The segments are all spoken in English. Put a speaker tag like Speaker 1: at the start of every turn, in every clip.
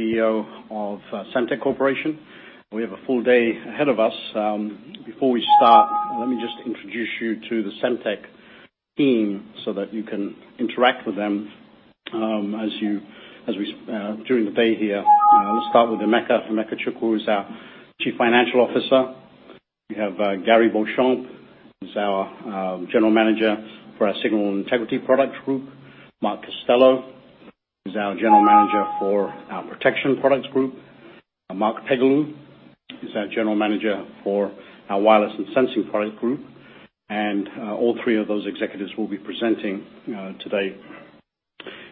Speaker 1: CEO of Semtech Corporation. We have a full day ahead of us. Before we start, let me just introduce you to the Semtech team so that you can interact with them during the day here. We'll start with Emeka. Emeka Chukwu is our Chief Financial Officer. We have Gary Beauchamp, who's our General Manager for our Signal Integrity Products Group. Mark Costello, who's our General Manager for our Protection Product Group. Marc Pégulu is our General Manager for our Wireless and Sensing Product Group. All three of those executives will be presenting today.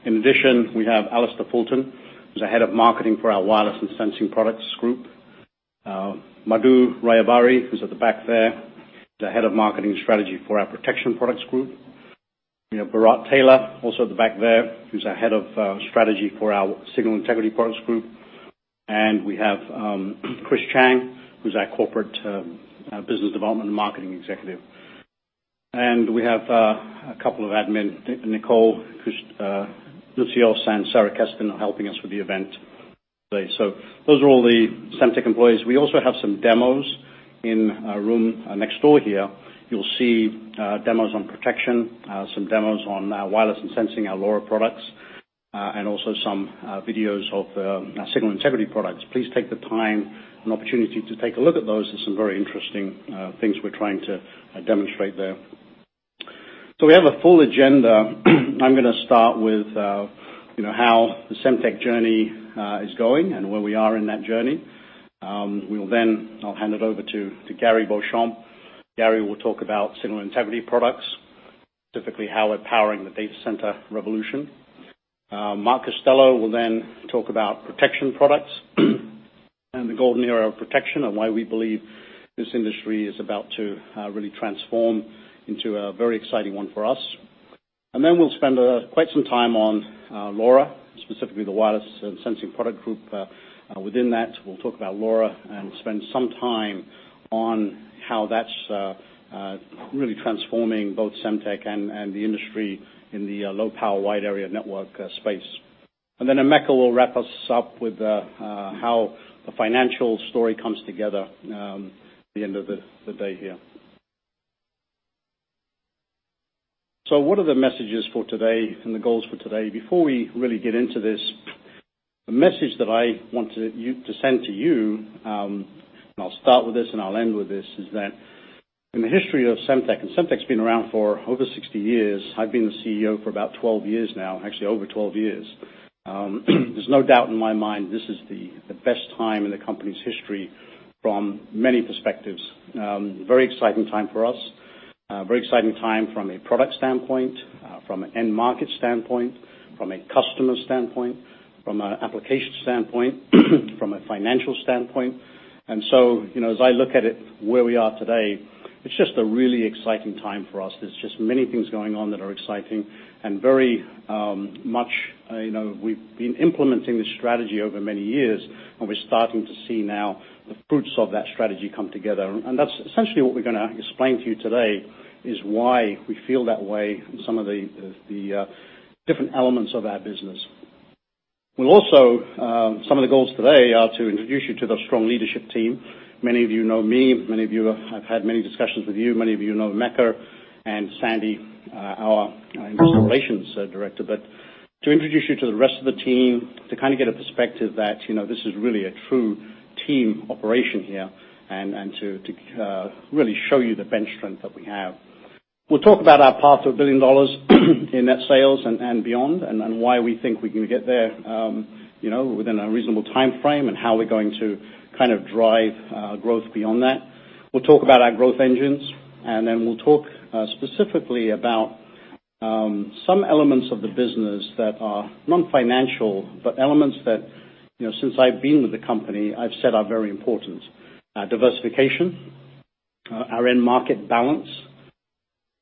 Speaker 1: In addition, we have Alistair Fulton, who's the head of marketing for our Wireless and Sensing Product Group. Madhu Rayabhari, who's at the back there, is the head of marketing strategy for our Protection Product Group. We have Bharat Tailor, also at the back there, who's our head of strategy for our Signal Integrity Products Group. We have Chris Chang, who's our corporate business development and marketing executive. We have a couple of admin, Nicole Lucio and Sara Kesten, are helping us with the event today. Those are all the Semtech employees. We also have some demos in a room next door here. You'll see demos on protection, some demos on wireless and sensing, our LoRa products, and also some videos of our Signal Integrity Products. Please take the time and opportunity to take a look at those. There are some very interesting things we're trying to demonstrate there. We have a full agenda. I'm going to start with how the Semtech journey is going and where we are in that journey. I'll hand it over to Gary Beauchamp. Gary will talk about Signal Integrity Products, specifically how we're powering the data center revolution. Mark Costello will then talk about protection products and the golden era of protection, why we believe this industry is about to really transform into a very exciting one for us. Then we'll spend quite some time on LoRa, specifically the Wireless and Sensing Product Group. Within that, we'll talk about LoRa and spend some time on how that's really transforming both Semtech and the industry in the low-power wide-area network space. Then Emeka will wrap us up with how the financial story comes together at the end of the day here. What are the messages for today and the goals for today? Before we really get into this, the message that I want to send to you, and I'll start with this and I'll end with this, is that in the history of Semtech's been around for over 60 years. I've been the CEO for about 12 years now. Actually, over 12 years. There's no doubt in my mind, this is the best time in the company's history from many perspectives. Very exciting time for us. Very exciting time from a product standpoint, from an end market standpoint, from a customer standpoint, from an application standpoint, from a financial standpoint. As I look at it, where we are today, it's just a really exciting time for us. There's just many things going on that are exciting and very much. We've been implementing this strategy over many years, we're starting to see now the fruits of that strategy come together. That's essentially what we're going to explain to you today, is why we feel that way and some of the different elements of our business. Some of the goals today are to introduce you to the strong leadership team. Many of you know me. I've had many discussions with you. Many of you know Emeka and Sandy, our investor relations director. To introduce you to the rest of the team, to get a perspective that this is really a true team operation here, and to really show you the bench strength that we have. We'll talk about our path to $1 billion in net sales and beyond, and why we think we can get there within a reasonable timeframe, and how we're going to drive growth beyond that. We'll talk about our growth engines, and then we'll talk specifically about some elements of the business that are non-financial, but elements that, since I've been with the company, I've said are very important. Our diversification, our end market balance,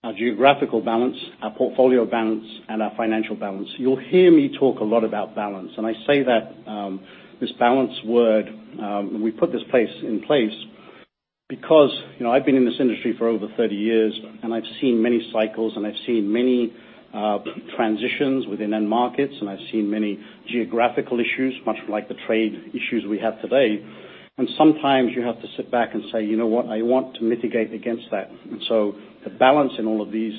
Speaker 1: our geographical balance, our portfolio balance, and our financial balance. You'll hear me talk a lot about balance, and I say that this balance word, we put this in place because I've been in this industry for over 30 years, and I've seen many cycles and I've seen many transitions within end markets, and I've seen many geographical issues, much like the trade issues we have today. Sometimes you have to sit back and say, "You know what? I want to mitigate against that." So the balance in all of these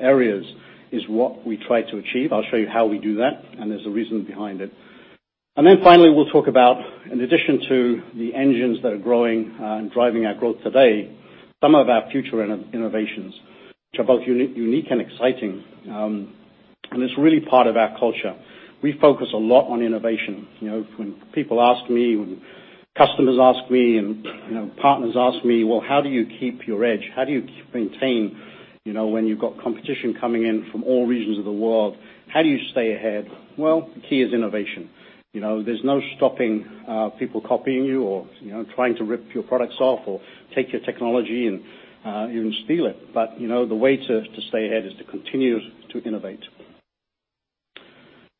Speaker 1: areas is what we try to achieve. I'll show you how we do that, and there's a reason behind it. Then finally, we'll talk about, in addition to the engines that are growing and driving our growth today, some of our future innovations, which are both unique and exciting. It's really part of our culture. We focus a lot on innovation. When people ask me, when customers ask me, and partners ask me, "How do you keep your edge? How do you maintain when you've got competition coming in from all regions of the world? How do you stay ahead?" The key is innovation. There's no stopping people copying you or trying to rip your products off or take your technology and even steal it. The way to stay ahead is to continue to innovate.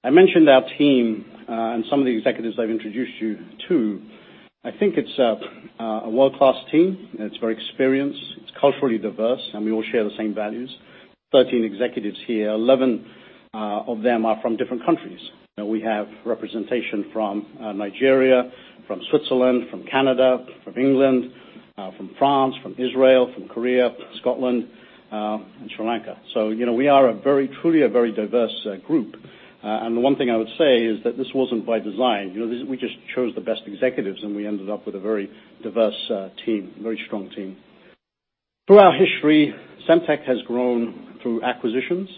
Speaker 1: I mentioned our team and some of the executives I've introduced you to. I think it's a world-class team, it's very experienced, it's culturally diverse, and we all share the same values. 13 executives here, 11 of them are from different countries. We have representation from Nigeria, from Switzerland, from Canada, from England, from France, from Israel, from Korea, Scotland, and Sri Lanka. We are truly a very diverse group. The one thing I would say is that this wasn't by design. We just chose the best executives, and we ended up with a very diverse team, a very strong team. Through our history, Semtech has grown through acquisitions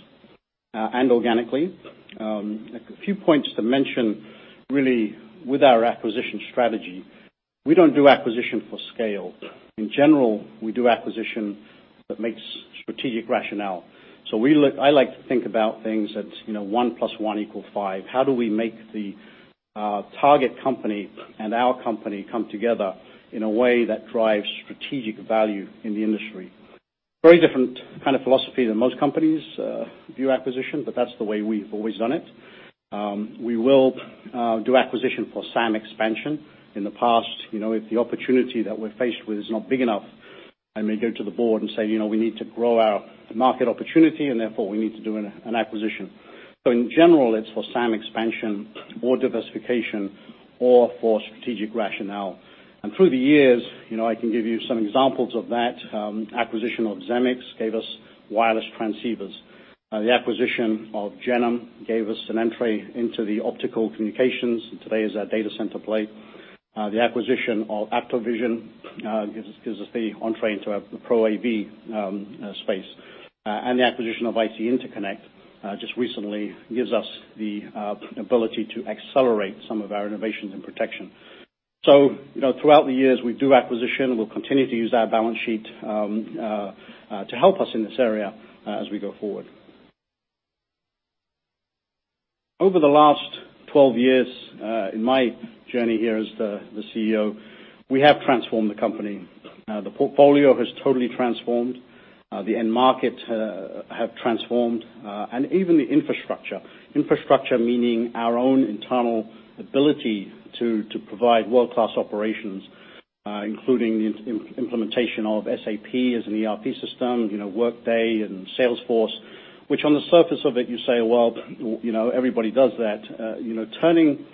Speaker 1: and organically. A few points to mention, really, with our acquisition strategy, we don't do acquisition for scale. In general, we do acquisition that makes strategic rationale. I like to think about things that one plus one equal five. How do we make the target company and our company come together in a way that drives strategic value in the industry? Very different kind of philosophy than most companies view acquisition, but that's the way we've always done it. We will do acquisition for SAM expansion. In the past, if the opportunity that we're faced with is not big enough, I may go to the board and say, "We need to grow our market opportunity, and therefore, we need to do an acquisition." In general, it's for SAM expansion or diversification or for strategic rationale. Through the years, I can give you some examples of that. Acquisition of Xemics gave us wireless transceivers. The acquisition of Gennum gave us an entry into the optical communications, and today is our data center plate. The acquisition of AptoVision gives us the entree into the Pro AV space. The acquisition of IC Interconnect, just recently, gives us the ability to accelerate some of our innovations and protection. Throughout the years, we do acquisition, and we'll continue to use our balance sheet to help us in this area as we go forward. Over the last 12 years, in my journey here as the CEO, we have transformed the company. The portfolio has totally transformed. The end market have transformed. Even the infrastructure. Infrastructure, meaning our own internal ability to provide world-class operations, including the implementation of SAP as an ERP system, Workday, and Salesforce, which on the surface of it, you say, "Well, everybody does that." Turning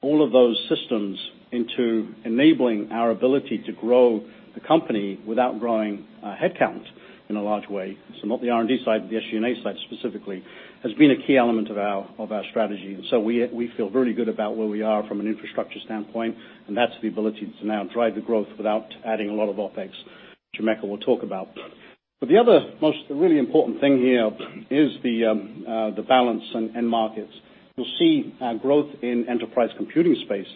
Speaker 1: all of those systems into enabling our ability to grow the company without growing headcount in a large way. Not the R&D side, but the SG&A side specifically, has been a key element of our strategy. We feel really good about where we are from an infrastructure standpoint, and that's the ability to now drive the growth without adding a lot of OpEx, which Emeka will talk about. The other most really important thing here is the balance in end markets. You'll see our growth in enterprise computing space.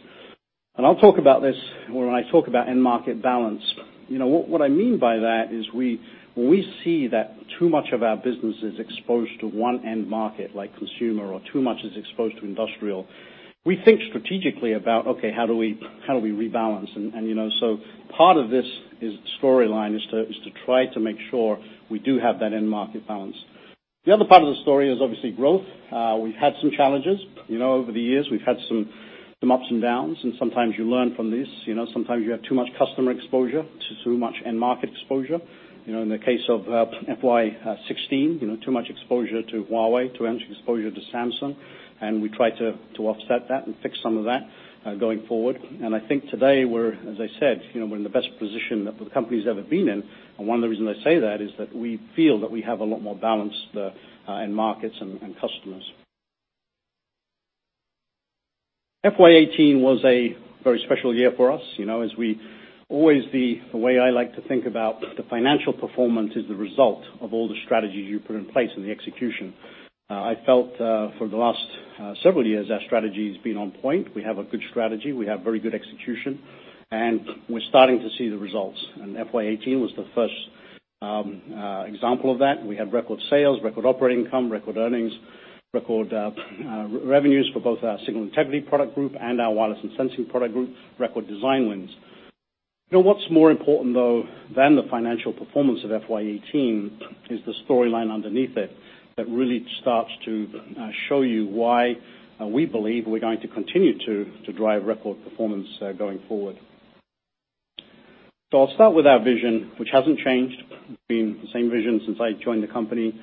Speaker 1: I'll talk about this when I talk about end market balance. What I mean by that is when we see that too much of our business is exposed to one end market, like consumer, or too much is exposed to industrial, we think strategically about, okay, how do we rebalance? Part of this storyline is to try to make sure we do have that end market balance. The other part of the story is obviously growth. We've had some challenges. Over the years, we've had some ups and downs, and sometimes you learn from these. Sometimes you have too much customer exposure, too much end market exposure. In the case of FY 2016, too much exposure to Huawei, too much exposure to Samsung, we try to offset that and fix some of that going forward. I think today, as I said, we're in the best position that the company's ever been in. One of the reasons I say that is that we feel that we have a lot more balance there in markets and customers. FY 2018 was a very special year for us. The way I like to think about the financial performance is the result of all the strategies you put in place and the execution. I felt, for the last several years, our strategy's been on point. We have a good strategy. We have very good execution. We're starting to see the results. FY 2018 was the first example of that. We had record sales, record operating income, record earnings, record revenues for both our Signal Integrity Products Group and our Wireless and Sensing Product Group, record design wins. What's more important, though, than the financial performance of FY 2018 is the storyline underneath it that really starts to show you why we believe we're going to continue to drive record performance going forward. I'll start with our vision, which hasn't changed. It's been the same vision since I joined the company,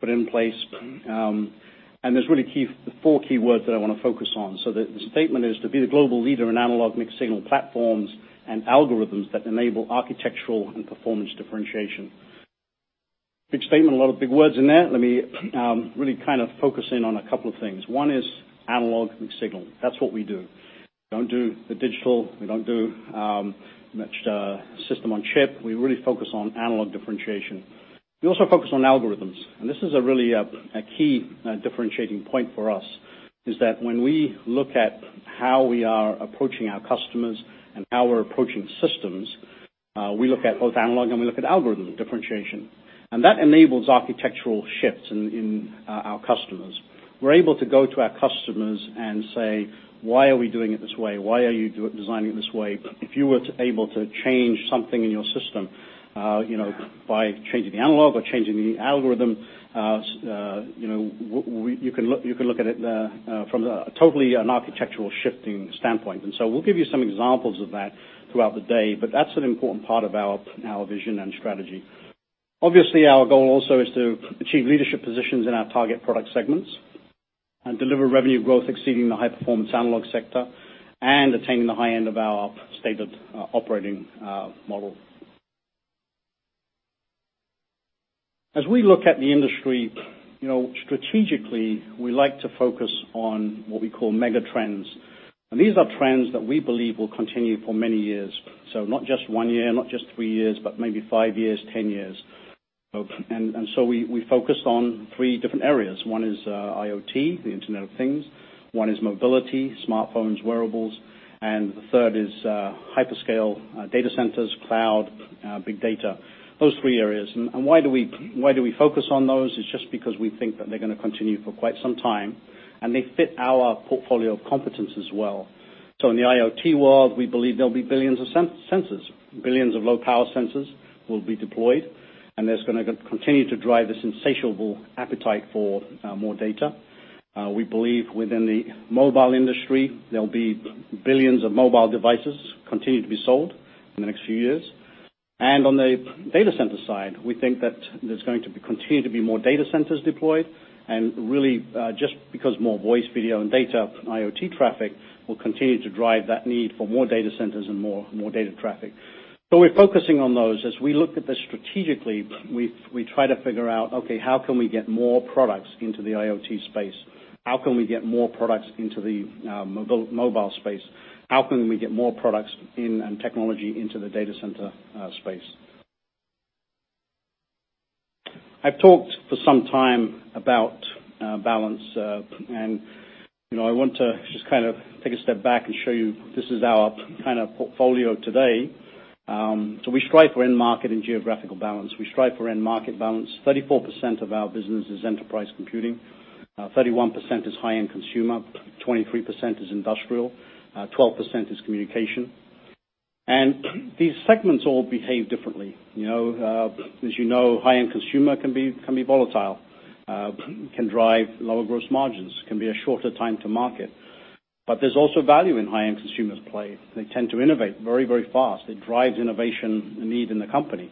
Speaker 1: put in place. There's really four key words that I want to focus on. The statement is, to be the global leader in analog mixed-signal platforms and algorithms that enable architectural and performance differentiation. It's a big statement, a lot of big words in there. Let me really focus in on a couple of things. One is analog mixed-signal. That's what we do. We don't do the digital. We don't do much system on chip. We really focus on analog differentiation. We also focus on algorithms, and this is really a key differentiating point for us, is that when we look at how we are approaching our customers and how we're approaching systems, we look at both analog and we look at algorithm differentiation. That enables architectural shifts in our customers. We're able to go to our customers and say, "Why are we doing it this way? Why are you designing it this way? If you were able to change something in your system." By changing the analog or changing the algorithm, you can look at it from totally an architectural shifting standpoint. We'll give you some examples of that throughout the day, but that's an important part of our vision and strategy. Obviously, our goal also is to achieve leadership positions in our target product segments and deliver revenue growth exceeding the high-performance analog sector, and attaining the high end of our stated operating model. As we look at the industry, strategically, we like to focus on what we call mega trends. These are trends that we believe will continue for many years. Not just one year, not just three years, but maybe five years, 10 years. We focused on three different areas. One is IoT, the Internet of Things. One is mobility, smartphones, wearables. The third is hyperscale data centers, cloud, big data, those three areas. Why do we focus on those? It's just because we think that they're going to continue for quite some time, and they fit our portfolio of competence as well. In the IoT world, we believe there'll be billions of sensors. Billions of low-power sensors will be deployed, and that's going to continue to drive this insatiable appetite for more data. We believe within the mobile industry, there'll be billions of mobile devices continue to be sold in the next few years. On the data center side, we think that there's going to be continue to be more data centers deployed, and really, just because more voice, video, and data IoT traffic will continue to drive that need for more data centers and more data traffic. We're focusing on those. As we look at this strategically, we try to figure out, okay, how can we get more products into the IoT space? How can we get more products into the mobile space? How can we get more products and technology into the data center space? I've talked for some time about balance. I want to just take a step back and show you, this is our portfolio today. We strive for end market and geographical balance. We strive for end market balance. 34% of our business is enterprise computing, 31% is high-end consumer, 23% is industrial, 12% is communication. These segments all behave differently. As you know, high-end consumer can be volatile, can drive lower gross margins, can be a shorter time to market. There's also value in high-end consumers play. They tend to innovate very fast. It drives innovation need in the company.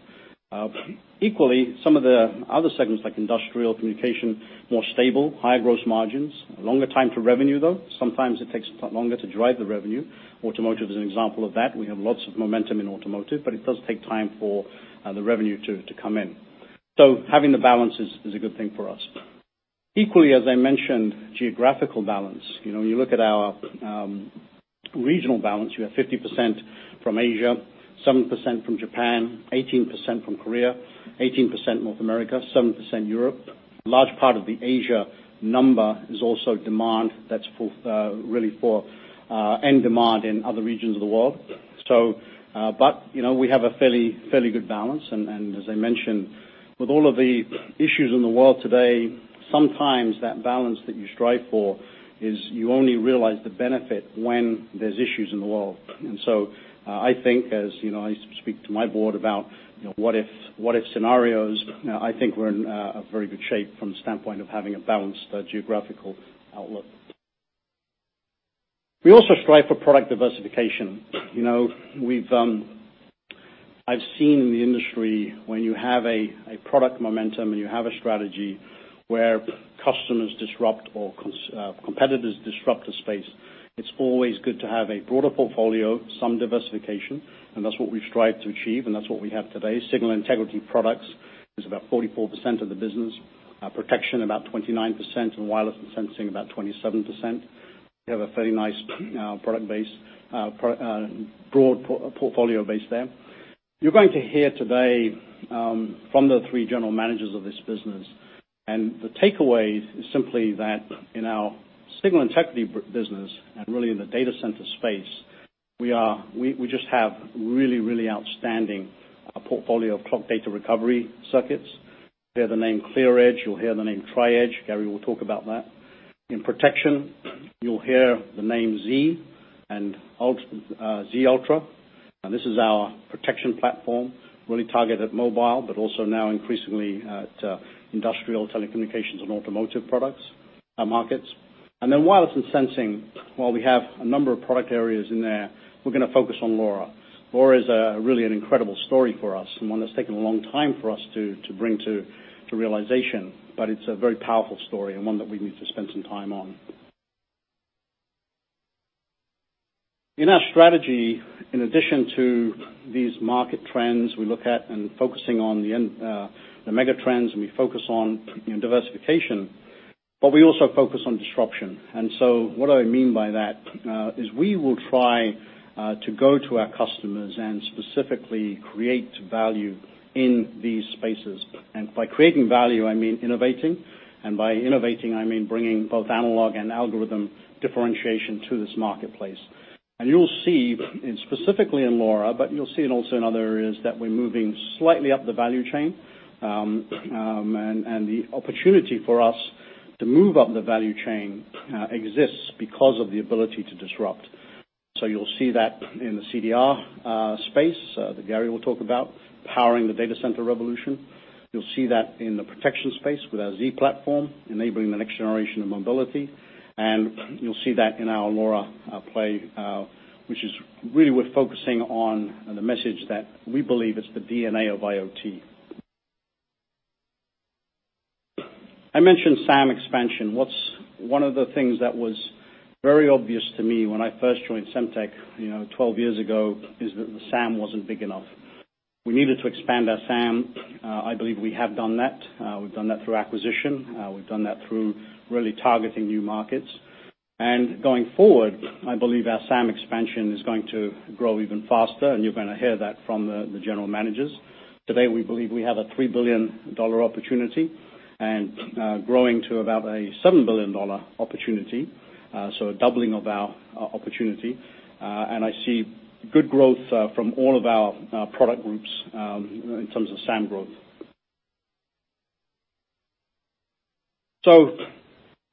Speaker 1: Equally, some of the other segments, like industrial communication, more stable, higher gross margins, longer time to revenue, though. Sometimes it takes longer to drive the revenue. Automotive is an example of that. We have lots of momentum in automotive. It does take time for the revenue to come in. Having the balance is a good thing for us. Equally, as I mentioned, geographical balance. You look at our regional balance, you have 50% from Asia, 7% from Japan, 18% from Korea, 18% North America, 7% Europe. A large part of the Asia number is also demand that's really for end demand in other regions of the world. We have a fairly good balance. As I mentioned, with all of the issues in the world today, sometimes that balance that you strive for is you only realize the benefit when there's issues in the world. I think as I speak to my board about what if scenarios, I think we're in a very good shape from the standpoint of having a balanced geographical outlook. We also strive for product diversification. I've seen in the industry when you have a product momentum and you have a strategy where customers disrupt or competitors disrupt a space, it's always good to have a broader portfolio, some diversification. That's what we've strived to achieve, and that's what we have today. Signal Integrity Products is about 44% of the business, protection about 29%, and wireless and sensing about 27%. We have a very nice product base, broad portfolio base there. You're going to hear today from the three general managers of this business. The takeaway is simply that in our signal integrity business and really in the data center space, we just have really outstanding portfolio of clock data recovery circuits. You'll hear the name ClearEdge, you'll hear the name Tri-Edge. Gary will talk about that. In protection, you'll hear the name Z and Z-Ultra. This is our protection platform, really targeted at mobile, also now increasingly at industrial telecommunications and automotive products markets. Wireless and sensing, while we have a number of product areas in there, we're going to focus on LoRa. LoRa is really an incredible story for us. One that's taken a long time for us to bring to realization. It's a very powerful story and one that we need to spend some time on. In our strategy, in addition to these market trends we look at, focusing on the mega trends, we focus on diversification, we also focus on disruption. What I mean by that is we will try to go to our customers and specifically create value in these spaces. By creating value, I mean innovating, by innovating, I mean bringing both analog and algorithm differentiation to this marketplace. You'll see specifically in LoRa, you'll see it also in other areas, that we're moving slightly up the value chain. The opportunity for us to move up the value chain exists because of the ability to disrupt. You'll see that in the CDR space that Gary will talk about, powering the data center revolution. You'll see that in the protection space with our Z-Platform, enabling the next generation of mobility. You'll see that in our LoRa play, which is really we're focusing on the message that we believe is the DNA of IoT. I mentioned SAM expansion. One of the things that was very obvious to me when I first joined Semtech 12 years ago is that the SAM wasn't big enough. We needed to expand our SAM. I believe we have done that. We've done that through acquisition. We've done that through really targeting new markets. Going forward, I believe our SAM expansion is going to grow even faster, you're going to hear that from the general managers. Today, we believe we have a $3 billion opportunity growing to about a $7 billion opportunity, so a doubling of our opportunity. I see good growth from all of our product groups in terms of SAM growth.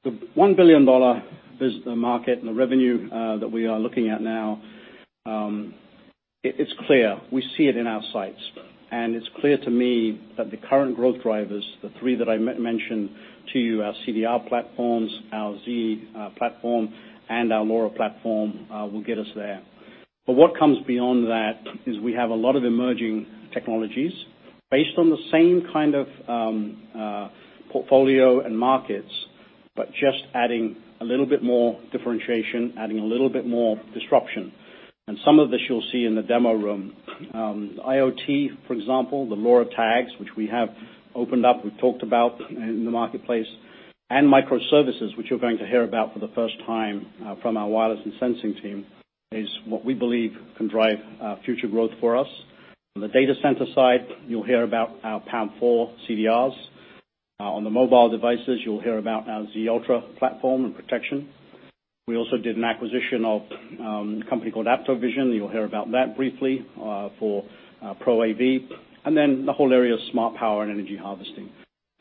Speaker 1: The $1 billion business market and the revenue that we are looking at now, it's clear. We see it in our sights. It's clear to me that the current growth drivers, the three that I mentioned to you, our CDR platforms, our Z-Platform, and our LoRa platform, will get us there. What comes beyond that is we have a lot of emerging technologies based on the same kind of portfolio and markets, just adding a little bit more differentiation, adding a little bit more disruption. Some of this you'll see in the demo room. IoT, for example, the LoRa tags, which we have opened up, we've talked about in the marketplace, and microservices, which you're going to hear about for the first time from our wireless and sensing team, is what we believe can drive future growth for us. On the data center side, you'll hear about our PAM4 CDRs. On the mobile devices, you'll hear about our Z-Ultra platform and protection. We also did an acquisition of a company called AptoVision. You'll hear about that briefly for Pro AV. The whole area of smart power and energy harvesting.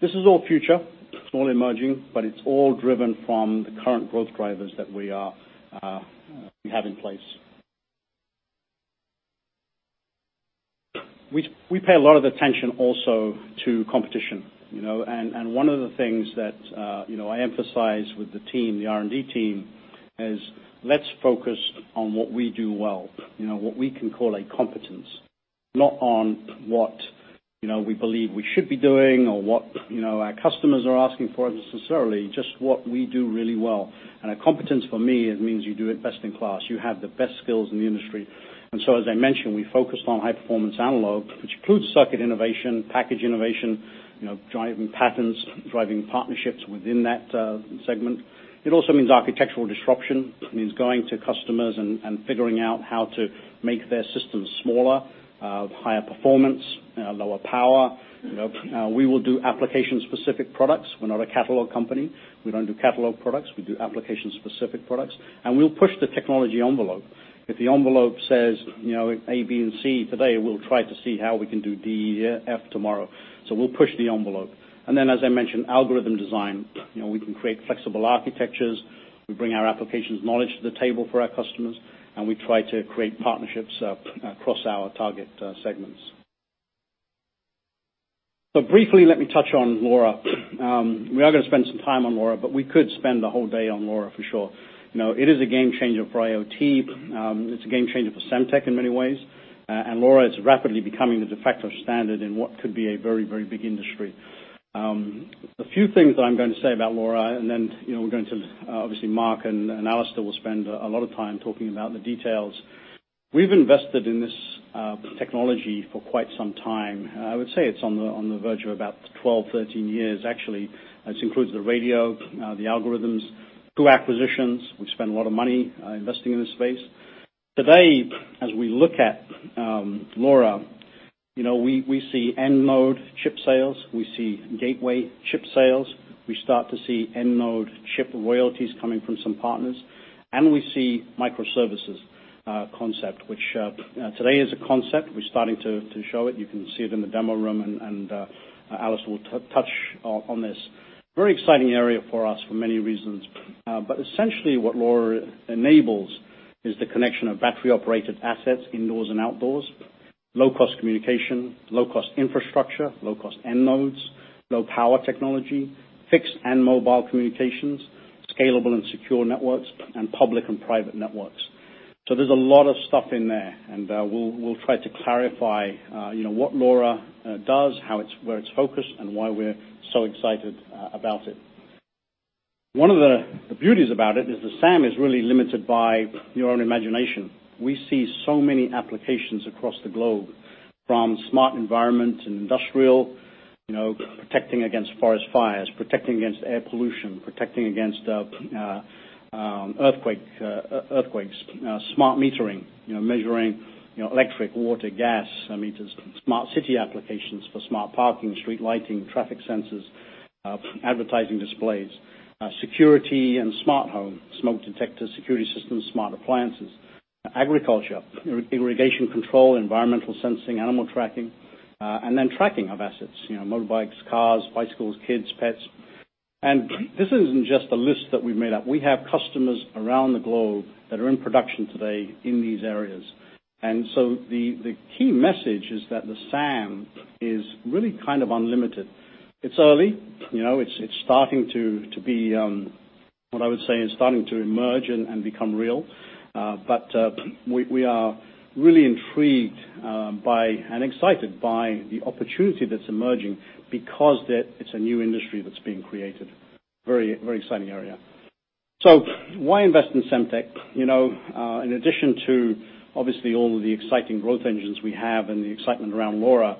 Speaker 1: This is all future, it's all emerging, it's all driven from the current growth drivers that we have in place. We pay a lot of attention also to competition. One of the things that I emphasize with the team, the R&D team, is let's focus on what we do well, what we can call a competence, not on what we believe we should be doing or what our customers are asking for necessarily, just what we do really well. A competence for me, it means you do it best in class. You have the best skills in the industry. As I mentioned, we focused on high-performance analog, which includes circuit innovation, package innovation, driving patents, driving partnerships within that segment. It also means architectural disruption. It means going to customers and figuring out how to make their systems smaller, higher performance, lower power. We will do application-specific products. We're not a catalog company. We don't do catalog products. We do application-specific products, and we'll push the technology envelope. If the envelope says A, B, and C today, we'll try to see how we can do D, E, F tomorrow. We'll push the envelope. As I mentioned, algorithm design. We can create flexible architectures. We bring our applications knowledge to the table for our customers, and we try to create partnerships across our target segments. Briefly, let me touch on LoRa. We are going to spend some time on LoRa, but we could spend the whole day on LoRa for sure. It is a game changer for IoT. It's a game changer for Semtech in many ways. LoRa is rapidly becoming the de facto standard in what could be a very, very big industry. A few things that I'm going to say about LoRa, and then we're going to, obviously, Marc and Alistair will spend a lot of time talking about the details. We've invested in this technology for quite some time. I would say it's on the verge of about 12, 13 years, actually. This includes the radio, the algorithms, two acquisitions. We've spent a lot of money investing in this space. Today, as we look at LoRa, we see end-node chip sales. We see gateway chip sales. We start to see end-node chip royalties coming from some partners. We see microservices concept, which today is a concept. We're starting to show it. You can see it in the demo room, and Alistair will touch on this. Very exciting area for us for many reasons. Essentially, what LoRa enables is the connection of battery-operated assets, indoors and outdoors, low-cost communication, low-cost infrastructure, low-cost end nodes, low-power technology, fixed and mobile communications, scalable and secure networks, and public and private networks. There's a lot of stuff in there, and we'll try to clarify what LoRa does, where it's focused, and why we're so excited about it. One of the beauties about it is the SAM is really limited by your own imagination. We see so many applications across the globe, from smart environment and industrial, protecting against forest fires, protecting against air pollution, protecting against earthquakes, smart metering, measuring electric, water, gas meters, smart city applications for smart parking, street lighting, traffic sensors, advertising displays, security and smart home, smoke detectors, security systems, smart appliances, agriculture, irrigation control, environmental sensing, animal tracking, and then tracking of assets motorbikes, cars, bicycles, kids, pets. This isn't just a list that we've made up. We have customers around the globe that are in production today in these areas. The key message is that the SAM is really kind of unlimited. It's early. It's starting to be, what I would say is, starting to emerge and become real. We are really intrigued by and excited by the opportunity that's emerging because it's a new industry that's being created. Very exciting area. Why invest in Semtech? In addition to, obviously, all of the exciting growth engines we have and the excitement around LoRa,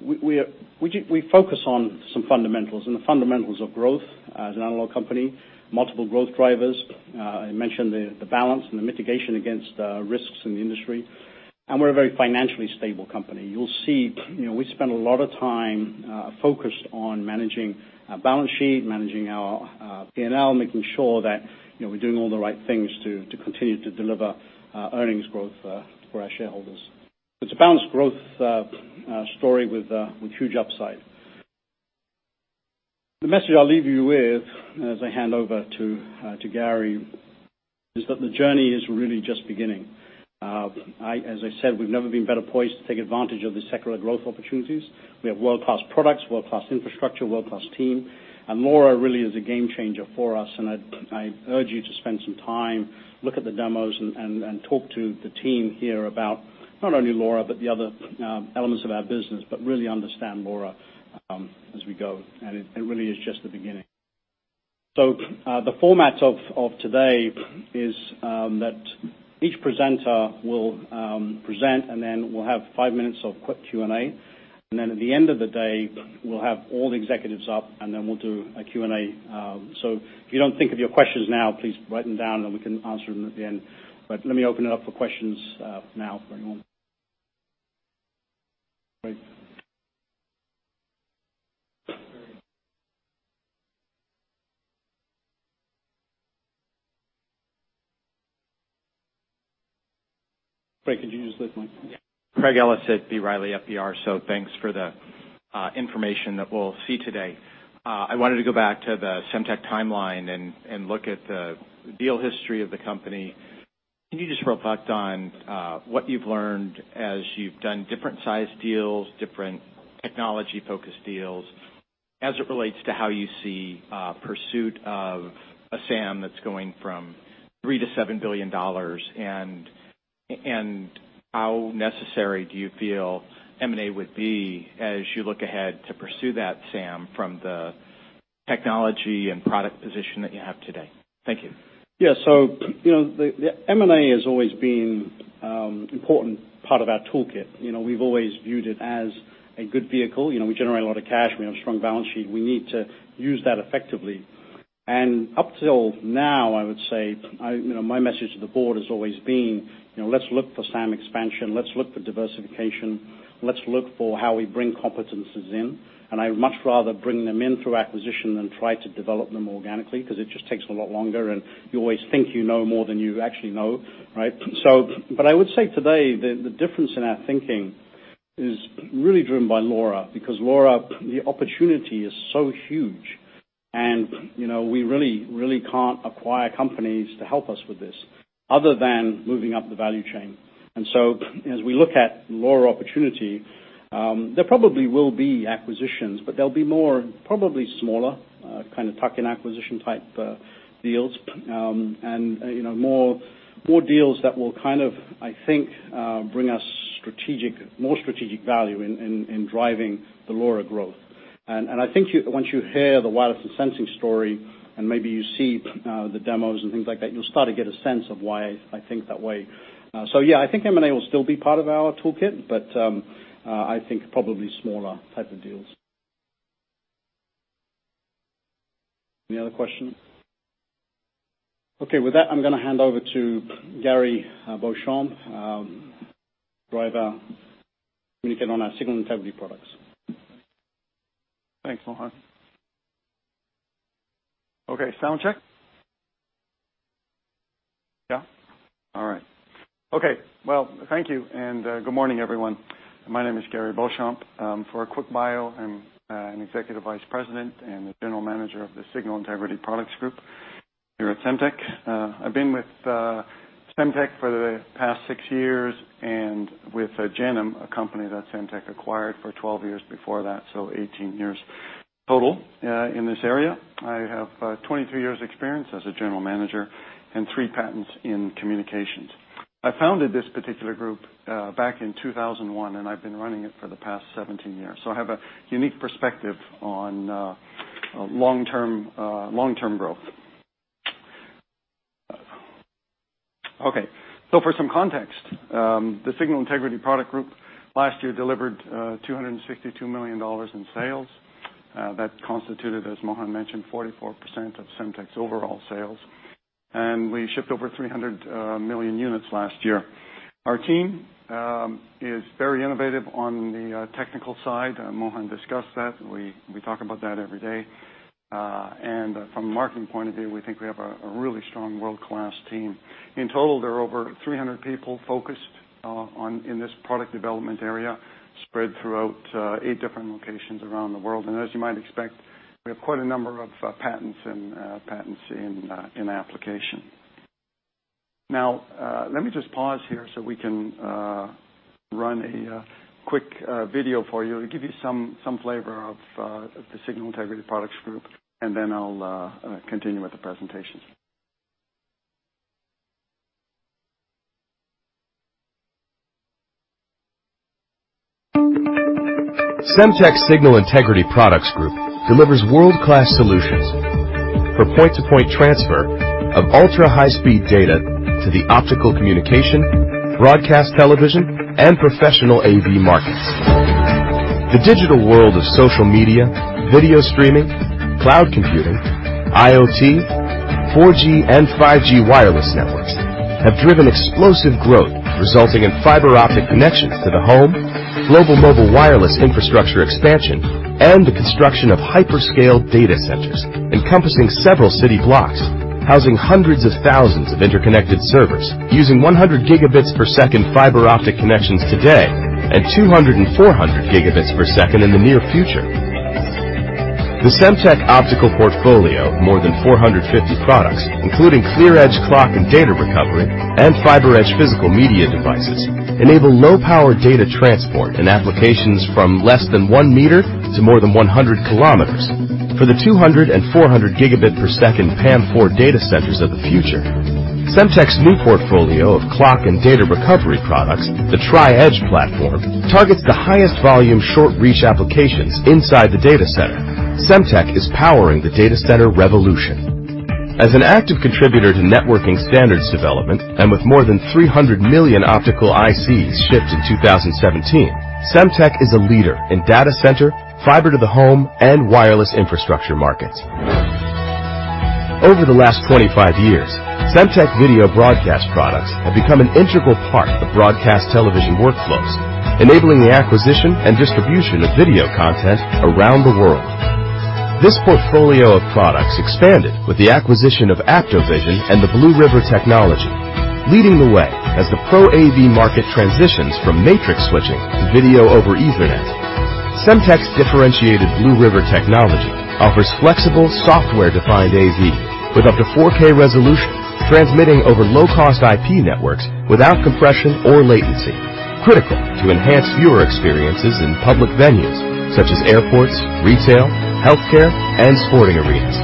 Speaker 1: we focus on some fundamentals and the fundamentals of growth as an analog company, multiple growth drivers. I mentioned the balance and the mitigation against risks in the industry, and we're a very financially stable company. You'll see we spend a lot of time focused on managing our balance sheet, managing our P&L, making sure that we're doing all the right things to continue to deliver earnings growth for our shareholders. It's a balanced growth story with huge upside. The message I'll leave you with, as I hand over to Gary, is that the journey is really just beginning. As I said, we've never been better poised to take advantage of the secular growth opportunities. We have world-class products, world-class infrastructure, world-class team, LoRa really is a game changer for us, and I urge you to spend some time, look at the demos, and talk to the team here about not only LoRa, but the other elements of our business, but really understand LoRa as we go. It really is just the beginning. The format of today is that each presenter will present, and then we'll have five minutes of quick Q&A, and then at the end of the day, we'll have all the executives up, and then we'll do a Q&A. If you don't think of your questions now, please write them down, and we can answer them at the end. Let me open it up for questions now for anyone. Great.
Speaker 2: Craig, could you use the mic?
Speaker 3: Yeah. Craig Ellis at B. Riley FBR. Thanks for the information that we'll see today. I wanted to go back to the Semtech timeline and look at the deal history of the company. Can you just reflect on what you've learned as you've done different size deals, different technology-focused deals, as it relates to how you see pursuit of a SAM that's going from $3 billion-$7 billion, and how necessary do you feel M&A would be as you look ahead to pursue that SAM from the technology and product position that you have today? Thank you.
Speaker 1: M&A has always been an important part of our toolkit. We've always viewed it as a good vehicle. We generate a lot of cash. We have a strong balance sheet. We need to use that effectively. Up till now, I would say, my message to the board has always been, let's look for SAM expansion, let's look for diversification. Let's look for how we bring competencies in. I'd much rather bring them in through acquisition than try to develop them organically because it just takes a lot longer, and you always think you know more than you actually know, right? I would say today, the difference in our thinking is really driven by LoRa, because LoRa, the opportunity is so huge. We really, really can't acquire companies to help us with this other than moving up the value chain. As we look at LoRa opportunity, there probably will be acquisitions, but they'll be more, probably smaller, kind of tuck-in acquisition type deals, and more deals that will kind of, I think, bring us more strategic value in driving the LoRa growth. I think once you hear the wireless and sensing story, and maybe you see the demos and things like that, you'll start to get a sense of why I think that way. Yeah, I think M&A will still be part of our toolkit, but I think probably smaller type of deals. Any other questions? Okay, with that, I'm going to hand over to Gary Beauchamp, driver, communicator on our Signal Integrity Products.
Speaker 4: Thanks, Mohan. Okay. Sound check. Yeah? All right. Okay. Thank you, and good morning, everyone. My name is Gary Beauchamp. For a quick bio, I'm an Executive Vice President and the General Manager of the Signal Integrity Products Group here at Semtech. I've been with Semtech for the past six years and with Gennum, a company that Semtech acquired, for 12 years before that, so 18 years total in this area. I have 23 years experience as a general manager and three patents in communications. I founded this particular group back in 2001. I've been running it for the past 17 years, so I have a unique perspective on long-term growth. Okay. For some context, the Signal Integrity Products Group last year delivered $262 million in sales. That constituted, as Mohan mentioned, 44% of Semtech's overall sales. We shipped over 300 million units last year. Our team is very innovative on the technical side. Mohan discussed that. We talk about that every day. From a marketing point of view, we think we have a really strong world-class team. In total, there are over 300 people focused in this product development area, spread throughout eight different locations around the world. As you might expect, we have quite a number of patents and patents in application. Let me just pause here so we can run a quick video for you to give you some flavor of the Signal Integrity Products Group, and then I'll continue with the presentation.
Speaker 5: Semtech Signal Integrity Products Group delivers world-class solutions for point-to-point transfer of ultra-high speed data to the optical communication, broadcast television, and Pro AV markets. The digital world of social media, video streaming, cloud computing, IoT, 4G, and 5G wireless networks have driven explosive growth, resulting in fiber optic connections to the home, global mobile wireless infrastructure expansion, and the construction of hyperscale data centers encompassing several city blocks, housing hundreds of thousands of interconnected servers using 100 gigabits per second fiber optic connections today, and 200 and 400 gigabits per second in the near future. The Semtech optical portfolio of more than 450 products, including ClearEdge clock and data recovery, and FiberEdge physical media devices, enable low-power data transport in applications from less than 1 meter to more than 100 kilometers for the 200 and 400 gigabit per second PAM4 data centers of the future. Semtech's new portfolio of clock and data recovery products, the Tri-Edge platform, targets the highest volume short reach applications inside the data center. Semtech is powering the data center revolution. As an active contributor to networking standards development, and with more than 300 million optical ICs shipped in 2017, Semtech is a leader in data center, fiber to the home, and wireless infrastructure markets. Over the last 25 years, Semtech video broadcast products have become an integral part of broadcast television workflows, enabling the acquisition and distribution of video content around the world. This portfolio of products expanded with the acquisition of AptoVision and the BlueRiver Technology, leading the way as the Pro AV market transitions from matrix switching to video over Ethernet. Semtech's differentiated BlueRiver technology offers flexible software-defined AV with up to 4K resolution, transmitting over low-cost IP networks without compression or latency, critical to enhance viewer experiences in public venues such as airports, retail, healthcare, and sporting arenas.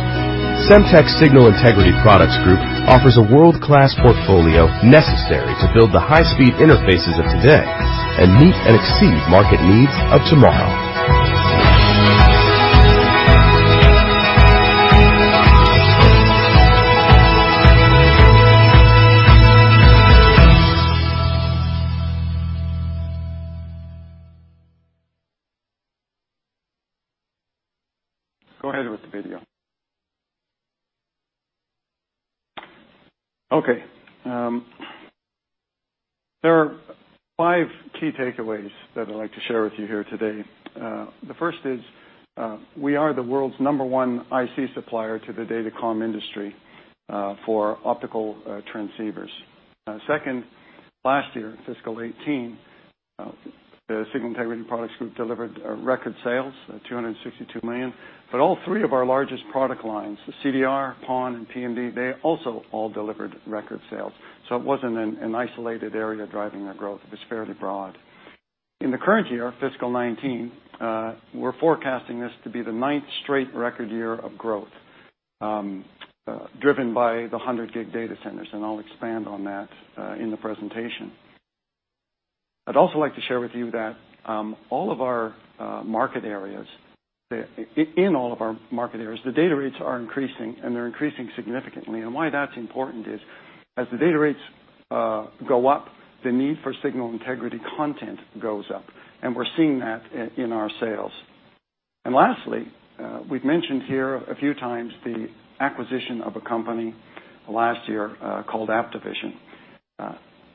Speaker 5: Semtech Signal Integrity Products Group offers a world-class portfolio necessary to build the high-speed interfaces of today and meet and exceed market needs of tomorrow.
Speaker 4: Go ahead with the video. There are five key takeaways that I'd like to share with you here today. The first is, we are the world's number one IC supplier to the datacom industry for optical transceivers. Second, last year, fiscal 2018, the Signal Integrity Products Group delivered record sales, $262 million. All three of our largest product lines, the CDR, PON, and PMD, they also all delivered record sales. It wasn't an isolated area driving our growth. It was fairly broad. In the current year, fiscal 2019, we're forecasting this to be the ninth straight record year of growth, driven by the 100G data centers. I'll expand on that in the presentation. I'd also like to share with you that in all of our market areas, the data rates are increasing. They're increasing significantly. Why that is important is as the data rates go up, the need for signal integrity content goes up, we are seeing that in our sales. Lastly, we have mentioned here a few times the acquisition of a company last year, called AptoVision.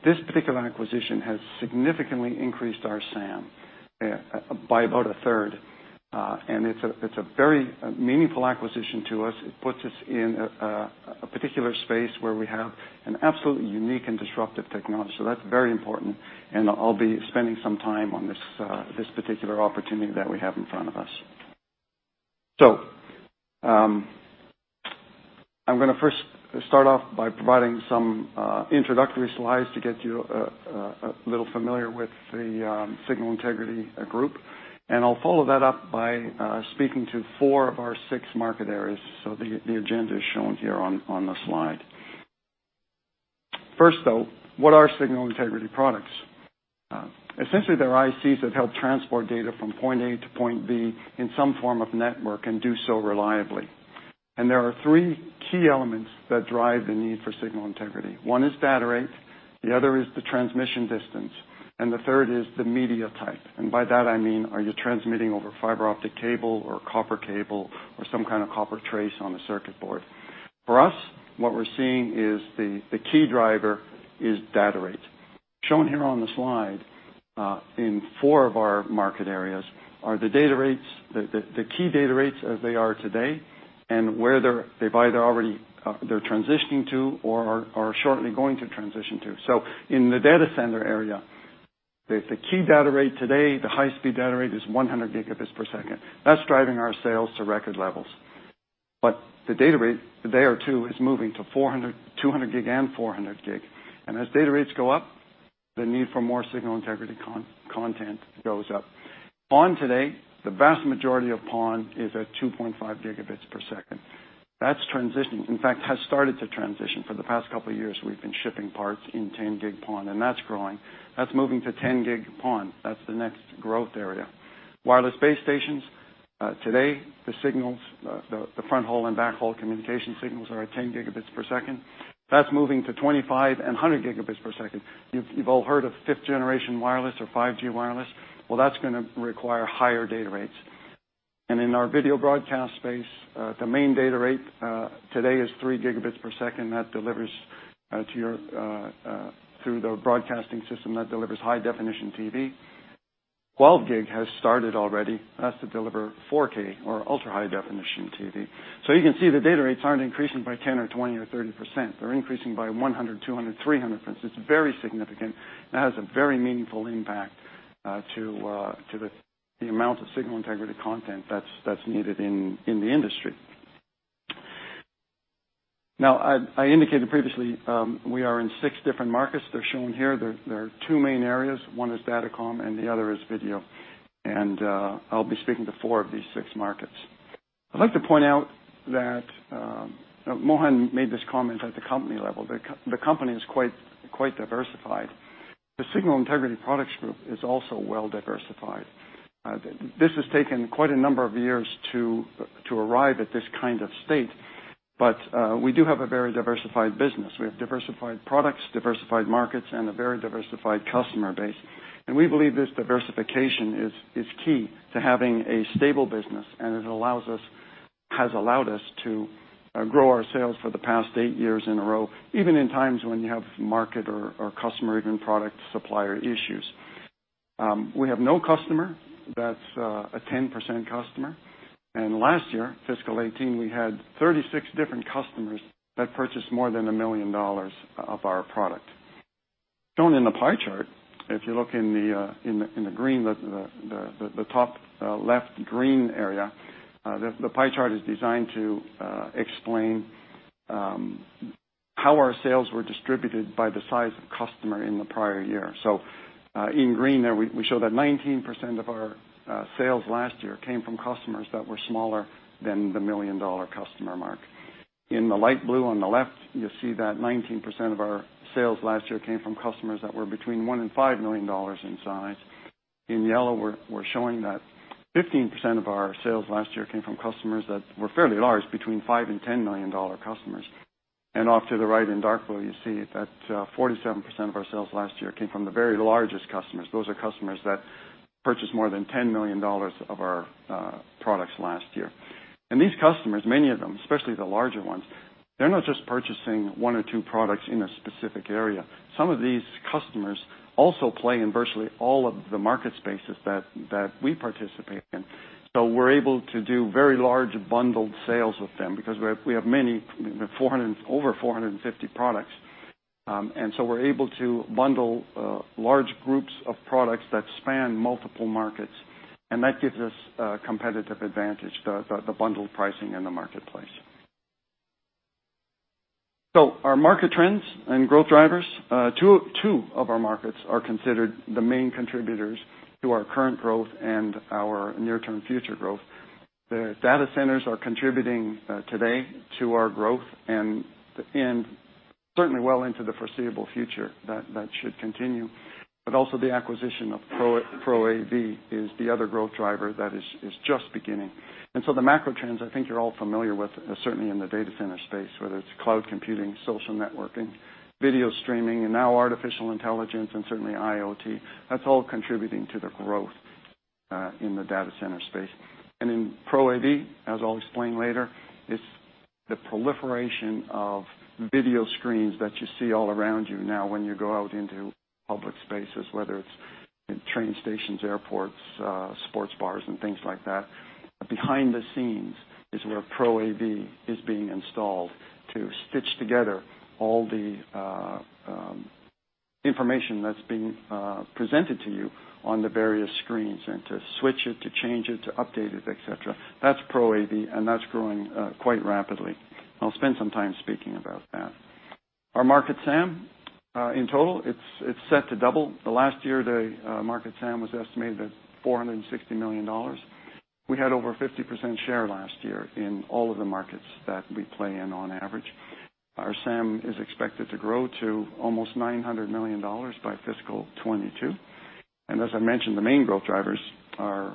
Speaker 4: This particular acquisition has significantly increased our SAM by about a third. It is a very meaningful acquisition to us. It puts us in a particular space where we have an absolutely unique and disruptive technology. That is very important, and I will be spending some time on this particular opportunity that we have in front of us. I am going to first start off by providing some introductory slides to get you a little familiar with the Signal Integrity Products Group, and I will follow that up by speaking to four of our six market areas. The agenda is shown here on the slide. First, though, what are Signal Integrity Products? Essentially, they are ICs that help transport data from point A to point B in some form of network and do so reliably. There are three key elements that drive the need for signal integrity. One is data rate, the other is the transmission distance, and the third is the media type. By that, I mean, are you transmitting over fiber optic cable or copper cable or some kind of copper trace on a circuit board? For us, what we are seeing is the key driver is data rate. Shown here on the slide, in four of our market areas, are the key data rates as they are today, and where they are transitioning to or are shortly going to transition to. In the data center area, the key data rate today, the high-speed data rate is 100 gigabits per second. That is driving our sales to record levels. The data rate there too is moving to 200G and 400G. As data rates go up, the need for more signal integrity content goes up. PON today, the vast majority of PON is at 2.5 gigabits per second. That is transitioning. In fact, has started to transition. For the past couple of years, we have been shipping parts in 10G PON, and that is growing. That is moving to 10G PON. That is the next growth area. Wireless base stations, today, the signals, the front-haul and backhaul communication signals are at 10 gigabits per second. That is moving to 25 and 100 gigabits per second. You have all heard of fifth-generation wireless or 5G wireless. That is going to require higher data rates. In our video broadcast space, the main data rate, today, is three gigabits per second. Through the broadcasting system, that delivers high-definition TV. 12G has started already. That is to deliver 4K or ultra-high-definition TV. You can see the data rates are not increasing by 10% or 20% or 30%. They are increasing by 100%, 200%, 300%. It is very significant and has a very meaningful impact to the amount of signal integrity content that is needed in the industry. I indicated previously, we are in six different markets. They are shown here. There are two main areas. One is data comm, and the other is video. I will be speaking to four of these six markets. I would like to point out that, Mohan made this comment at the company level, the company is quite diversified. The Signal Integrity Products Group is also well-diversified. This has taken quite a number of years to arrive at this kind of state, we do have a very diversified business. We have diversified products, diversified markets, and a very diversified customer base. We believe this diversification is key to having a stable business, it has allowed us to grow our sales for the past eight years in a row, even in times when you have market or customer, even product supplier issues. We have no customer that's a 10% customer. Last year, fiscal 2018, we had 36 different customers that purchased more than $1 million of our product. Shown in the pie chart, if you look in the top left green area, the pie chart is designed to explain how our sales were distributed by the size of customer in the prior year. In green there, we show that 19% of our sales last year came from customers that were smaller than the $1 million customer mark. In the light blue on the left, you'll see that 19% of our sales last year came from customers that were between $1 million and $5 million in size. In yellow, we're showing that 15% of our sales last year came from customers that were fairly large, between $5 million and $10 million customers. Off to the right in dark blue, you see that 47% of our sales last year came from the very largest customers. Those are customers that purchased more than $10 million of our products last year. These customers, many of them, especially the larger ones, they're not just purchasing one or two products in a specific area. Some of these customers also play in virtually all of the market spaces that we participate in. We're able to do very large bundled sales with them because we have over 450 products. We're able to bundle large groups of products that span multiple markets, that gives us a competitive advantage, the bundled pricing in the marketplace. Our market trends and growth drivers, two of our markets are considered the main contributors to our current growth and our near-term future growth. The data centers are contributing today to our growth and certainly well into the foreseeable future that should continue. Also the acquisition of Pro AV is the other growth driver that is just beginning. The macro trends I think you're all familiar with, certainly in the data center space, whether it's cloud computing, social networking, video streaming, and now artificial intelligence and certainly IoT, that's all contributing to the growth in the data center space. In Pro AV, as I'll explain later, it's the proliferation of video screens that you see all around you now when you go out into public spaces, whether it's in train stations, airports, sports bars, and things like that. Behind the scenes is where Pro AV is being installed to stitch together all the information that's being presented to you on the various screens and to switch it, to change it, to update it, et cetera. That's Pro AV, that's growing quite rapidly. I'll spend some time speaking about that. Our market SAM, in total, it's set to double. Last year, the market SAM was estimated at $460 million. We had over 50% share last year in all of the markets that we play in on average. Our SAM is expected to grow to almost $900 million by fiscal 2022. As I mentioned, the main growth drivers of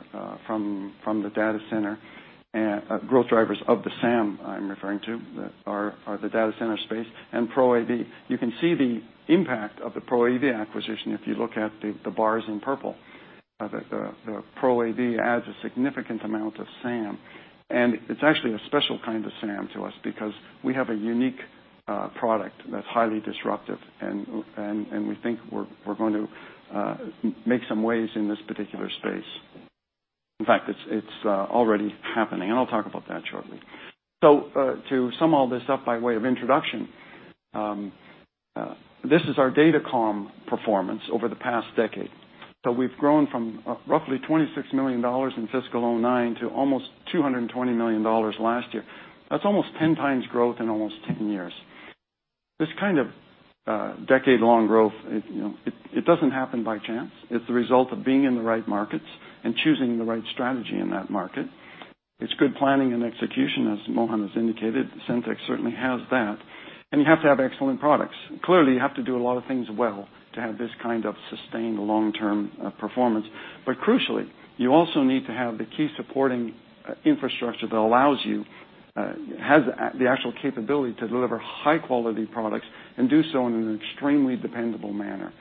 Speaker 4: the SAM, I'm referring to, are the data center space and Pro AV. You can see the impact of the Pro AV acquisition if you look at the bars in purple. The Pro AV adds a significant amount of SAM, and it's actually a special kind of SAM to us because we have a unique product that's highly disruptive, and we think we're going to make some waves in this particular space. In fact, it's already happening, and I'll talk about that shortly. To sum all this up by way of introduction. This is our data comm performance over the past decade. We've grown from roughly $26 million in fiscal 2009 to almost $220 million last year. That's almost 10 times growth in almost 10 years. This kind of decade-long growth, it doesn't happen by chance. It's the result of being in the right markets and choosing the right strategy in that market. It's good planning and execution, as Mohan has indicated. Semtech certainly has that. You have to have excellent products. Clearly, you have to do a lot of things well to have this kind of sustained long-term performance. Crucially, you also need to have the key supporting infrastructure that has the actual capability to deliver high-quality products and do so in an extremely dependable manner.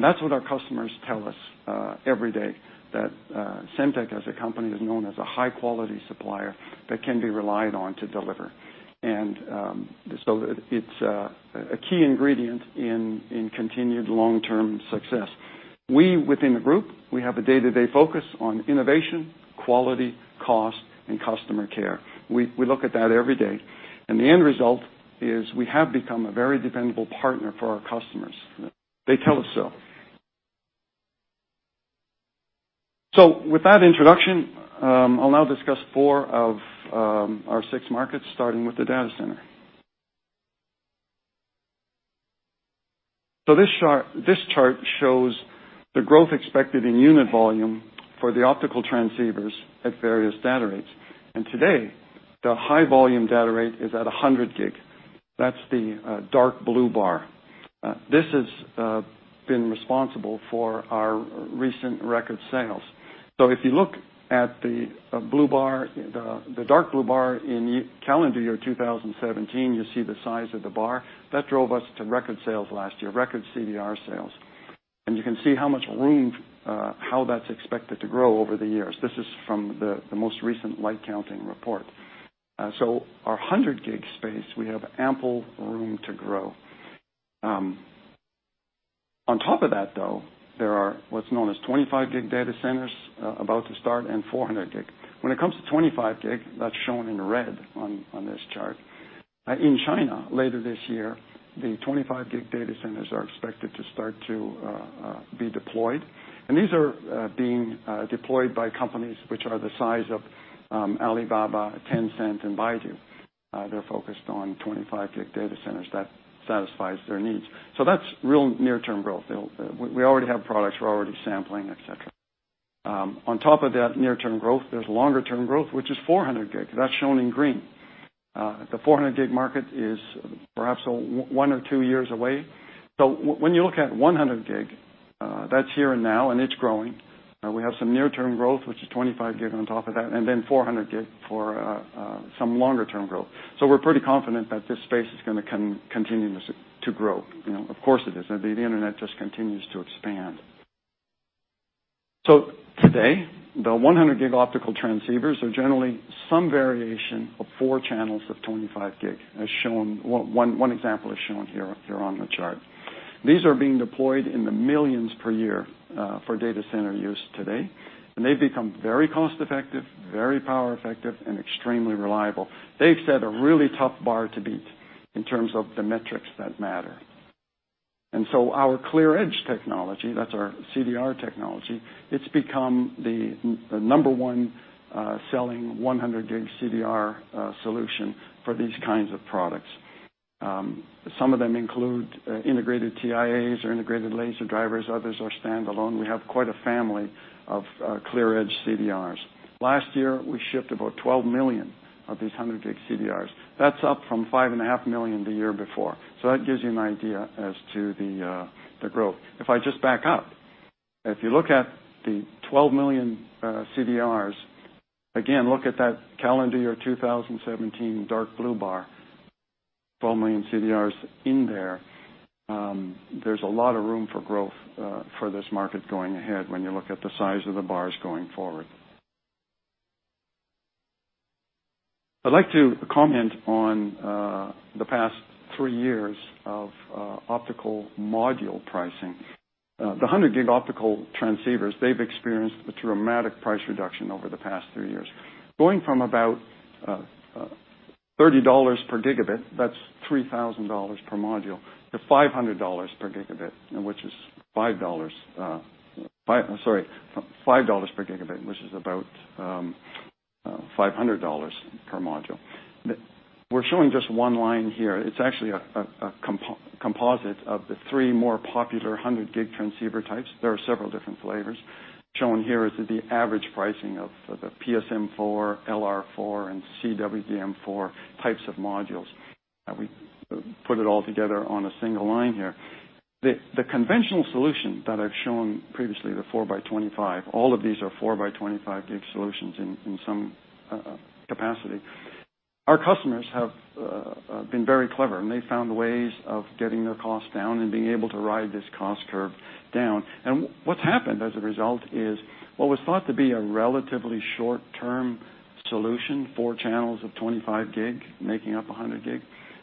Speaker 4: That's what our customers tell us every day, that Semtech, as a company, is known as a high-quality supplier that can be relied on to deliver. It's a key ingredient in continued long-term success. We, within the group, we have a day-to-day focus on innovation, quality, cost, and customer care. We look at that every day. The end result is we have become a very dependable partner for our customers. They tell us so. With that introduction, I'll now discuss four of our six markets, starting with the data center. This chart shows the growth expected in unit volume for the optical transceivers at various data rates. Today, the high volume data rate is at 100G. That's the dark blue bar. This has been responsible for our recent record sales. If you look at the dark blue bar in calendar year 2017, you see the size of the bar. That drove us to record sales last year, record CDR sales. You can see how that's expected to grow over the years. This is from the most recent LightCounting report. Our 100G space, we have ample room to grow. On top of that, though, there are what's known as 25G data centers about to start and 400G. When it comes to 25G, that's shown in red on this chart. In China, later this year, the 25G data centers are expected to start to be deployed. These are being deployed by companies which are the size of Alibaba, Tencent, and Baidu. They're focused on 25G data centers. That satisfies their needs. That's real near-term growth. We already have products. We're already sampling, et cetera. On top of that near-term growth, there's longer-term growth, which is 400G. That's shown in green. The 400G market is perhaps one or two years away. When you look at 100G, that's here and now, and it's growing. We have some near-term growth, which is 25G on top of that, and then 400G for some longer-term growth. We're pretty confident that this space is going to continue to grow. Of course it is. The Internet just continues to expand. Today, the 100G optical transceivers are generally some variation of four channels of 25G, one example is shown here on the chart. These are being deployed in the millions per year for data center use today. They've become very cost-effective, very power-effective, and extremely reliable. They've set a really tough bar to beat in terms of the metrics that matter. Our ClearEdge technology, that's our CDR technology, it's become the number one selling 100G CDR solution for these kinds of products. Some of them include integrated TIAs or integrated laser drivers. Others are standalone. We have quite a family of ClearEdge CDRs. Last year, we shipped about 12 million of these 100G CDRs. That's up from 5.5 million the year before. That gives you an idea as to the growth. If I just back up, if you look at the 12 million CDRs, again, look at that calendar year 2017 dark blue bar, 12 million CDRs in there. There's a lot of room for growth for this market going ahead when you look at the size of the bars going forward. I'd like to comment on the past three years of optical module pricing. The 100G optical transceivers, they've experienced a dramatic price reduction over the past three years. Going from about $30 per gigabit, that's $3,000 per module, to $500 per gigabit, which is $5 per gigabit, which is about $500 per module. We're showing just one line here. It's actually a composite of the three more popular 100G transceiver types. There are several different flavors. Shown here is the average pricing of the PSM4, LR4, and CWDM4 types of modules. We put it all together on a single line here. The conventional solution that I've shown previously, the 4x25, all of these are 4x25G solutions in some capacity. Our customers have been very clever, and they found ways of getting their cost down and being able to ride this cost curve down. What's happened as a result is what was thought to be a relatively short-term solution, four channels of 25G making up 100G,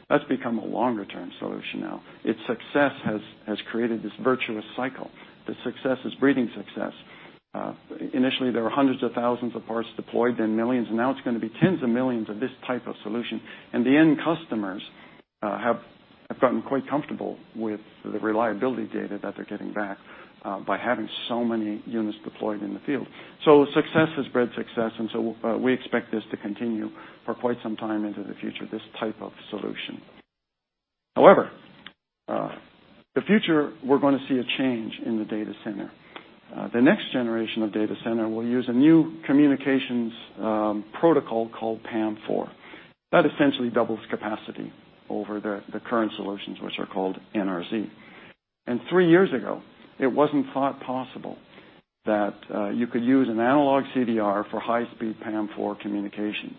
Speaker 4: that's become a longer-term solution. Its success has created this virtuous cycle. The success is breeding success. Initially, there were hundreds of thousands of parts deployed, then millions. Now it's going to be tens of millions of this type of solution, and the end customers have gotten quite comfortable with the reliability data that they're getting back by having so many units deployed in the field. Success has bred success, we expect this to continue for quite some time into the future, this type of solution. However, the future, we're going to see a change in the data center. The next generation of data center will use a new communications protocol called PAM4. That essentially doubles capacity over the current solutions, which are called NRZ. Three years ago, it wasn't thought possible that you could use an analog CDR for high-speed PAM4 communications.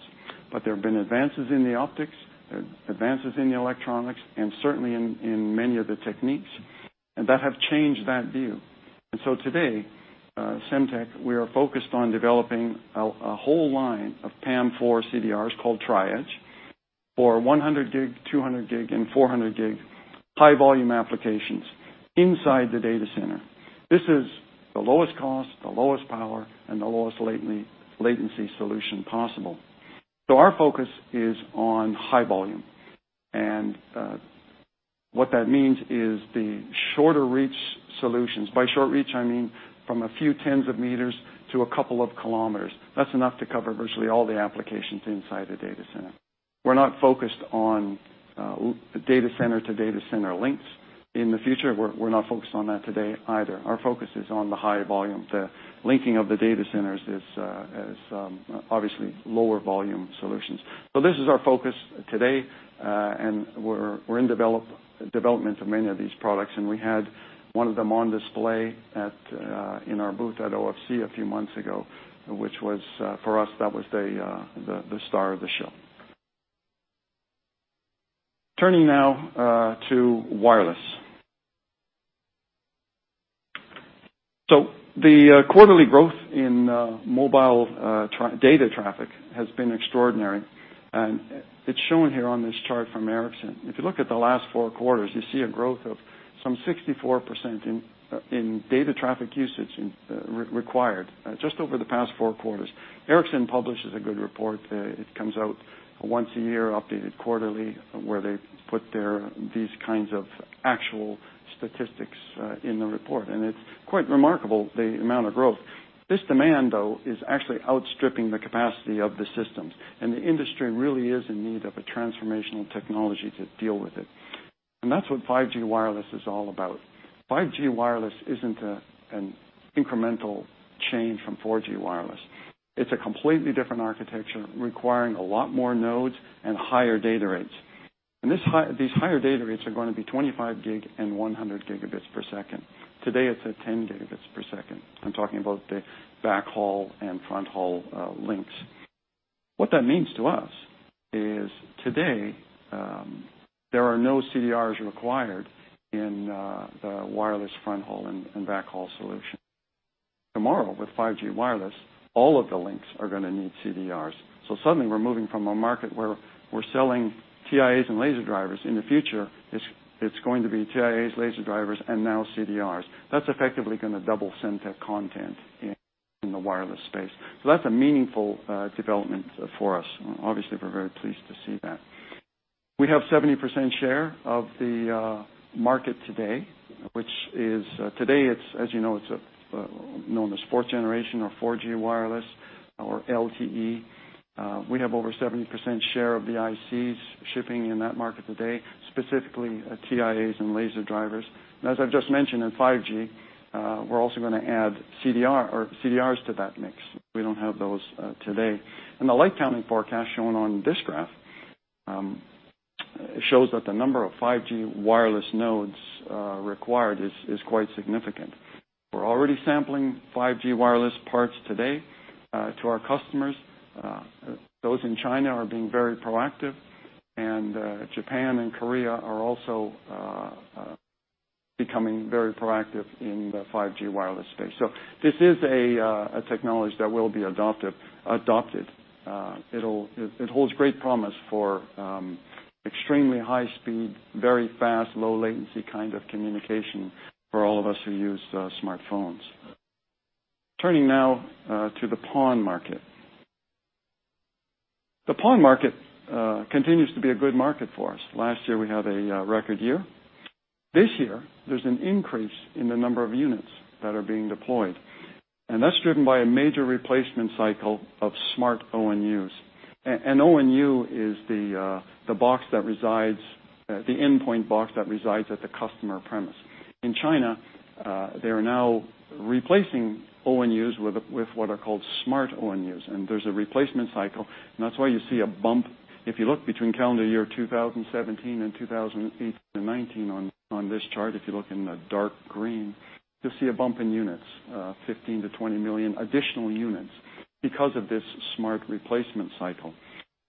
Speaker 4: There have been advances in the optics, advances in the electronics, and certainly in many of the techniques, and that have changed that view. Today, Semtech, we are focused on developing a whole line of PAM4 CDRs called Tri-Edge for 100G, 200G, and 400G high-volume applications inside the data center. This is the lowest cost, the lowest power, and the lowest latency solution possible. Our focus is on high volume. What that means is the shorter reach solutions. By short reach, I mean from a few tens of meters to a couple of kilometers. That's enough to cover virtually all the applications inside the data center. We're not focused on data center to data center links in the future. We're not focused on that today either. Our focus is on the high volume. The linking of the data centers is obviously lower volume solutions. This is our focus today, and we're in development of many of these products, and we had one of them on display in our booth at OFC a few months ago, which was, for us, that was the star of the show. Turning now to wireless. The quarterly growth in mobile data traffic has been extraordinary, and it's shown here on this chart from Ericsson. If you look at the last four quarters, you see a growth of some 64% in data traffic usage required just over the past four quarters. Ericsson publishes a good report. It comes out once a year, updated quarterly, where they put these kinds of actual statistics in the report, and it's quite remarkable the amount of growth. This demand, though, is actually outstripping the capacity of the systems, and the industry really is in need of a transformational technology to deal with it. That's what 5G wireless is all about. 5G wireless isn't an incremental change from 4G wireless. It's a completely different architecture requiring a lot more nodes and higher data rates. These higher data rates are going to be 25 gig and 100 gigabits per second. Today, it's at 10 gigabits per second. I'm talking about the backhaul and fronthaul links. What that means to us is today, there are no CDRs required in the wireless fronthaul and backhaul solution. Tomorrow, with 5G wireless, all of the links are going to need CDRs. Suddenly we're moving from a market where we're selling TIAs and laser drivers. In the future, it's going to be TIAs, laser drivers, and now CDRs. That's effectively going to double Semtech content in the wireless space. That's a meaningful development for us. Obviously, we're very pleased to see that. We have 70% share of the market today, which is today, as you know, it's known as fourth generation or 4G wireless or LTE. We have over 70% share of the ICs shipping in that market today, specifically TIAs and laser drivers. As I've just mentioned, in 5G, we're also going to add CDRs to that mix. We don't have those today. The LightCounting forecast shown on this graph shows that the number of 5G wireless nodes required is quite significant. We're already sampling 5G wireless parts today to our customers. Those in China are being very proactive, and Japan and Korea are also becoming very proactive in the 5G wireless space. This is a technology that will be adopted. It holds great promise for extremely high speed, very fast, low latency kind of communication for all of us who use smartphones. Turning now to the PON market. The PON market continues to be a good market for us. Last year, we had a record year. This year, there's an increase in the number of units that are being deployed, and that's driven by a major replacement cycle of smart ONUs. An ONU is the endpoint box that resides at the customer premise. In China, they are now replacing ONUs with what are called smart ONUs, and there's a replacement cycle, and that's why you see a bump if you look between calendar year 2017, 2018, and 2019 on this chart. If you look in the dark green, you'll see a bump in units, 15 million-20 million additional units because of this smart replacement cycle.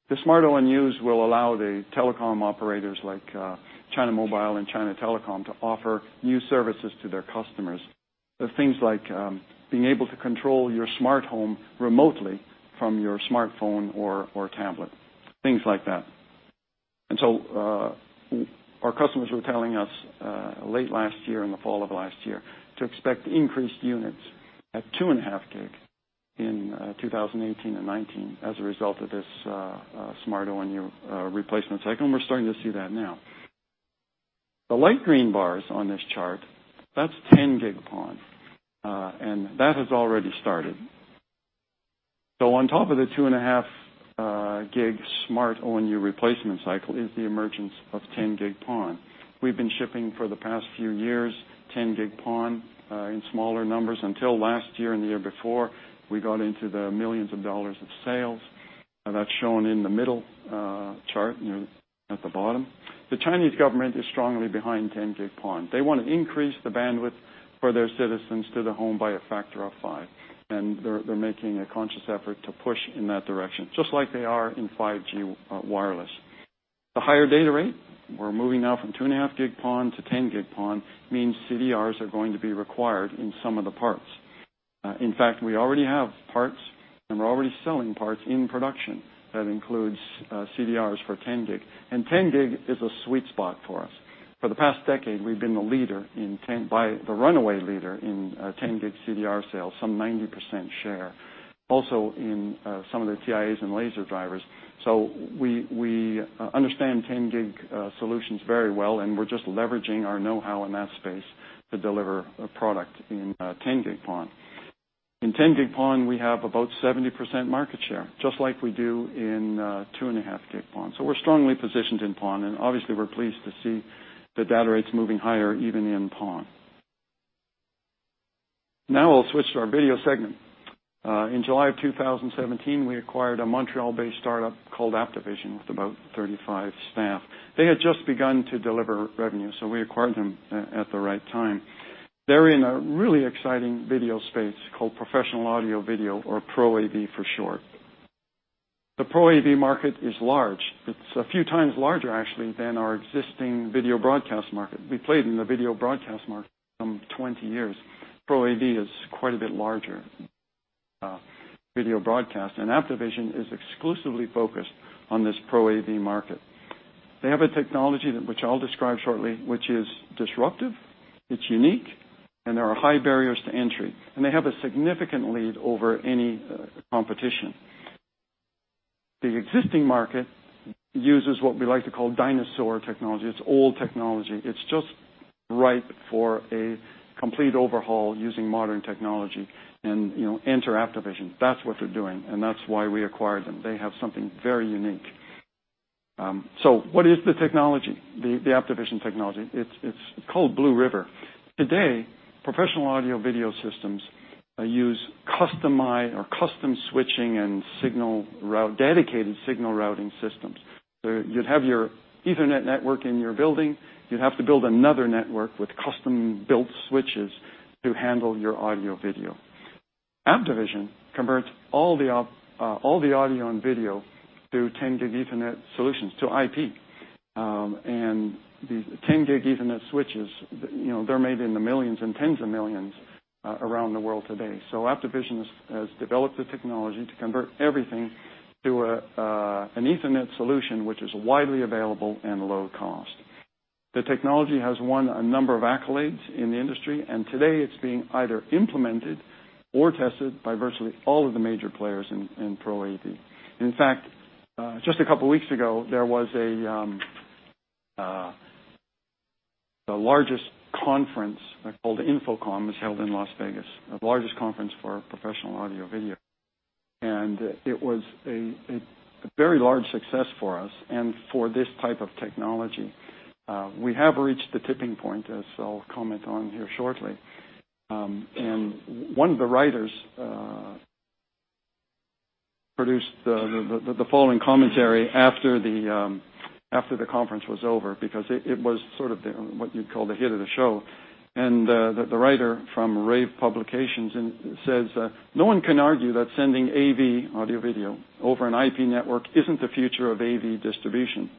Speaker 4: The smart ONUs will allow the telecom operators like China Mobile and China Telecom to offer new services to their customers. The things like being able to control your smart home remotely from your smartphone or tablet, things like that. Our customers were telling us late last year, in the fall of last year, to expect increased units at 2.5 gig in 2018 and 2019 as a result of this smart ONU replacement cycle, and we're starting to see that now. The light green bars on this chart, that's 10 gig PON, and that has already started. On top of the 2.5 gig smart ONU replacement cycle is the emergence of 10 gig PON. We've been shipping for the past few years, 10 gig PON, in smaller numbers until last year and the year before, we got into the millions of dollars of sales. That's shown in the middle chart at the bottom. The Chinese government is strongly behind 10 gig PON. They want to increase the bandwidth for their citizens to the home by a factor of 5. They're making a conscious effort to push in that direction, just like they are in 5G wireless. The higher data rate, we're moving now from 2.5 gig PON to 10 gig PON, means CDRs are going to be required in some of the parts. In fact, we already have parts and we're already selling parts in production. That includes CDRs for 10 gig. 10 gig is a sweet spot for us. For the past decade, we've been the runaway leader in 10 gig CDR sales, some 90% share. Also in some of the TIAs and laser drivers. We understand 10 gig solutions very well, and we're just leveraging our know-how in that space to deliver a product in 10 gig PON. In 10 gig PON, we have about 70% market share, just like we do in 2.5 gig PON. We're strongly positioned in PON, and obviously we're pleased to see the data rates moving higher even in PON. Now I'll switch to our video segment. In July of 2017, we acquired a Montreal-based startup called AptoVision with about 35 staff. They had just begun to deliver revenue, so we acquired them at the right time. They're in a really exciting video space called professional audio video or Pro AV for short. The Pro AV market is large. It's a few times larger actually than our existing video broadcast market. We played in the video broadcast market some 20 years. Pro AV is quite a bit larger video broadcast, and AptoVision is exclusively focused on this Pro AV market. They have a technology, which I'll describe shortly, which is disruptive, it's unique, and there are high barriers to entry. They have a significant lead over any competition. The existing market uses what we like to call dinosaur technology. It's old technology. It's just ripe for a complete overhaul using modern technology and enter AptoVision. That's what they're doing, and that's why we acquired them. They have something very unique. What is the technology, the AptoVision technology? It's called BlueRiver. Today, professional audio video systems use customized or custom switching and dedicated signal routing systems. You'd have your Ethernet network in your building, you'd have to build another network with custom-built switches to handle your audio video. AptoVision converts all the audio and video to 10 gig Ethernet solutions to IP. These 10 gig Ethernet switches, they're made in the millions and tens of millions around the world today. AptoVision has developed a technology to convert everything to an Ethernet solution, which is widely available and low cost. The technology has won a number of accolades in the industry, and today it's being either implemented or tested by virtually all of the major players in Pro AV. In fact, just a couple of weeks ago, there was the largest conference called InfoComm was held in Las Vegas, the largest conference for professional audio video. It was a very large success for us and for this type of technology. We have reached the tipping point, as I'll comment on here shortly. One of the writers produced the following commentary after the conference was over because it was sort of what you'd call the hit of the show. The writer from rAVe Publications says, "No one can argue that sending AV, audio video, over an IP network isn't the future of AV distribution.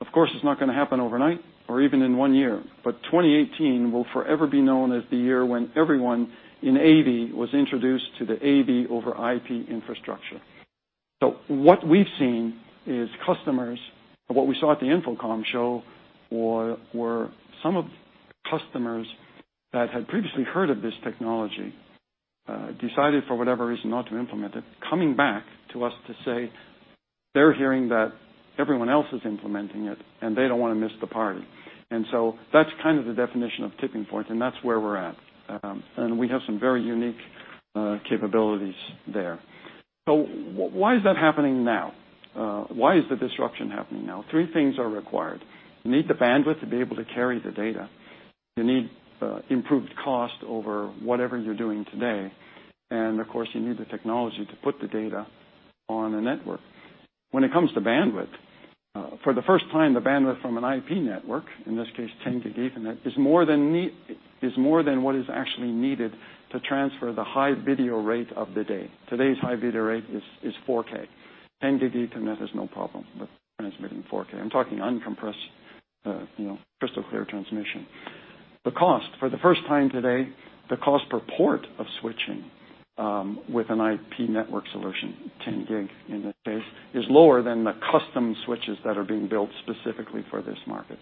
Speaker 4: Of course, it's not going to happen overnight or even in one year, but 2018 will forever be known as the year when everyone in AV was introduced to the AV over IP infrastructure." What we've seen is customers, what we saw at the InfoComm show were some of the customers that had previously heard of this technology, decided for whatever reason not to implement it, coming back to us to say they're hearing that everyone else is implementing it, and they don't want to miss the party. That's kind of the definition of tipping point, and that's where we're at. We have some very unique capabilities there. Why is that happening now? Why is the disruption happening now? Three things are required. You need the bandwidth to be able to carry the data. You need improved cost over whatever you're doing today. Of course, you need the technology to put the data on a network. When it comes to bandwidth, for the first time, the bandwidth from an IP network, in this case, 10 gig Ethernet, is more than what is actually needed to transfer the high video rate of the day. Today's high video rate is 4K. 10 gig Ethernet is no problem with transmitting 4K. I'm talking uncompressed crystal clear transmission. The cost, for the first time today, the cost per port of switching with an IP network solution, 10 Gig in this case, is lower than the custom switches that are being built specifically for this market.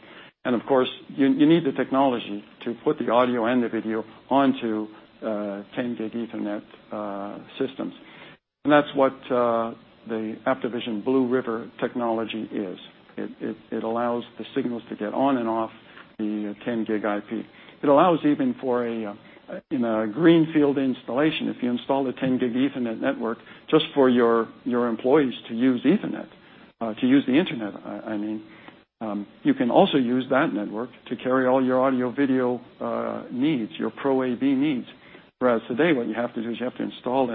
Speaker 4: You need the technology to put the audio and the video onto 10 Gig Ethernet systems. That is what the AptoVision BlueRiver Technology is. It allows the signals to get on and off the 10 Gig IP. It allows even for a greenfield installation. If you install the 10 Gig Ethernet network just for your employees to use Ethernet, to use the internet, you can also use that network to carry all your audio/video needs, your Pro AV needs. Today, what you have to do is you have to install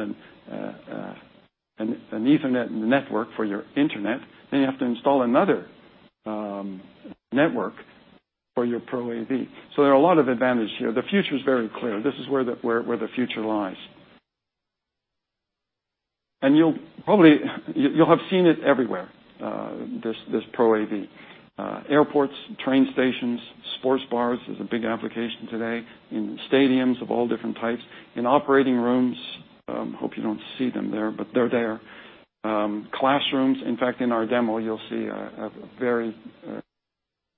Speaker 4: an Ethernet network for your internet. Then you have to install another network for your Pro AV. There are a lot of advantages here. The future is very clear. This is where the future lies. You will have seen it everywhere, this Pro AV. Airports, train stations, sports bars is a big application today, in stadiums of all different types, in operating rooms. Hope you do not see them there, but they are there. Classrooms. In fact, in our demo, you will see a very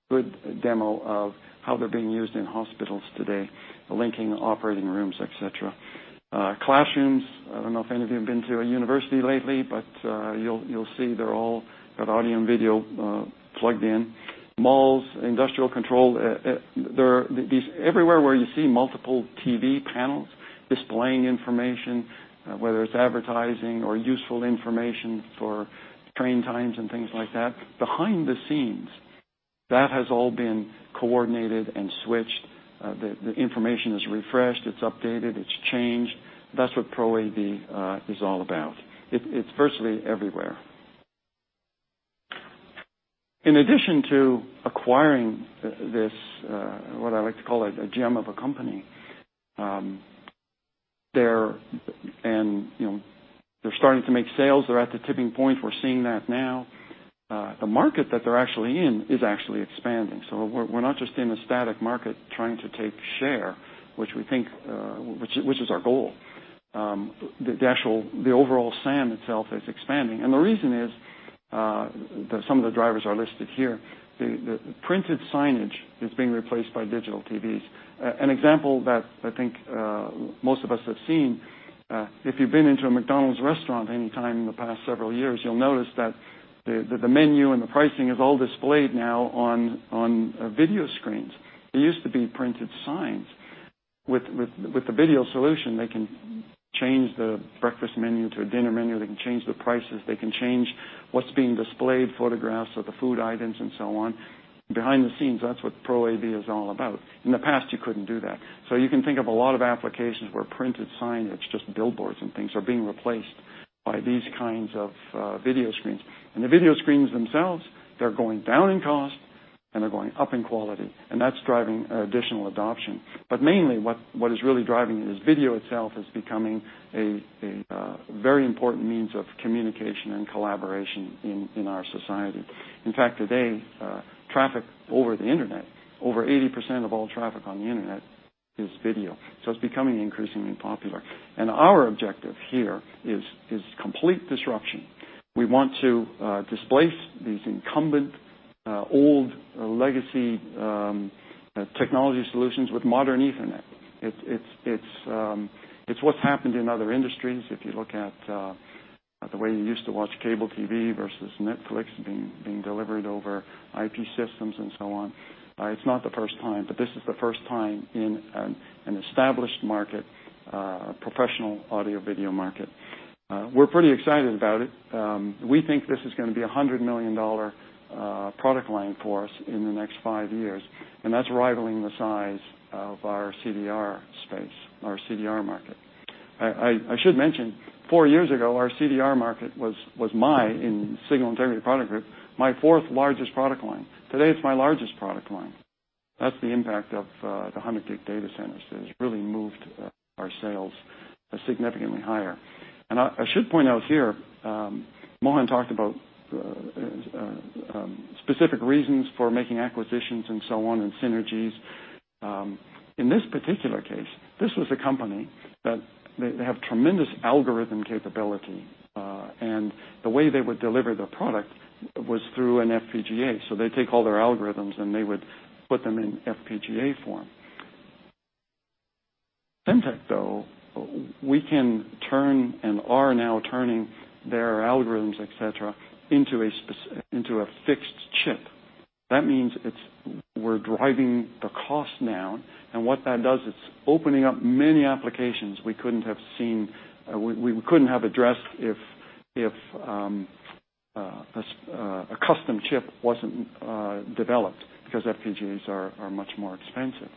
Speaker 4: good demo of how they are being used in hospitals today, linking operating rooms, et cetera. Classrooms, I do not know if any of you have been to a university lately, but you will see they have all got audio and video plugged in. Malls, industrial control. Everywhere where you see multiple TV panels displaying information, whether it is advertising or useful information for train times and things like that. Behind the scenes, that has all been coordinated and switched. The information is refreshed, it is updated, it is changed. That is what Pro AV is all about. It is virtually everywhere. In addition to acquiring this, what I like to call it, a gem of a company, they are starting to make sales. They are at the tipping point. We are seeing that now. The market that they are actually in is actually expanding. We are not just in a static market trying to take share, which is our goal. The overall SAM itself is expanding. The reason is, some of the drivers are listed here, the printed signage is being replaced by digital TVs. An example that I think most of us have seen, if you have been into a McDonald's restaurant anytime in the past several years, you will notice that the menu and the pricing is all displayed now on video screens. They used to be printed signs. With the video solution, they can change the breakfast menu to a dinner menu. They can change the prices. They can change what is being displayed, photographs of the food items, and so on. Behind the scenes, that is what Pro AV is all about. In the past, you could not do that. You can think of a lot of applications where printed signage, just billboards and things, are being replaced by these kinds of video screens. The video screens themselves, they are going down in cost, and they are going up in quality, and that is driving additional adoption. Mainly, what is really driving it is video itself is becoming a very important means of communication and collaboration in our society. In fact, today, traffic over the internet, over 80% of all traffic on the internet is video. It is becoming increasingly popular. Our objective here is complete disruption. We want to displace these incumbent old legacy technology solutions with modern Ethernet. It's what's happened in other industries. If you look at the way you used to watch cable TV versus Netflix being delivered over IP systems and so on. It's not the first time, but this is the first time in an established market, a professional audio/video market. We're pretty excited about it. We think this is going to be a $100 million product line for us in the next five years, and that's rivaling the size of our CDR space, our CDR market. I should mention, four years ago, our CDR market was my, in Signal Integrity Products Group, my fourth largest product line. Today, it's my largest product line. That's the impact of the 100 Gig data centers, has really moved our sales significantly higher. I should point out here, Mohan talked about specific reasons for making acquisitions and so on, and synergies. In this particular case, this was a company that they have tremendous algorithm capability. The way they would deliver their product was through an FPGA. They take all their algorithms, and they would put them in FPGA form. Semtech, though, we can turn and are now turning their algorithms, et cetera, into a fixed chip. That means we're driving the cost now, and what that does, it's opening up many applications we couldn't have addressed if a custom chip wasn't developed because FPGAs are much more expensive.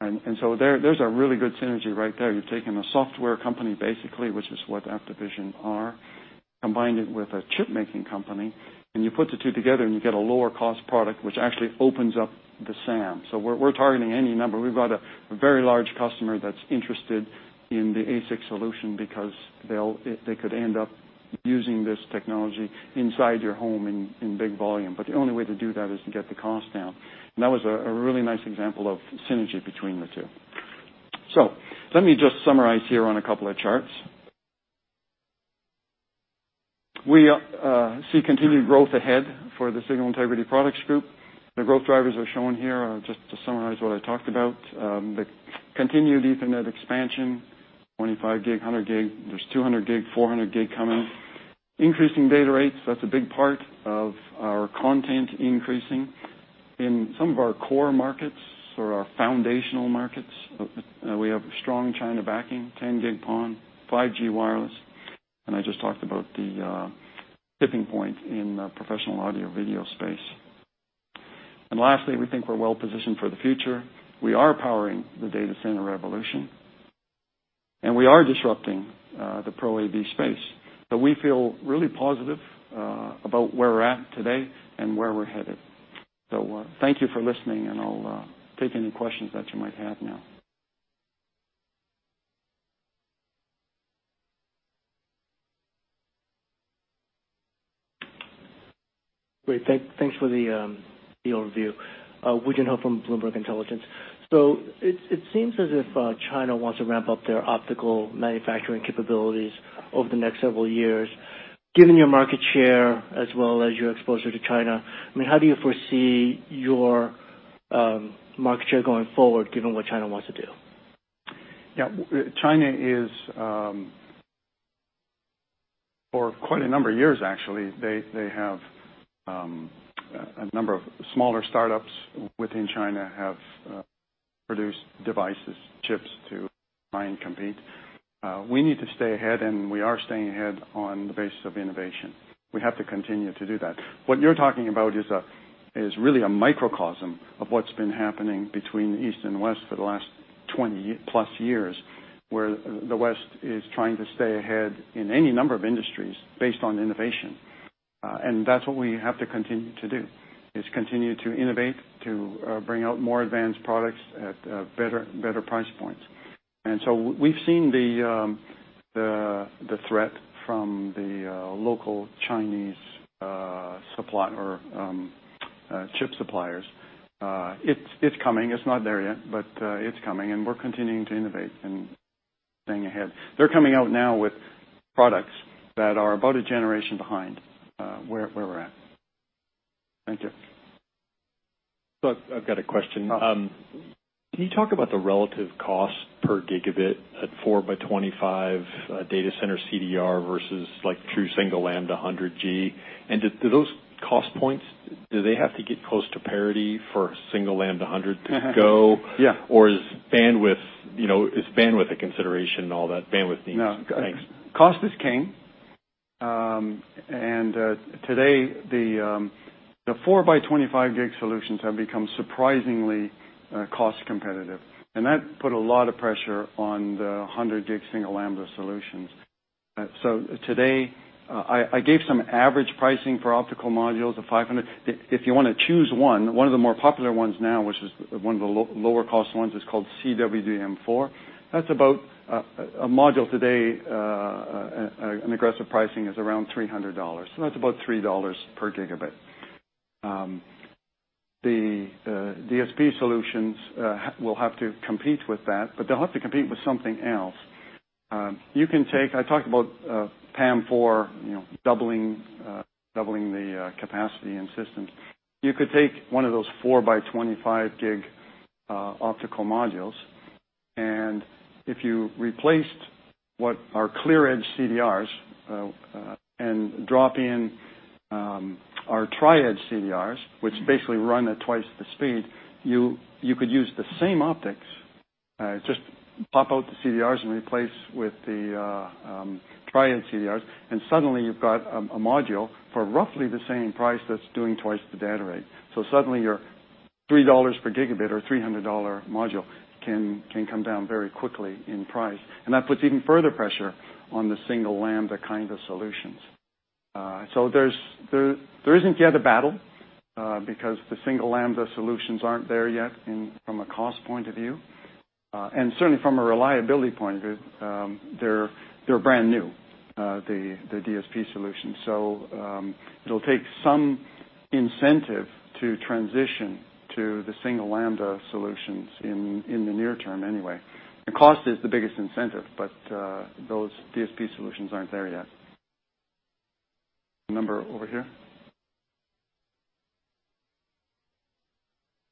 Speaker 4: There's a really good synergy right there. You're taking a software company, basically, which is what AptoVision are, combine it with a chip-making company, and you put the two together, and you get a lower-cost product, which actually opens up the SAM. We're targeting any number. We've got a very large customer that's interested in the ASIC solution because they could end up using this technology inside your home in big volume. The only way to do that is to get the cost down. That was a really nice example of synergy between the two. Let me just summarize here on a couple of charts. We see continued growth ahead for the Signal Integrity Products Group. The growth drivers are shown here, just to summarize what I talked about. The continued Ethernet expansion, 25 Gig, 100 Gig. There's 200 Gig, 400 Gig coming. Increasing data rates, that's a big part of our content increasing. In some of our core markets, or our foundational markets, we have strong China backing, 10 Gig PON, 5G wireless, and I just talked about the tipping point in professional audio/video space. Lastly, we think we're well-positioned for the future. We are powering the data center revolution, and we are disrupting the Pro AV space. We feel really positive about where we're at today and where we're headed. Thank you for listening, and I'll take any questions that you might have now.
Speaker 6: Great. Thanks for the overview. Woo Jin Ho from Bloomberg Intelligence. It seems as if China wants to ramp up their optical manufacturing capabilities over the next several years. Given your market share as well as your exposure to China, how do you foresee your market share going forward, given what China wants to do?
Speaker 4: Yeah. China is, for quite a number of years actually, they have a number of smaller startups within China have produced devices, chips to try and compete. We need to stay ahead, and we are staying ahead on the basis of innovation. We have to continue to do that. What you're talking about is really a microcosm of what's been happening between the East and West for the last 20-plus years, where the West is trying to stay ahead in any number of industries based on innovation. That's what we have to continue to do, is continue to innovate, to bring out more advanced products at better price points. We've seen the threat from the local Chinese chip suppliers. It's coming. It's not there yet, but it's coming, and we're continuing to innovate and staying ahead. They're coming out now with products that are about a generation behind where we're at.
Speaker 6: Thank you.
Speaker 7: I've got a question.
Speaker 4: Rick.
Speaker 7: Can you talk about the relative cost per gigabit at 4 by 25 data center CDR versus true single lambda 100G? Do those cost points, do they have to get close to parity for single lambda 100?
Speaker 4: Yeah
Speaker 7: Is bandwidth a consideration and all that bandwidth thing? Thanks.
Speaker 4: No. Cost is king. Today, the 4 by 25 gig solutions have become surprisingly cost competitive, and that put a lot of pressure on the 100 gig single lambda solutions. Today, I gave some average pricing for optical modules of 500. If you want to choose one of the more popular ones now, which is one of the lower cost ones, is called CWDM4. That's about a module today, an aggressive pricing is around $300. That's about $3 per gigabit. The DSP solutions will have to compete with that, but they'll have to compete with something else. You can take, I talked about PAM4 doubling the capacity in systems. You could take one of those 4 by 25 gig optical modules, if you replaced what our ClearEdge CDRs and drop in our Tri-Edge CDRs, which basically run at twice the speed, you could use the same optics. Just pop out the CDRs and replace with the Tri-Edge CDRs, suddenly you've got a module for roughly the same price that's doing twice the data rate. Suddenly your $3 per gigabit or $300 module can come down very quickly in price. That puts even further pressure on the single lambda kind of solutions. There isn't yet a battle because the single lambda solutions aren't there yet from a cost point of view. Certainly from a reliability point of view, they're brand new, the DSP solutions. It'll take some incentive to transition to the single lambda solutions in the near term anyway. The cost is the biggest incentive, those DSP solutions aren't there yet. A member over here.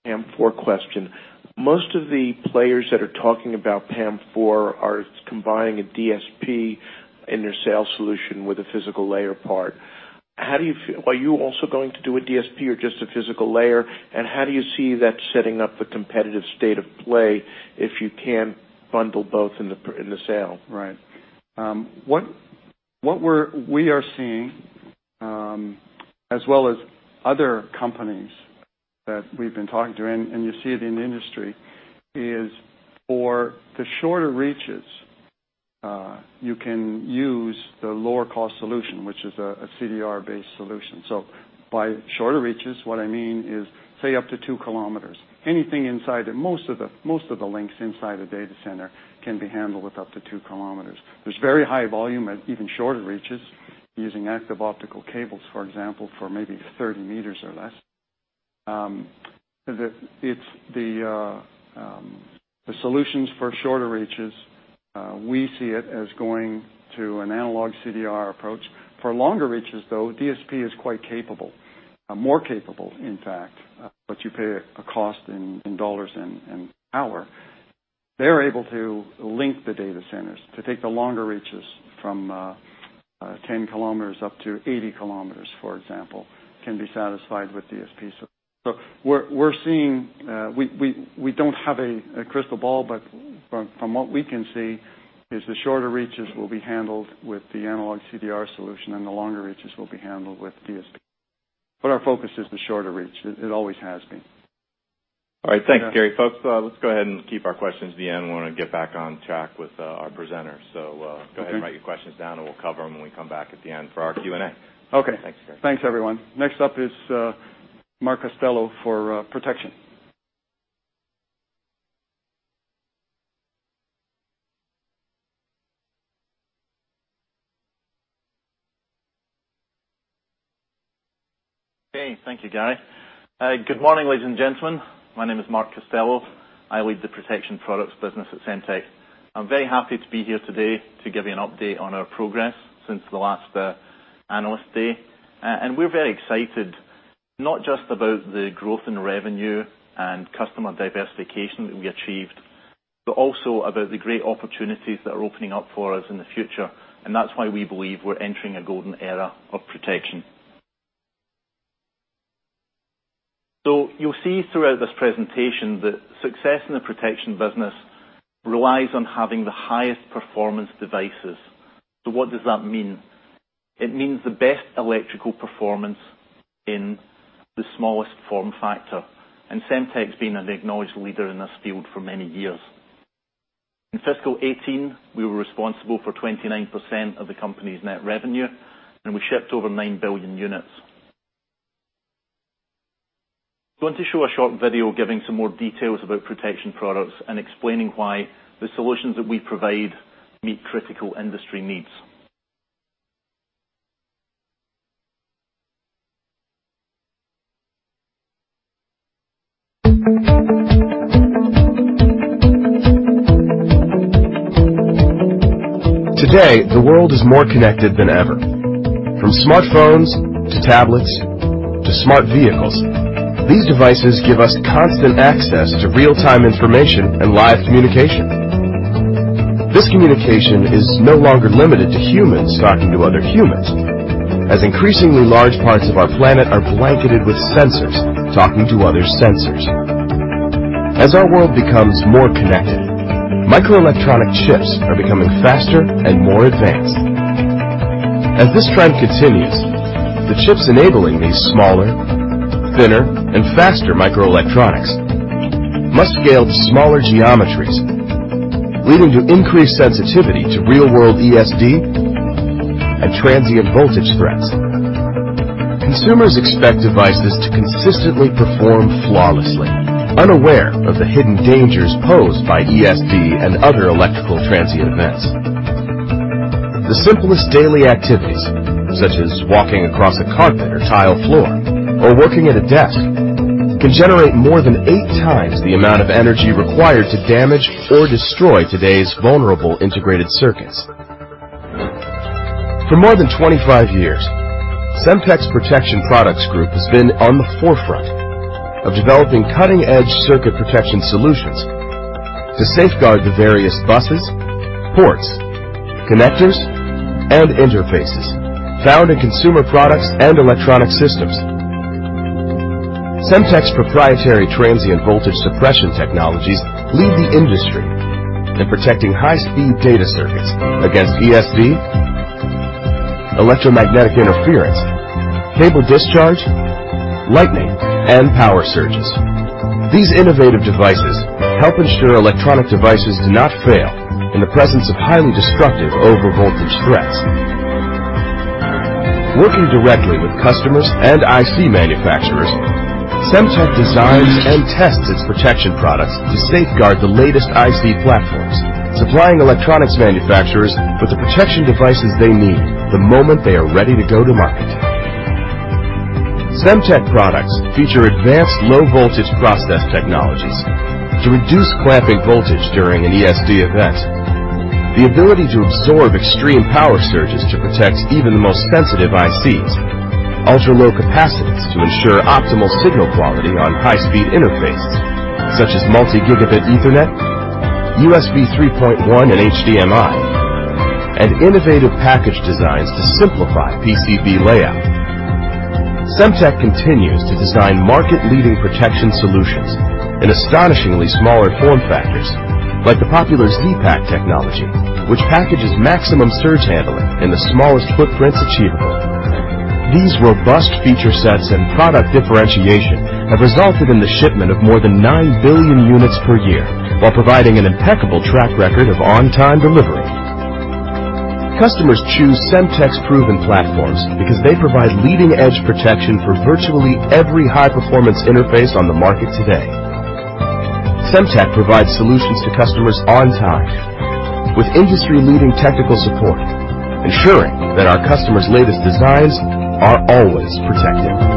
Speaker 8: PAM4 question. Most of the players that are talking about PAM4 are combining a DSP in their sales solution with a physical layer part. Are you also going to do a DSP or just a physical layer, and how do you see that setting up the competitive state of play if you can bundle both in the sale?
Speaker 4: Right. What we are seeing, as well as other companies that we've been talking to, and you see it in the industry, is for the shorter reaches You can use the lower cost solution, which is a CDR-based solution. By shorter reaches, what I mean is, say, up to two kilometers. Most of the links inside a data center can be handled with up to two kilometers. There's very high volume at even shorter reaches using active optical cables, for example, for maybe 30 meters or less. The solutions for shorter reaches, we see it as going to an analog CDR approach. For longer reaches, though, DSP is quite capable. More capable, in fact, but you pay a cost in dollars and power. They're able to link the data centers to take the longer reaches from 10 kilometers up to 80 kilometers, for example, can be satisfied with DSP. We don't have a crystal ball, but from what we can see is the shorter reaches will be handled with the analog CDR solution, and the longer reaches will be handled with DSP. Our focus is the shorter reach. It always has been.
Speaker 2: All right. Thanks, Gary. Folks, let's go ahead and keep our questions to the end. We want to get back on track with our presenters. Go ahead and write your questions down, and we'll cover them when we come back at the end for our Q&A.
Speaker 4: Okay.
Speaker 2: Thanks, Gary.
Speaker 4: Thanks, everyone. Next up is Mark Costello for protection.
Speaker 9: Okay. Thank you, Gary. Good morning, ladies and gentlemen. My name is Mark Costello. I lead the Protection Products business at Semtech. I'm very happy to be here today to give you an update on our progress since the last Analyst Day. We're very excited, not just about the growth in revenue and customer diversification that we achieved, but also about the great opportunities that are opening up for us in the future, and that's why we believe we're entering a golden era of protection. You'll see throughout this presentation that success in the protection business relies on having the highest performance devices. What does that mean? It means the best electrical performance in the smallest form factor, and Semtech's been an acknowledged leader in this field for many years. In FY 2018, we were responsible for 29% of the company's net revenue, and we shipped over 9 billion units. I want to show a short video giving some more details about Protection Products and explaining why the solutions that we provide meet critical industry needs.
Speaker 5: Today, the world is more connected than ever. From smartphones to tablets to smart vehicles, these devices give us constant access to real-time information and live communication. This communication is no longer limited to humans talking to other humans, as increasingly large parts of our planet are blanketed with sensors talking to other sensors. As our world becomes more connected, microelectronic chips are becoming faster and more advanced. As this trend continues, the chips enabling these smaller, thinner, and faster microelectronics must scale to smaller geometries, leading to increased sensitivity to real-world ESD and transient voltage threats. Consumers expect devices to consistently perform flawlessly, unaware of the hidden dangers posed by ESD and other electrical transient events. The simplest daily activities, such as walking across a carpet or tile floor or working at a desk, can generate more than 8 times the amount of energy required to damage or destroy today's vulnerable integrated circuits. For more than 25 years, Semtech's Protection Products group has been on the forefront of developing cutting-edge circuit protection solutions to safeguard the various buses, ports, connectors, and interfaces found in consumer products and electronic systems. Semtech's proprietary transient voltage suppression technologies lead the industry in protecting high-speed data circuits against ESD, electromagnetic interference, cable discharge, lightning, and power surges. These innovative devices help ensure electronic devices do not fail in the presence of highly destructive overvoltage threats. Working directly with customers and IC manufacturers, Semtech designs and tests its protection products to safeguard the latest IC platforms, supplying electronics manufacturers with the protection devices they need the moment they are ready to go to market. Semtech products feature advanced low-voltage process technologies to reduce clamping voltage during an ESD event, the ability to absorb extreme power surges to protect even the most sensitive ICs, ultra-low capacitance to ensure optimal signal quality on high-speed interfaces such as multi-gigabit Ethernet, USB 3.1, and HDMI, and innovative package designs to simplify PCB layout. Semtech continues to design market-leading protection solutions in astonishingly smaller form factors, like the popular Z-Pak technology, which packages maximum surge handling in the smallest footprints achievable. These robust feature sets and product differentiation have resulted in the shipment of more than 9 billion units per year while providing an impeccable track record of on-time delivery. Customers choose Semtech's proven platforms because they provide leading-edge protection for virtually every high-performance interface on the market today. Semtech provides solutions to customers on time with industry-leading technical support, ensuring that our customers' latest designs are always protected.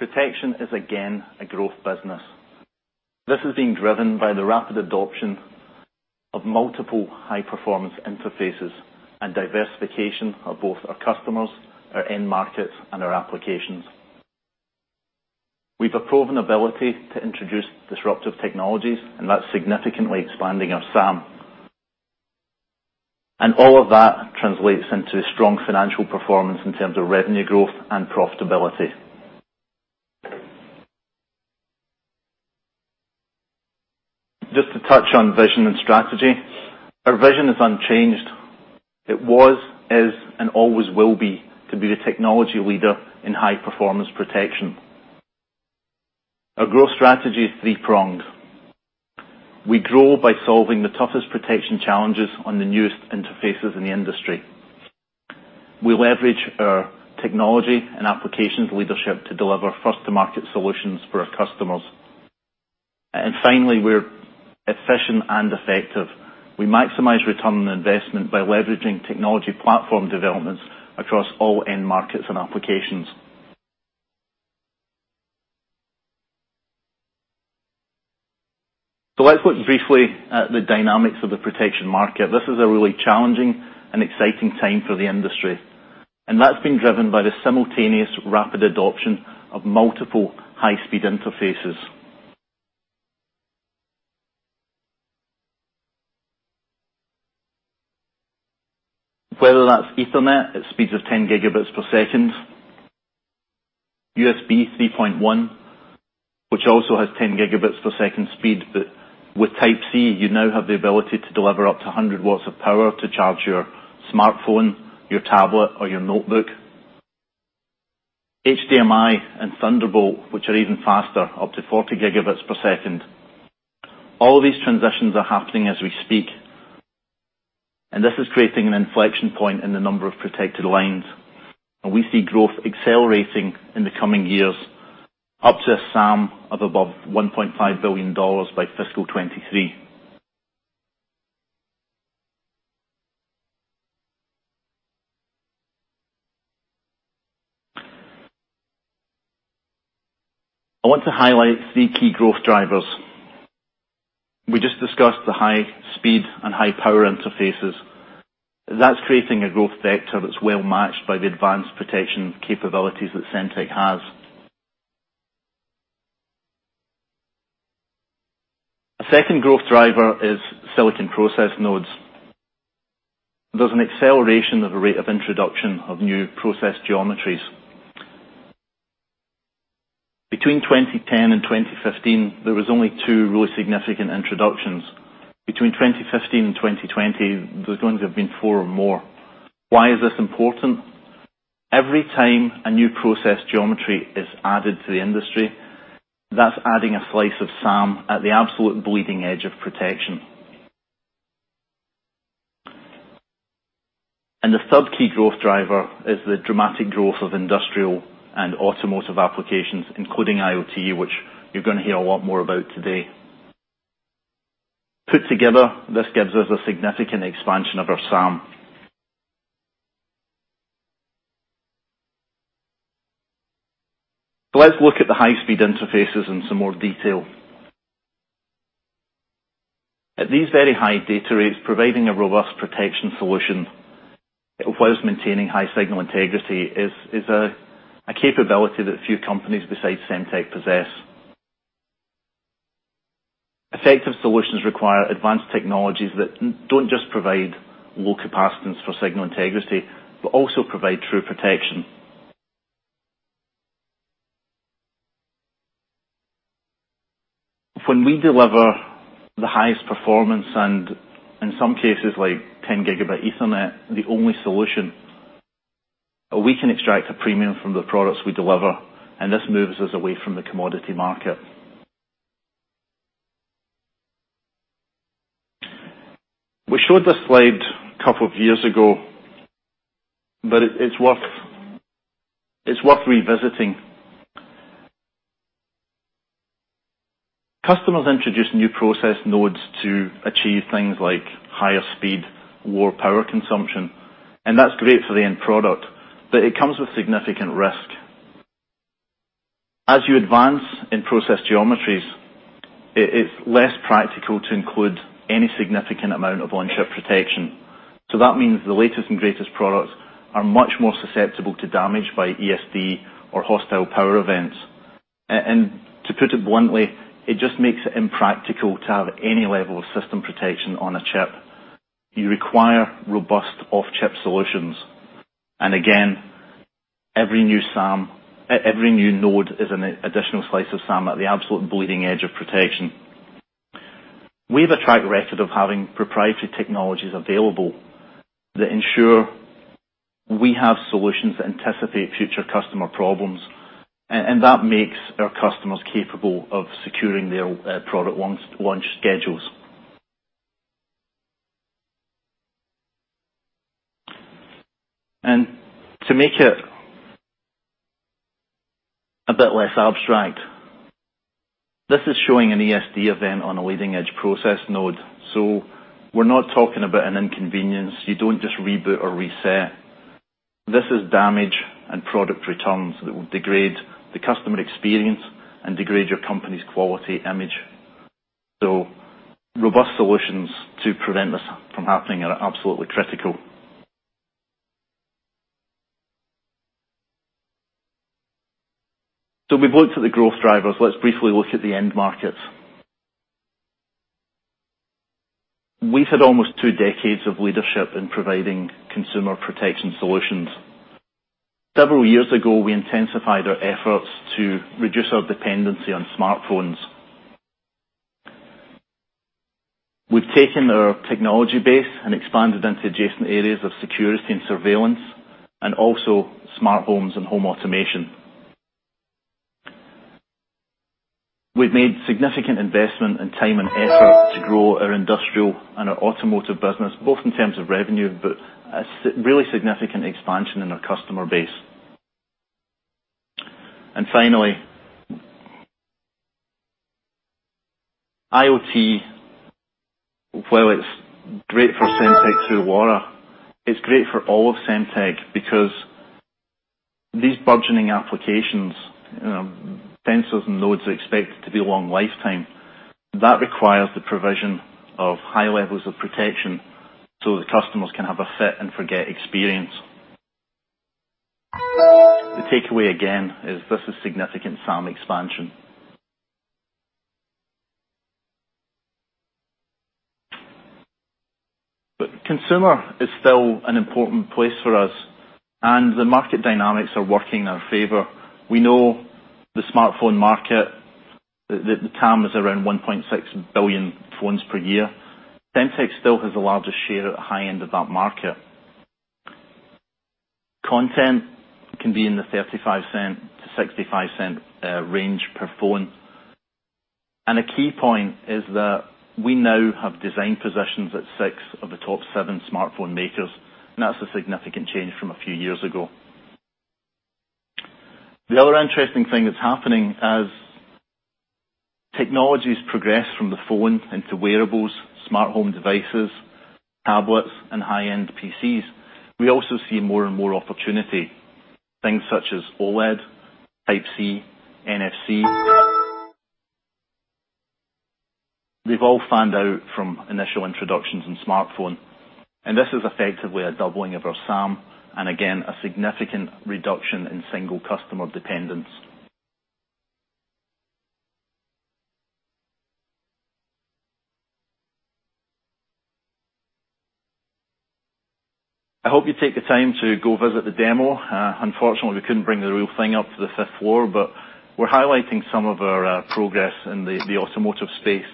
Speaker 9: We only employ good-looking people at Semtech. The three key takeaways. Protection is, again, a growth business. This is being driven by the rapid adoption of multiple high-performance interfaces and diversification of both our customers, our end markets, and our applications. We've a proven ability to introduce disruptive technologies, and that's significantly expanding our SAM. All of that translates into strong financial performance in terms of revenue growth and profitability. Just to touch on vision and strategy, our vision is unchanged. It was, is, and always will be to be the technology leader in high-performance protection. Our growth strategy is three-pronged. We grow by solving the toughest protection challenges on the newest interfaces in the industry. We leverage our technology and applications leadership to deliver first-to-market solutions for our customers. Finally, we're efficient and effective. We maximize return on investment by leveraging technology platform developments across all end markets and applications. Let's look briefly at the dynamics of the protection market. This is a really challenging and exciting time for the industry, and that's been driven by the simultaneous rapid adoption of multiple high-speed interfaces. Whether that's Ethernet at speeds of 10 gigabits per second, USB 3.1, which also has 10 gigabits per second speed, but with Type-C, you now have the ability to deliver up to 100 watts of power to charge your smartphone, your tablet, or your notebook. HDMI and Thunderbolt, which are even faster, up to 40 gigabits per second. All of these transitions are happening as we speak, and this is creating an inflection point in the number of protected lanes. We see growth accelerating in the coming years up to a SAM of above $1.5 billion by fiscal 2023. I want to highlight three key growth drivers. We just discussed the high-speed and high-power interfaces. That's creating a growth vector that's well matched by the advanced protection capabilities that Semtech has. A second growth driver is silicon process nodes. There's an acceleration of a rate of introduction of new process geometries. Between 2010 and 2015, there was only two really significant introductions. Between 2015 and 2020, there's going to have been four or more. Why is this important? Every time a new process geometry is added to the industry, that's adding a slice of SAM at the absolute bleeding edge of protection. The third key growth driver is the dramatic growth of industrial and automotive applications, including IoT, which you're going to hear a lot more about today. Put together, this gives us a significant expansion of our SAM. Let's look at the high-speed interfaces in some more detail. At these very high data rates, providing a robust protection solution whilst maintaining high signal integrity is a capability that few companies besides Semtech possess. Effective solutions require advanced technologies that don't just provide low capacitance for signal integrity, but also provide true protection. When we deliver the highest performance and, in some cases like 10 Gigabit Ethernet, the only solution, we can extract a premium from the products we deliver, and this moves us away from the commodity market. We showed this slide a couple of years ago, but it's worth revisiting. Customers introduce new process nodes to achieve things like higher speed, lower power consumption, and that's great for the end product. It comes with significant risk. As you advance in process geometries, it's less practical to include any significant amount of on-chip protection. That means the latest and greatest products are much more susceptible to damage by ESD or hostile power events. To put it bluntly, it just makes it impractical to have any level of system protection on a chip. You require robust off-chip solutions. Again, every new node is an additional slice of SAM at the absolute bleeding edge of protection. We have a track record of having proprietary technologies available that ensure we have solutions that anticipate future customer problems, and that makes our customers capable of securing their product launch schedules. To make it a bit less abstract, this is showing an ESD event on a leading-edge process node. We're not talking about an inconvenience. You don't just reboot or reset. This is damage and product returns that will degrade the customer experience and degrade your company's quality image. Robust solutions to prevent this from happening are absolutely critical. We've looked at the growth drivers. Let's briefly look at the end markets. We've had almost two decades of leadership in providing consumer protection solutions. Several years ago, we intensified our efforts to reduce our dependency on smartphones. We've taken our technology base and expanded into adjacent areas of security and surveillance and also smart homes and home automation. We've made significant investment in time and effort to grow our industrial and our automotive business, both in terms of revenue, but a really significant expansion in our customer base. Finally, IoT, while it's great for Semtech through LoRa, it's great for all of Semtech because these burgeoning applications, sensors and nodes are expected to be long lifetime. That requires the provision of high levels of protection so the customers can have a fit-and-forget experience. The takeaway again is this is significant SAM expansion. Consumer is still an important place for us, and the market dynamics are working in our favor. We know the smartphone market, that the TAM is around 1.6 billion phones per year. Semtech still has the largest share at the high end of that market. Content can be in the $0.35-$0.65 range per phone. A key point is that we now have design positions at six of the top seven smartphone makers, and that's a significant change from a few years ago. The other interesting thing that's happening as technologies progress from the phone into wearables, smart home devices, tablets, and high-end PCs, we also see more and more opportunity. Things such as OLED, Type-C, NFC. We've all found out from initial introductions in smartphone, and this is effectively a doubling of our SAM, and again, a significant reduction in single customer dependence. I hope you take the time to go visit the demo. Unfortunately, we couldn't bring the real thing up to the fifth floor, but we're highlighting some of our progress in the automotive space.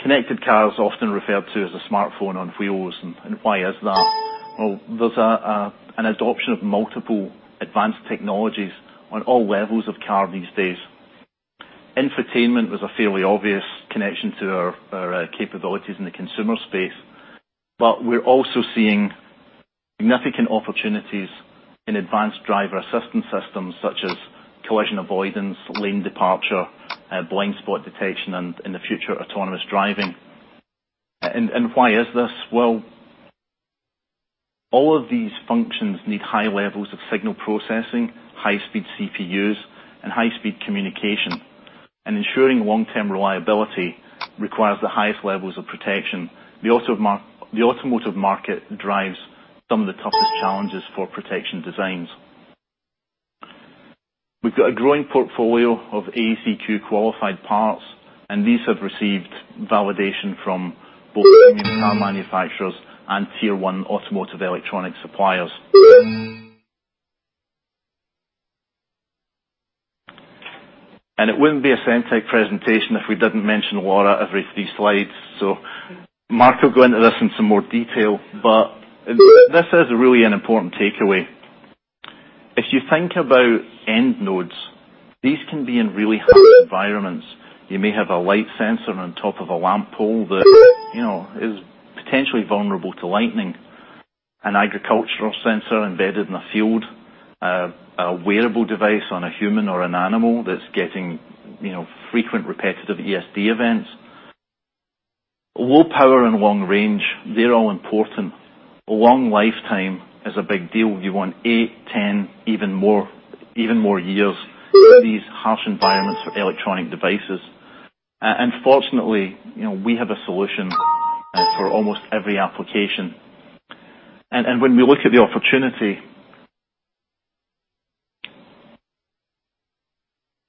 Speaker 9: Connected car is often referred to as a smartphone on wheels, and why is that? There's an adoption of multiple advanced technologies on all levels of car these days. Infotainment was a fairly obvious connection to our capabilities in the consumer space, but we're also seeing significant opportunities in advanced driver-assistance systems such as collision avoidance, lane departure, blind spot detection, and in the future, autonomous driving. Why is this? All of these functions need high levels of signal processing, high-speed CPUs, and high-speed communication. Ensuring long-term reliability requires the highest levels of protection. The automotive market drives some of the toughest challenges for protection designs. We've got a growing portfolio of AEC-Q qualified parts, and these have received validation from both new car manufacturers and Tier 1 automotive electronic suppliers. It wouldn't be a Semtech presentation if we didn't mention LoRa every three slides. Marc will go into this in some more detail, but this is really an important takeaway. If you think about end nodes, these can be in really harsh environments. You may have a light sensor on top of a lamp pole that is potentially vulnerable to lightning, an agricultural sensor embedded in a field, a wearable device on a human or an animal that's getting frequent repetitive ESD events. Low power and long range, they're all important. Long lifetime is a big deal. You want eight, 10, even more years in these harsh environments for electronic devices. Fortunately, we have a solution for almost every application. When we look at the opportunity,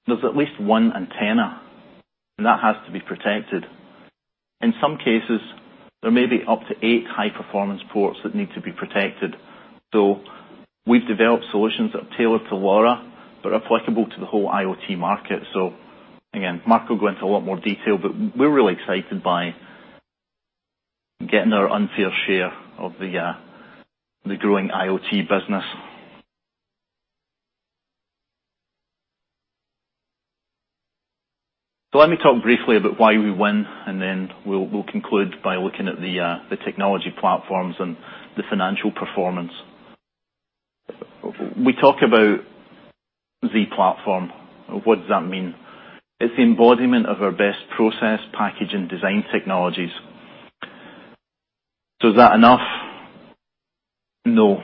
Speaker 9: there's at least one antenna, and that has to be protected. In some cases, there may be up to eight high-performance ports that need to be protected. We've developed solutions that are tailored to LoRa, but applicable to the whole IoT market. Again, Marc will go into a lot more detail, but we're really excited by getting our unfair share of the growing IoT business. Let me talk briefly about why we win, and then we'll conclude by looking at the technology platforms and the financial performance. We talk about Z-Platform. What does that mean? It's the embodiment of our best process, package, and design technologies. Is that enough? No.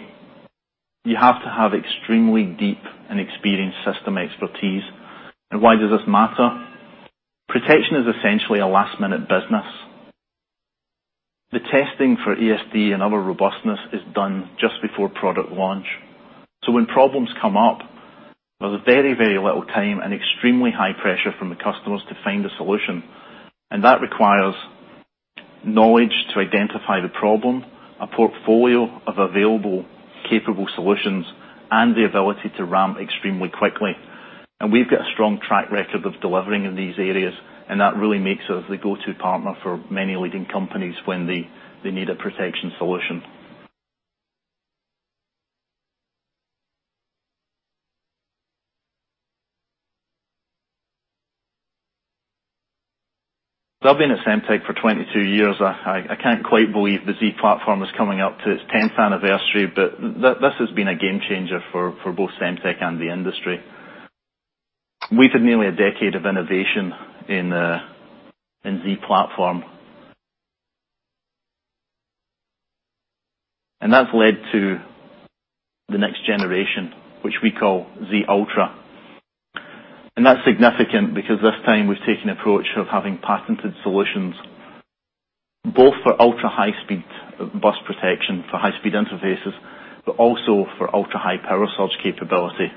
Speaker 9: You have to have extremely deep and experienced system expertise. Why does this matter? Protection is essentially a last-minute business. The testing for ESD and other robustness is done just before product launch. When problems come up, there's very, very little time and extremely high pressure from the customers to find a solution. That requires knowledge to identify the problem, a portfolio of available capable solutions, and the ability to ramp extremely quickly. We've got a strong track record of delivering in these areas, and that really makes us the go-to partner for many leading companies when they need a protection solution. I've been at Semtech for 22 years. I can't quite believe the Z-Platform is coming up to its 10th anniversary, but this has been a game changer for both Semtech and the industry. We've had nearly a decade of innovation in Z-Platform. That's led to the next generation, which we call Z-Ultra. That's significant because this time we've taken approach of having patented solutions, both for ultra-high-speed bus protection for high-speed interfaces, but also for ultra-high power surge capability.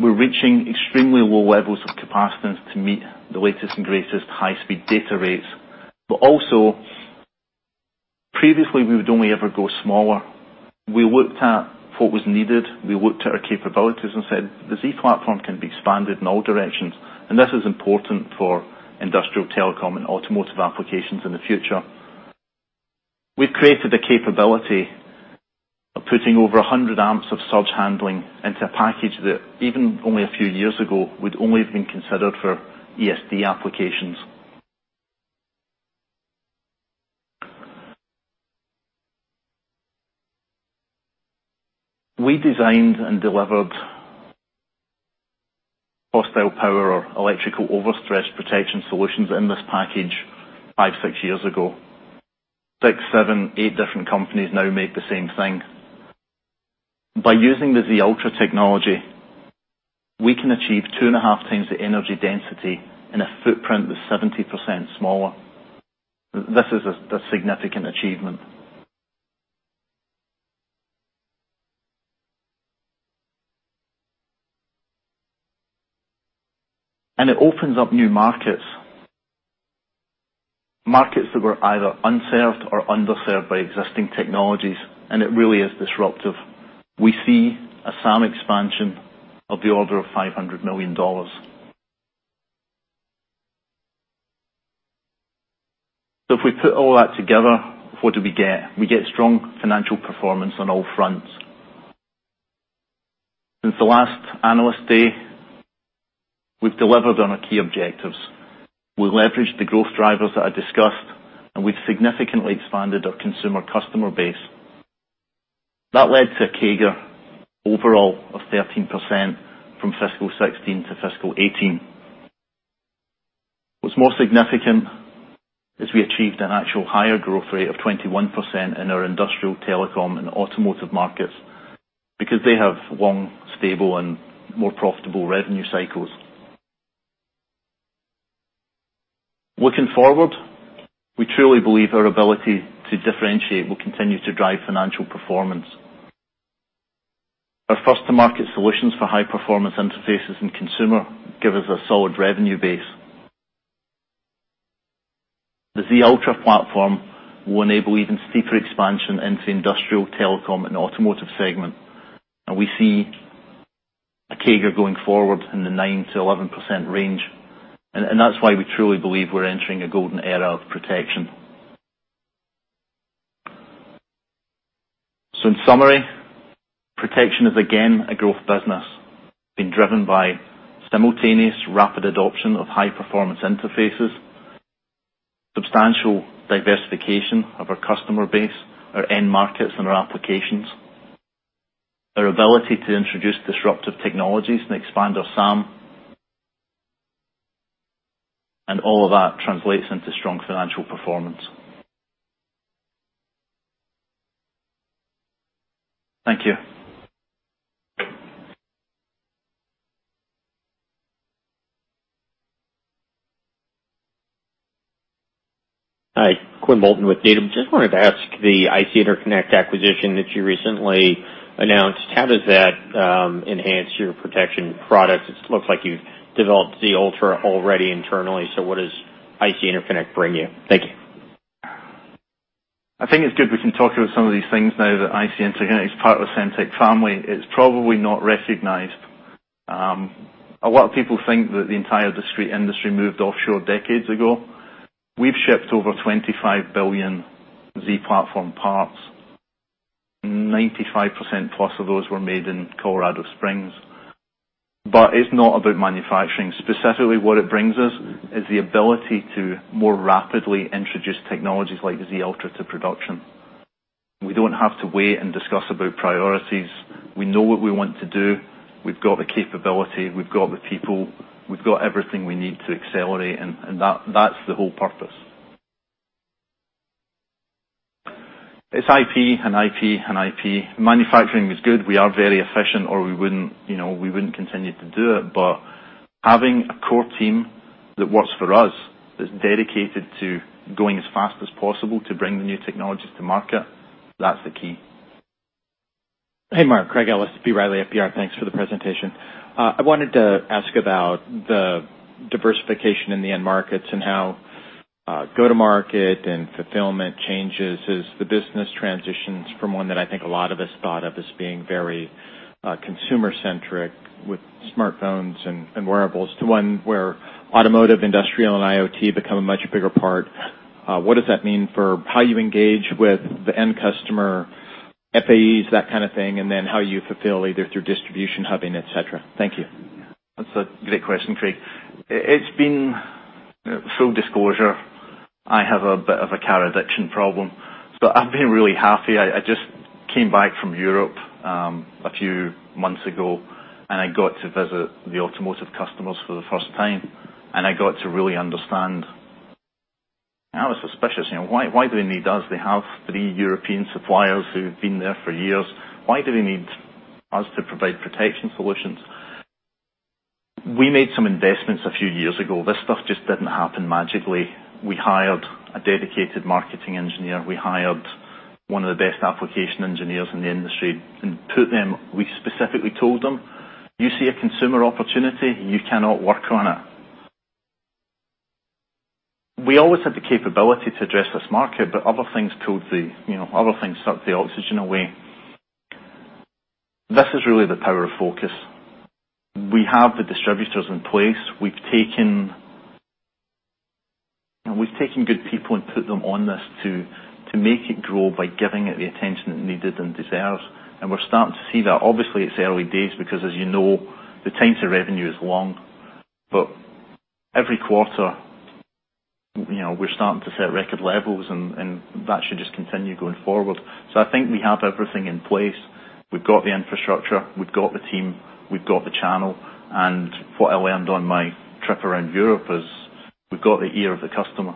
Speaker 9: We're reaching extremely low levels of capacitance to meet the latest and greatest high-speed data rates. Previously, we would only ever go smaller. We looked at what was needed. We looked at our capabilities and said the Z-Platform can be expanded in all directions, and this is important for industrial telecom and automotive applications in the future. We've created the capability of putting over 100 amps of surge handling into a package that even only a few years ago, would only have been considered for ESD applications. We designed and delivered hostile power or electrical overstress protection solutions in this package five, six years ago. Six, seven, eight different companies now make the same thing. By using the Z-Ultra technology, we can achieve two and a half times the energy density in a footprint that's 70% smaller. This is a significant achievement. It opens up new markets. Markets that were either unserved or underserved by existing technologies, and it really is disruptive. We see a SAM expansion of the order of $500 million. If we put all that together, what do we get? We get strong financial performance on all fronts. Since the last Analyst Day, we've delivered on our key objectives. We leveraged the growth drivers that I discussed, and we've significantly expanded our consumer customer base. That led to a CAGR overall of 13% from fiscal 2016 to fiscal 2018. What's more significant is we achieved an actual higher growth rate of 21% in our industrial telecom and automotive markets because they have long, stable, and more profitable revenue cycles. Looking forward, we truly believe our ability to differentiate will continue to drive financial performance. Our first-to-market solutions for high-performance interfaces and consumer give us a solid revenue base. The Z-Ultra platform will enable even steeper expansion into industrial telecom and automotive segment. We see a CAGR going forward in the 9% to 11% range. That's why we truly believe we're entering a golden era of protection. In summary, protection is again, a growth business being driven by simultaneous rapid adoption of high-performance interfaces, substantial diversification of our customer base, our end markets, and our applications. Our ability to introduce disruptive technologies and expand our SAM. All of that translates into strong financial performance. Thank you.
Speaker 10: Hi, Quinn Bolton with Needham. Just wanted to ask the IC Interconnect acquisition that you recently announced, how does that enhance your protection products? It looks like you've developed Z-Ultra already internally, so what does IC Interconnect bring you? Thank you.
Speaker 9: I think it's good we can talk about some of these things now that IC Interconnect is part of the Semtech family. It's probably not recognized. A lot of people think that the entire discrete industry moved offshore decades ago. We've shipped over $25 billion Z-Platform parts, 95%+ of those were made in Colorado Springs. It's not about manufacturing. Specifically, what it brings us is the ability to more rapidly introduce technologies like Z-Ultra to production. We don't have to wait and discuss about priorities. We know what we want to do. We've got the capability, we've got the people, we've got everything we need to accelerate, that's the whole purpose. It's IP, and IP. Manufacturing is good. We are very efficient, or we wouldn't continue to do it. Having a core team that works for us, that's dedicated to going as fast as possible to bring the new technologies to market, that's the key.
Speaker 3: Hey, Mark. Craig Ellis, B. Riley FBR. Thanks for the presentation. I wanted to ask about the diversification in the end markets and how go-to market and fulfillment changes as the business transitions from one that I think a lot of us thought of as being very consumer-centric with smartphones and wearables, to one where automotive, industrial, and IoT become a much bigger part. What does that mean for how you engage with the end customer, FAEs, that kind of thing, and then how you fulfill either through distribution, hubbing, et cetera? Thank you.
Speaker 9: Full disclosure, I have a bit of a car addiction problem, so I've been really happy. I just came back from Europe a few months ago, and I got to visit the automotive customers for the first time, and I got to really understand. I was suspicious. Why do they need us? They have three European suppliers who've been there for years. Why do they need us to provide protection solutions? We made some investments a few years ago. This stuff just didn't happen magically. We hired a dedicated marketing engineer. We hired one of the best application engineers in the industry, and we specifically told them, "You see a consumer opportunity, you cannot work on it." We always had the capability to address this market, but other things sucked the oxygen away. This is really the power of focus. We have the distributors in place. We've taken good people and put them on this to make it grow by giving it the attention it needed and deserves. We're starting to see that. Obviously, it's early days because as you know, the time to revenue is long. Every quarter, we're starting to set record levels, and that should just continue going forward. I think we have everything in place. We've got the infrastructure, we've got the team, we've got the channel. What I learned on my trip around Europe is we've got the ear of the customer.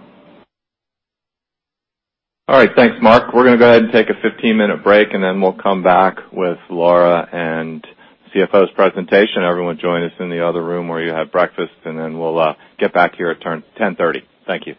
Speaker 2: All right. Thanks, Mark. We're going to go ahead and take a 15-minute break, and then we'll come back with LoRa and CFO's presentation. Everyone join us in the other room where you had breakfast, and then we'll get back here at 10:30 A.M. Thank you.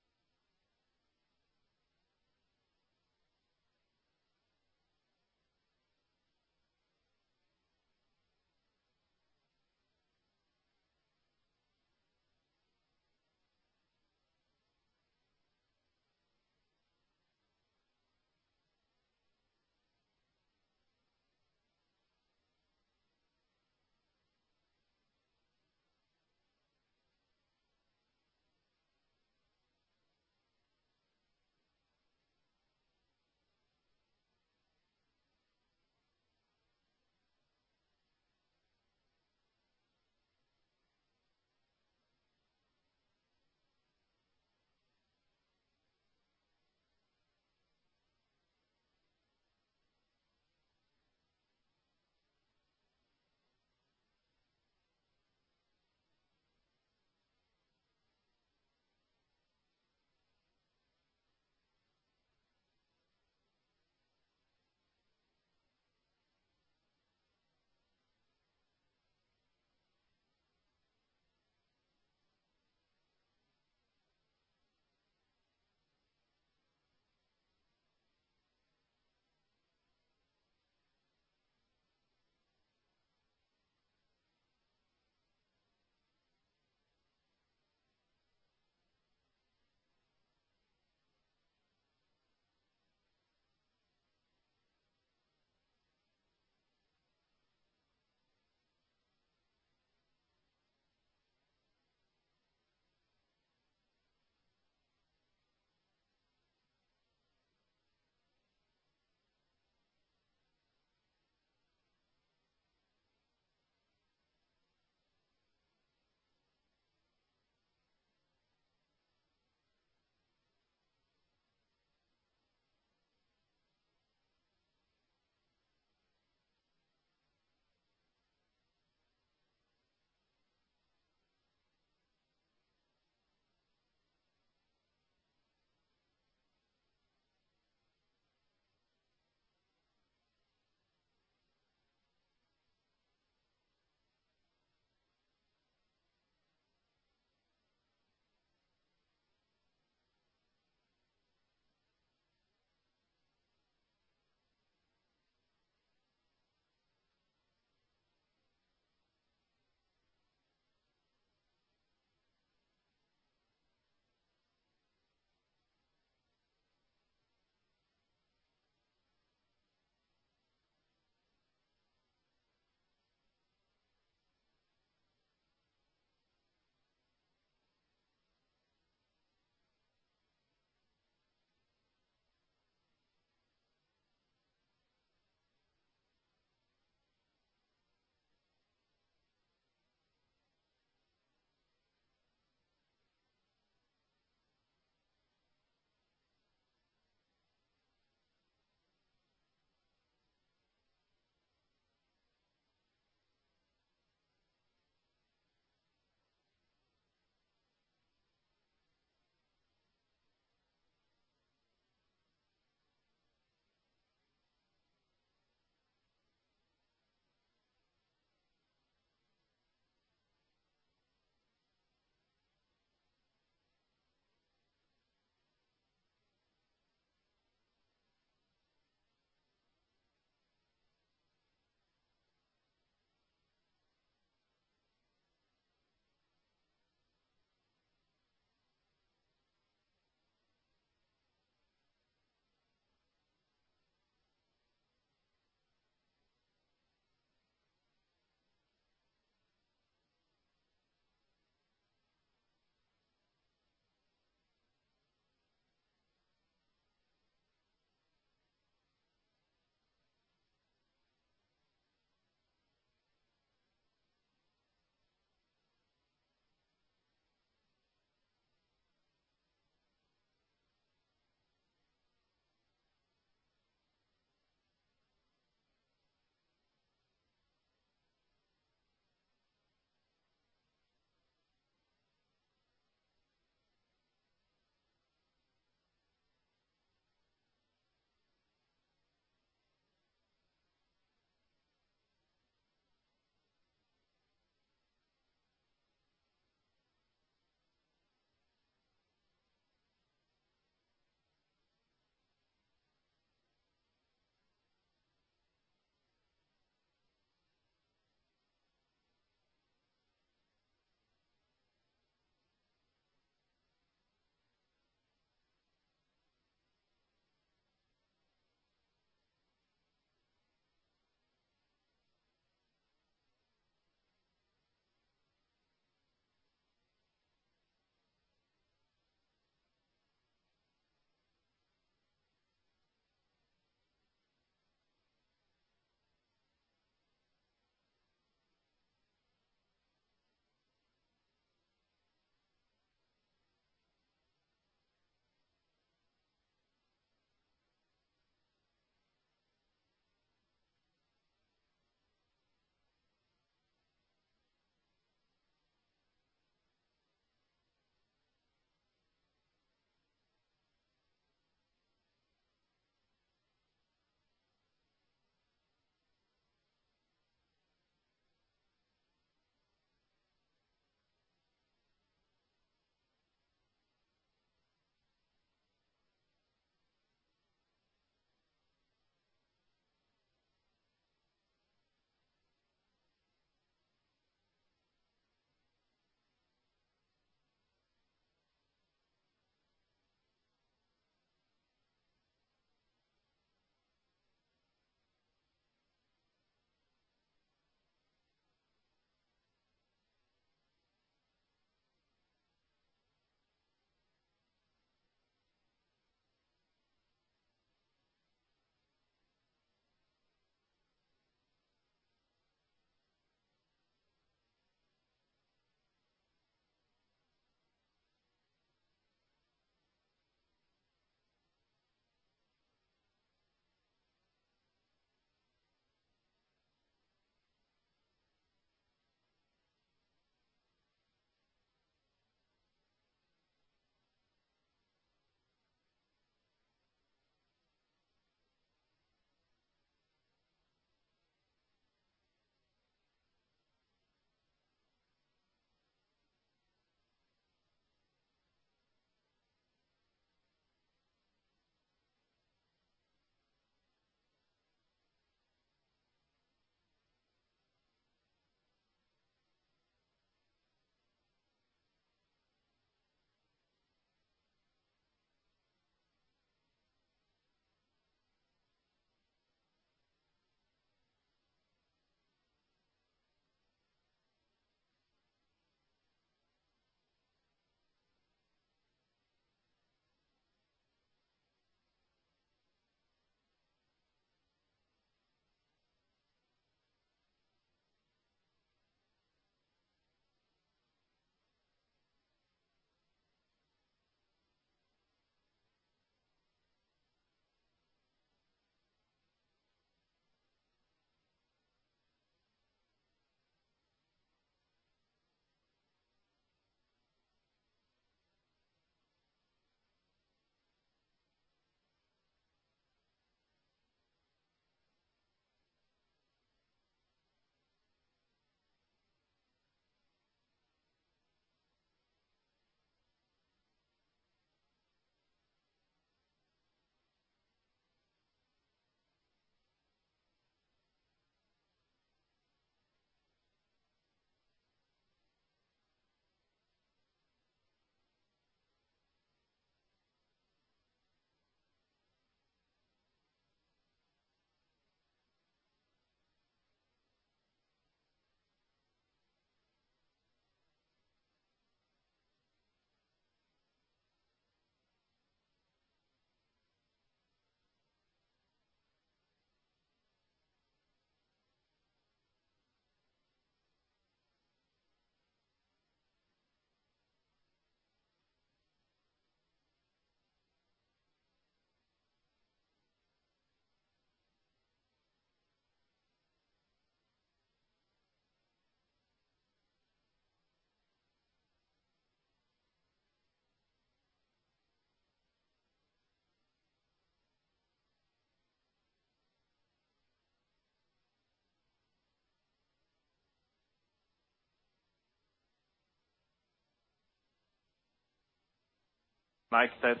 Speaker 11: Mike, test.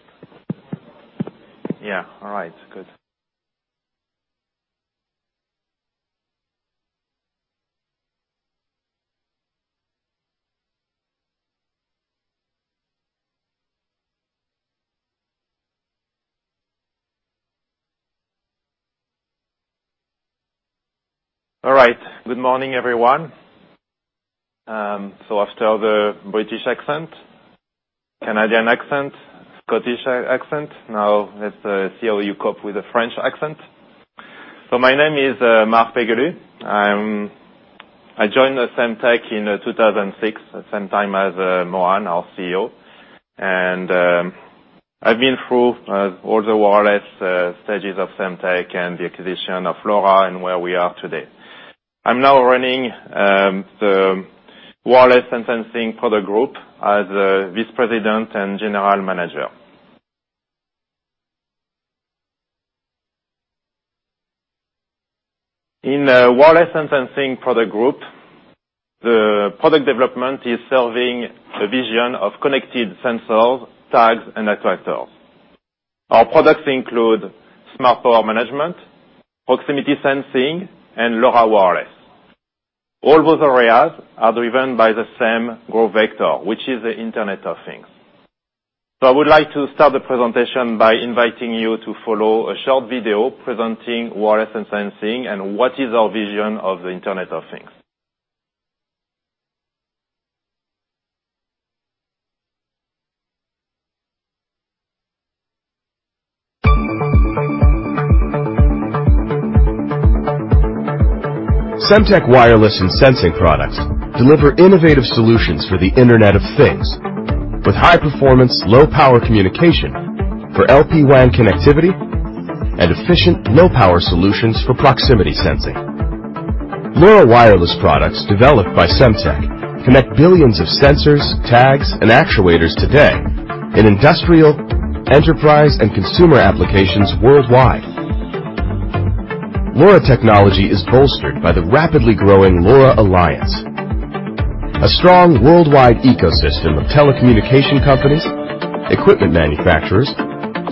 Speaker 11: Yeah. All right, good. All right. Good morning, everyone. After the British accent, Canadian accent, Scottish accent, now let's see how you cope with a French accent. My name is Marc Pégulu. I joined Semtech in 2006, the same time as Mohan, our CEO, and I've been through all the wireless stages of Semtech and the acquisition of LoRa and where we are today. I'm now running the Wireless and Sensing Product Group as Vice President and General Manager. In Wireless and Sensing Product Group, the product development is serving a vision of connected sensors, tags, and actuators. Our products include smart power management, proximity sensing, and LoRa wireless. All those areas are driven by the same growth vector, which is the Internet of Things. I would like to start the presentation by inviting you to follow a short video presenting wireless and sensing and what is our vision of the Internet of Things.
Speaker 5: Semtech wireless and sensing products deliver innovative solutions for the Internet of Things with high-performance, low-power communication for LPWAN connectivity and efficient low-power solutions for proximity sensing. LoRa wireless products developed by Semtech connect billions of sensors, tags, and actuators today in industrial, enterprise, and consumer applications worldwide. LoRa technology is bolstered by the rapidly growing LoRa Alliance. A strong worldwide ecosystem of telecommunication companies, equipment manufacturers,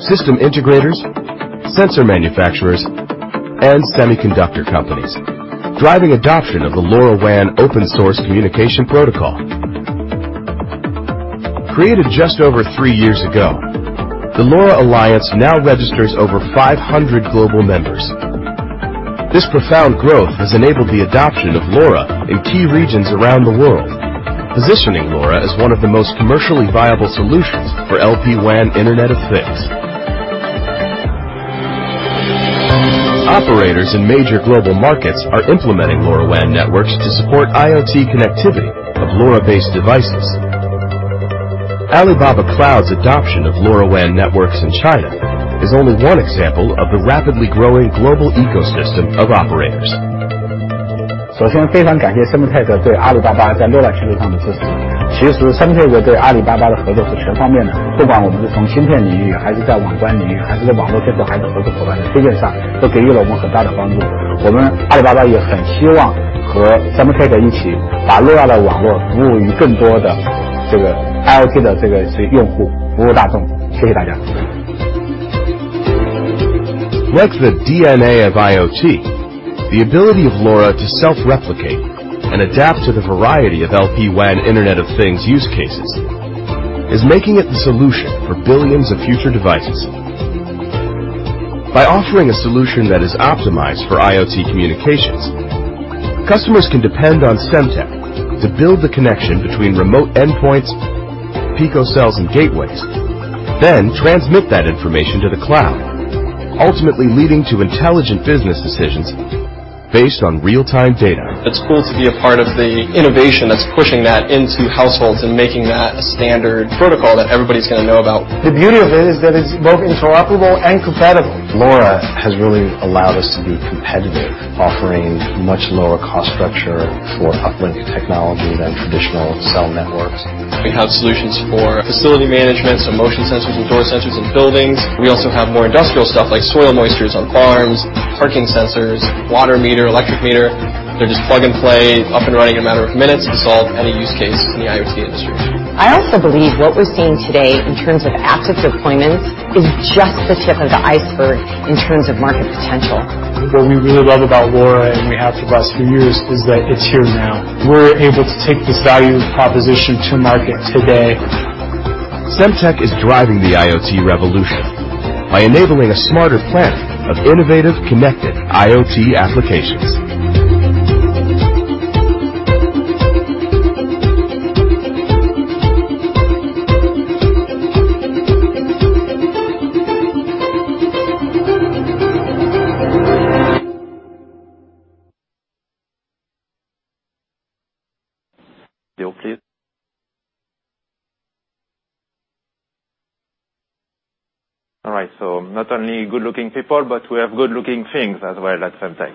Speaker 5: system integrators, sensor manufacturers, and semiconductor companies driving adoption of the LoRaWAN open source communication protocol. Created just over three years ago, the LoRa Alliance now registers over 500 global members. This profound growth has enabled the adoption of LoRa in key regions around the world, positioning LoRa as one of the most commercially viable solutions for LPWAN Internet of Things. Operators in major global markets are implementing LoRaWAN networks to support IoT connectivity of LoRa-based devices. Alibaba Cloud's adoption of LoRaWAN networks in China is only one example of the rapidly growing global ecosystem of operators.
Speaker 12: First of all, I would like to thank Semtech for their support of Alibaba in the LoRa ecosystem. Semtech's cooperation with Alibaba is all-encompassing, whether in the chip field, in the network access field, or in the cooperation with partners. They have given us a lot of help. Alibaba also hopes to work with Semtech to provide LoRa networks to more IoT users and serve the public. Thank you.
Speaker 5: Like the DNA of IoT, the ability of LoRa to self-replicate and adapt to the variety of LPWAN Internet of Things use cases is making it the solution for billions of future devices. By offering a solution that is optimized for IoT communications, customers can depend on Semtech to build the connection between remote endpoints, picocells, and gateways, then transmit that information to the cloud, ultimately leading to intelligent business decisions based on real-time data.
Speaker 13: It's cool to be a part of the innovation that's pushing that into households and making that a standard protocol that everybody's going to know about.
Speaker 6: The beauty of it is that it's both interoperable and competitive.
Speaker 14: LoRa has really allowed us to be competitive, offering much lower cost structure for uplink technology than traditional cell networks.
Speaker 13: We have solutions for facility management, motion sensors and door sensors in buildings. We also have more industrial stuff like soil moistures on farms, parking sensors, water meter, electric meter. They're just plug and play, up and running in a matter of minutes to solve any use case in the IoT industry.
Speaker 15: I also believe what we're seeing today in terms of active deployments is just the tip of the iceberg in terms of market potential.
Speaker 16: What we really love about LoRa, we have for the last few years, is that it's here now. We're able to take this value proposition to market today.
Speaker 5: Semtech is driving the IoT revolution by enabling a smarter planet of innovative, connected IoT applications.
Speaker 11: Still, please. All right, not only good-looking people, but we have good-looking things as well at Semtech.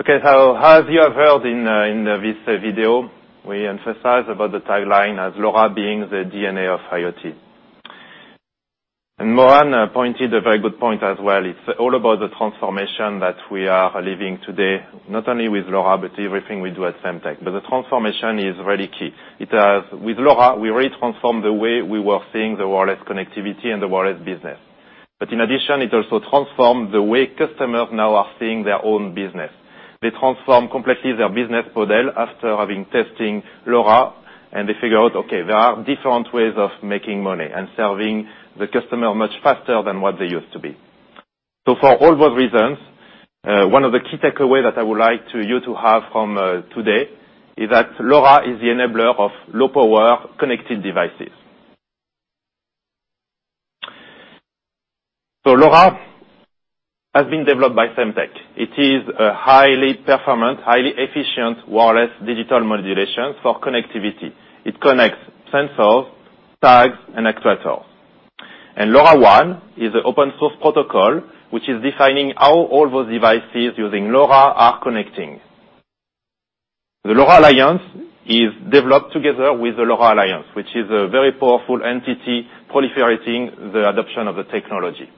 Speaker 11: Okay. As you have heard in this video, we emphasize about the tagline as LoRa being the DNA of IoT. Mohan pointed a very good point as well. It's all about the transformation that we are living today, not only with LoRa, but everything we do at Semtech. The transformation is really key. With LoRa, we really transformed the way we were seeing the wireless connectivity and the wireless business. In addition, it also transformed the way customers now are seeing their own business. They transform completely their business model after having testing LoRa, and they figure out, okay, there are different ways of making money and serving the customer much faster than what they used to be. For all those reasons, one of the key takeaway that I would like you to have from today is that LoRa is the enabler of low-power connected devices. LoRa has been developed by Semtech. It is a highly performant, highly efficient, wireless digital modulation for connectivity. It connects sensors, tags, and actuators. LoRaWAN is an open source protocol which is defining how all those devices using LoRa are connecting. The LoRa Alliance is developed together with the LoRa Alliance, which is a very powerful entity proliferating the adoption of the technology.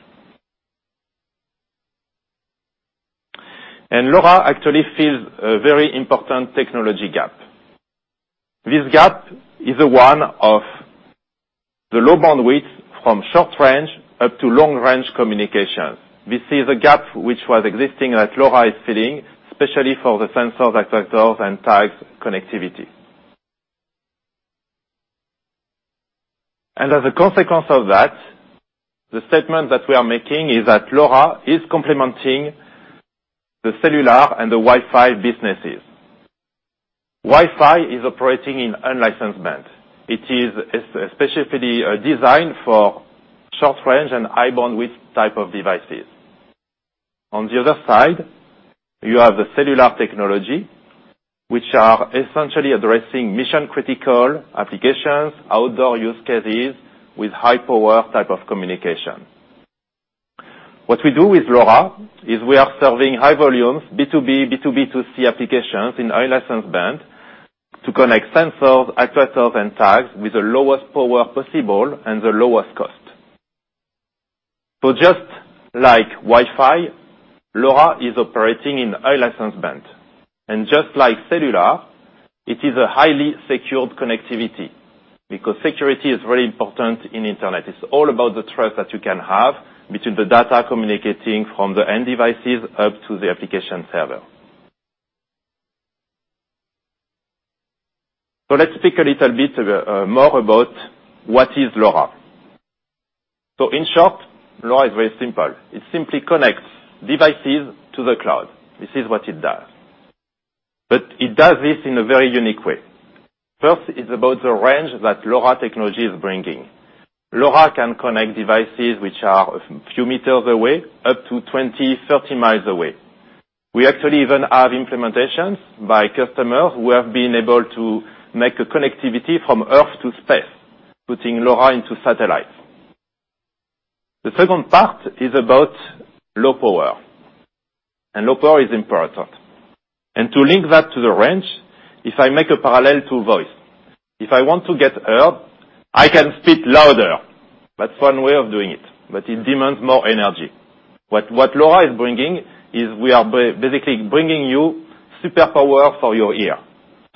Speaker 11: LoRa actually fills a very important technology gap. This gap is the one of the low bandwidth from short range up to long range communication. This is a gap which was existing that LoRa is filling, especially for the sensors, actuators, and tags connectivity. As a consequence of that, the statement that we are making is that LoRa is complementing the cellular and the Wi-Fi businesses. Wi-Fi is operating in unlicensed band. It is specifically designed for short range and high bandwidth type of devices. On the other side, you have the cellular technology, which are essentially addressing mission-critical applications, outdoor use cases with high power type of communication. What we do with LoRa is we are serving high volumes, B2B, B2B2C applications in unlicensed band to connect sensors, actuators, and tags with the lowest power possible and the lowest cost. Just like Wi-Fi, LoRa is operating in a license band. Just like cellular, it is a highly secured connectivity, because security is very important in Internet. It's all about the trust that you can have between the data communicating from the end devices up to the application server. Let's speak a little bit more about what is LoRa. In short, LoRa is very simple. It simply connects devices to the cloud. This is what it does. It does this in a very unique way. First, it's about the range that LoRa technology is bringing. LoRa can connect devices which are a few meters away, up to 20, 30 miles away. We actually even have implementations by customers who have been able to make a connectivity from Earth to space, putting LoRa into satellites. The second part is about low power, and low power is important. To link that to the range, if I make a parallel to voice, if I want to get heard, I can speak louder. That's one way of doing it, but it demands more energy. What LoRa is bringing is we are basically bringing you superpower for your ear.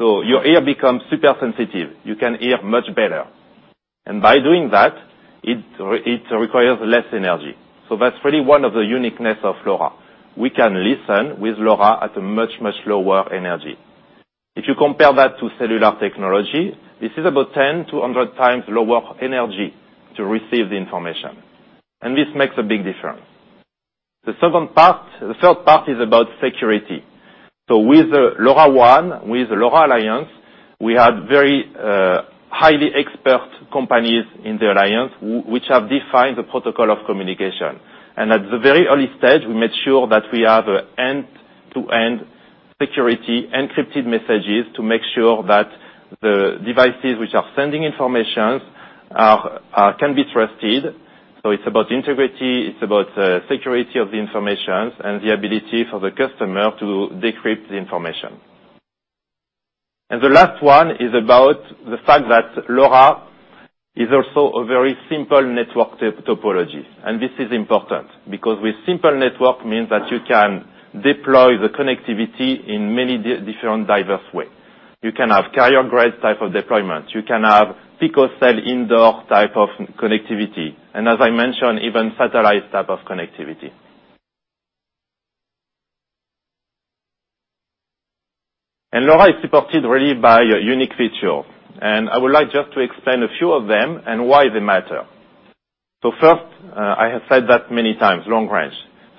Speaker 11: Your ear becomes super sensitive. You can hear much better. By doing that, it requires less energy. That's really one of the uniqueness of LoRa. We can listen with LoRa at a much, much lower energy. If you compare that to cellular technology, this is about 10 to 100 times lower energy to receive the information. This makes a big difference. The third part is about security. With LoRaWAN, with LoRa Alliance, we have very highly expert companies in the alliance, which have defined the protocol of communication. At the very early stage, we made sure that we have end-to-end security, encrypted messages to make sure that the devices which are sending informations can be trusted. It's about integrity, it's about security of the informations, and the ability for the customer to decrypt the information. The last one is about the fact that LoRa is also a very simple network topology. This is important because with simple network means that you can deploy the connectivity in many different, diverse ways. You can have carrier-grade type of deployments. You can have picocell indoor type of connectivity, and as I mentioned, even satellite type of connectivity. LoRa is supported really by a unique feature, and I would like just to explain a few of them and why they matter. First, I have said that many times, long range.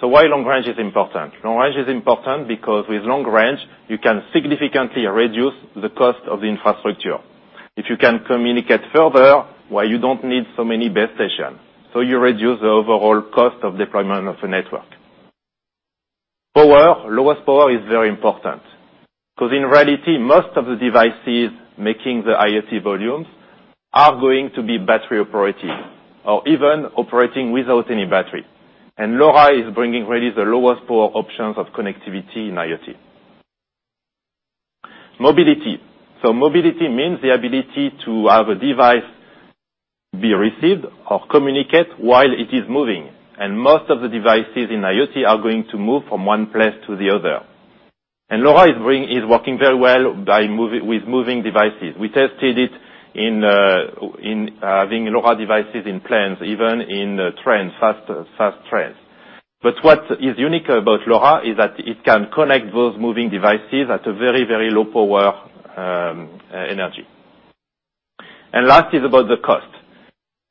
Speaker 11: Why long range is important? Long range is important because with long range, you can significantly reduce the cost of the infrastructure. If you can communicate further, why you don't need so many base stations? You reduce the overall cost of deployment of a network. Power. Lowest power is very important, because in reality, most of the devices making the IoT volumes are going to be battery operated or even operating without any battery. LoRa is bringing really the lowest power options of connectivity in IoT. Mobility. Mobility means the ability to have a device be received or communicate while it is moving. Most of the devices in IoT are going to move from one place to the other. LoRa is working very well with moving devices. We tested it in having LoRa devices in planes, even in trains, fast trains. What is unique about LoRa is that it can connect those moving devices at a very, very low power energy. Last is about the cost.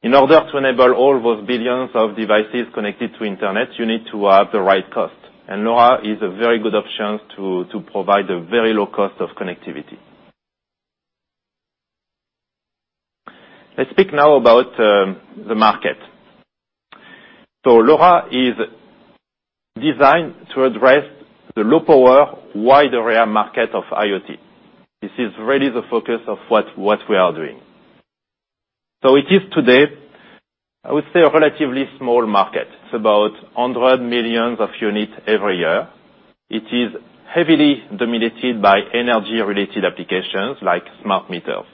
Speaker 11: In order to enable all those billions of devices connected to Internet, you need to have the right cost. LoRa is a very good option to provide a very low cost of connectivity. Let's speak now about the market. LoRa is designed to address the low power, wide area market of IoT. This is really the focus of what we are doing. It is today, I would say, a relatively small market. It's about 100 million of units every year. It is heavily dominated by energy-related applications like smart meters.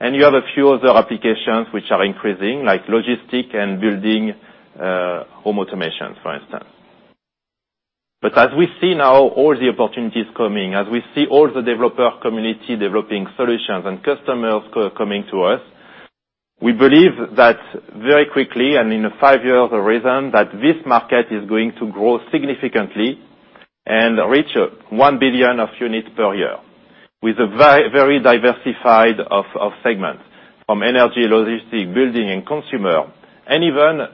Speaker 11: You have a few other applications which are increasing, like logistic and building home automations, for instance. As we see now all the opportunities coming, as we see all the developer community developing solutions and customers coming to us, we believe that very quickly, and in a 5-year horizon, that this market is going to grow significantly and reach 1 billion of units per year with a very diversified of segments from energy, logistic, building, and consumer, and even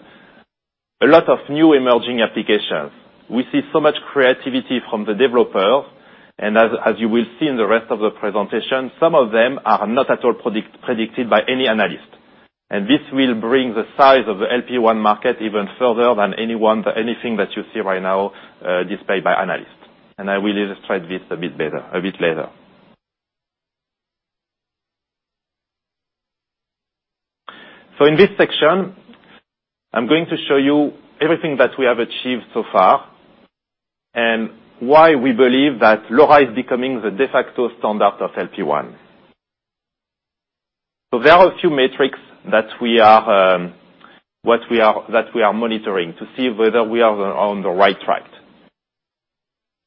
Speaker 11: a lot of new emerging applications. We see so much creativity from the developers, as you will see in the rest of the presentation, some of them are not at all predicted by any analyst. This will bring the size of the LPWAN market even further than anyone or anything that you see right now displayed by analysts, and I will illustrate this a bit later. In this section, I'm going to show you everything that we have achieved so far and why we believe that LoRa is becoming the de facto standard of LPWAN. There are a few metrics that we are monitoring to see whether we are on the right track.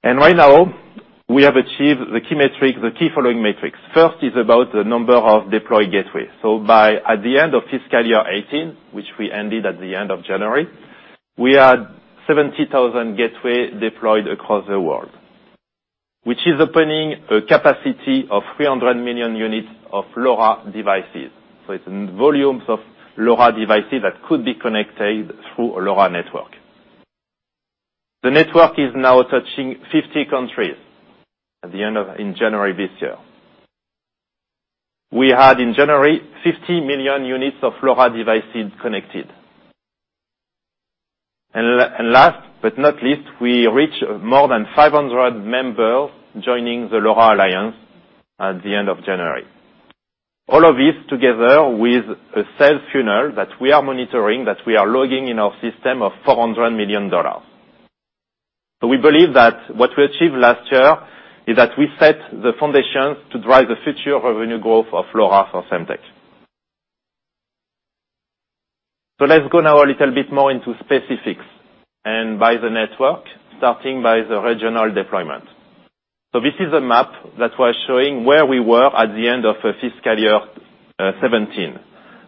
Speaker 11: Right now we have achieved the key following metrics. First is about the number of deployed gateways. By the end of fiscal year 2018, which we ended at the end of January, we had 70,000 gateway deployed across the world. Which is opening a capacity of 300 million units of LoRa devices. It's volumes of LoRa devices that could be connected through a LoRa network. The network is now touching 50 countries at the end of in January this year. We had, in January, 50 million units of LoRa devices connected. Last but not least, we reach more than 500 members joining the LoRa Alliance at the end of January. All of this together with a sales funnel that we are monitoring, that we are logging in our system of $400 million. We believe that what we achieved last year is that we set the foundations to drive the future revenue growth of LoRa for Semtech. Let's go now a little bit more into specifics and by the network, starting by the regional deployment. This is a map that was showing where we were at the end of fiscal year 2017.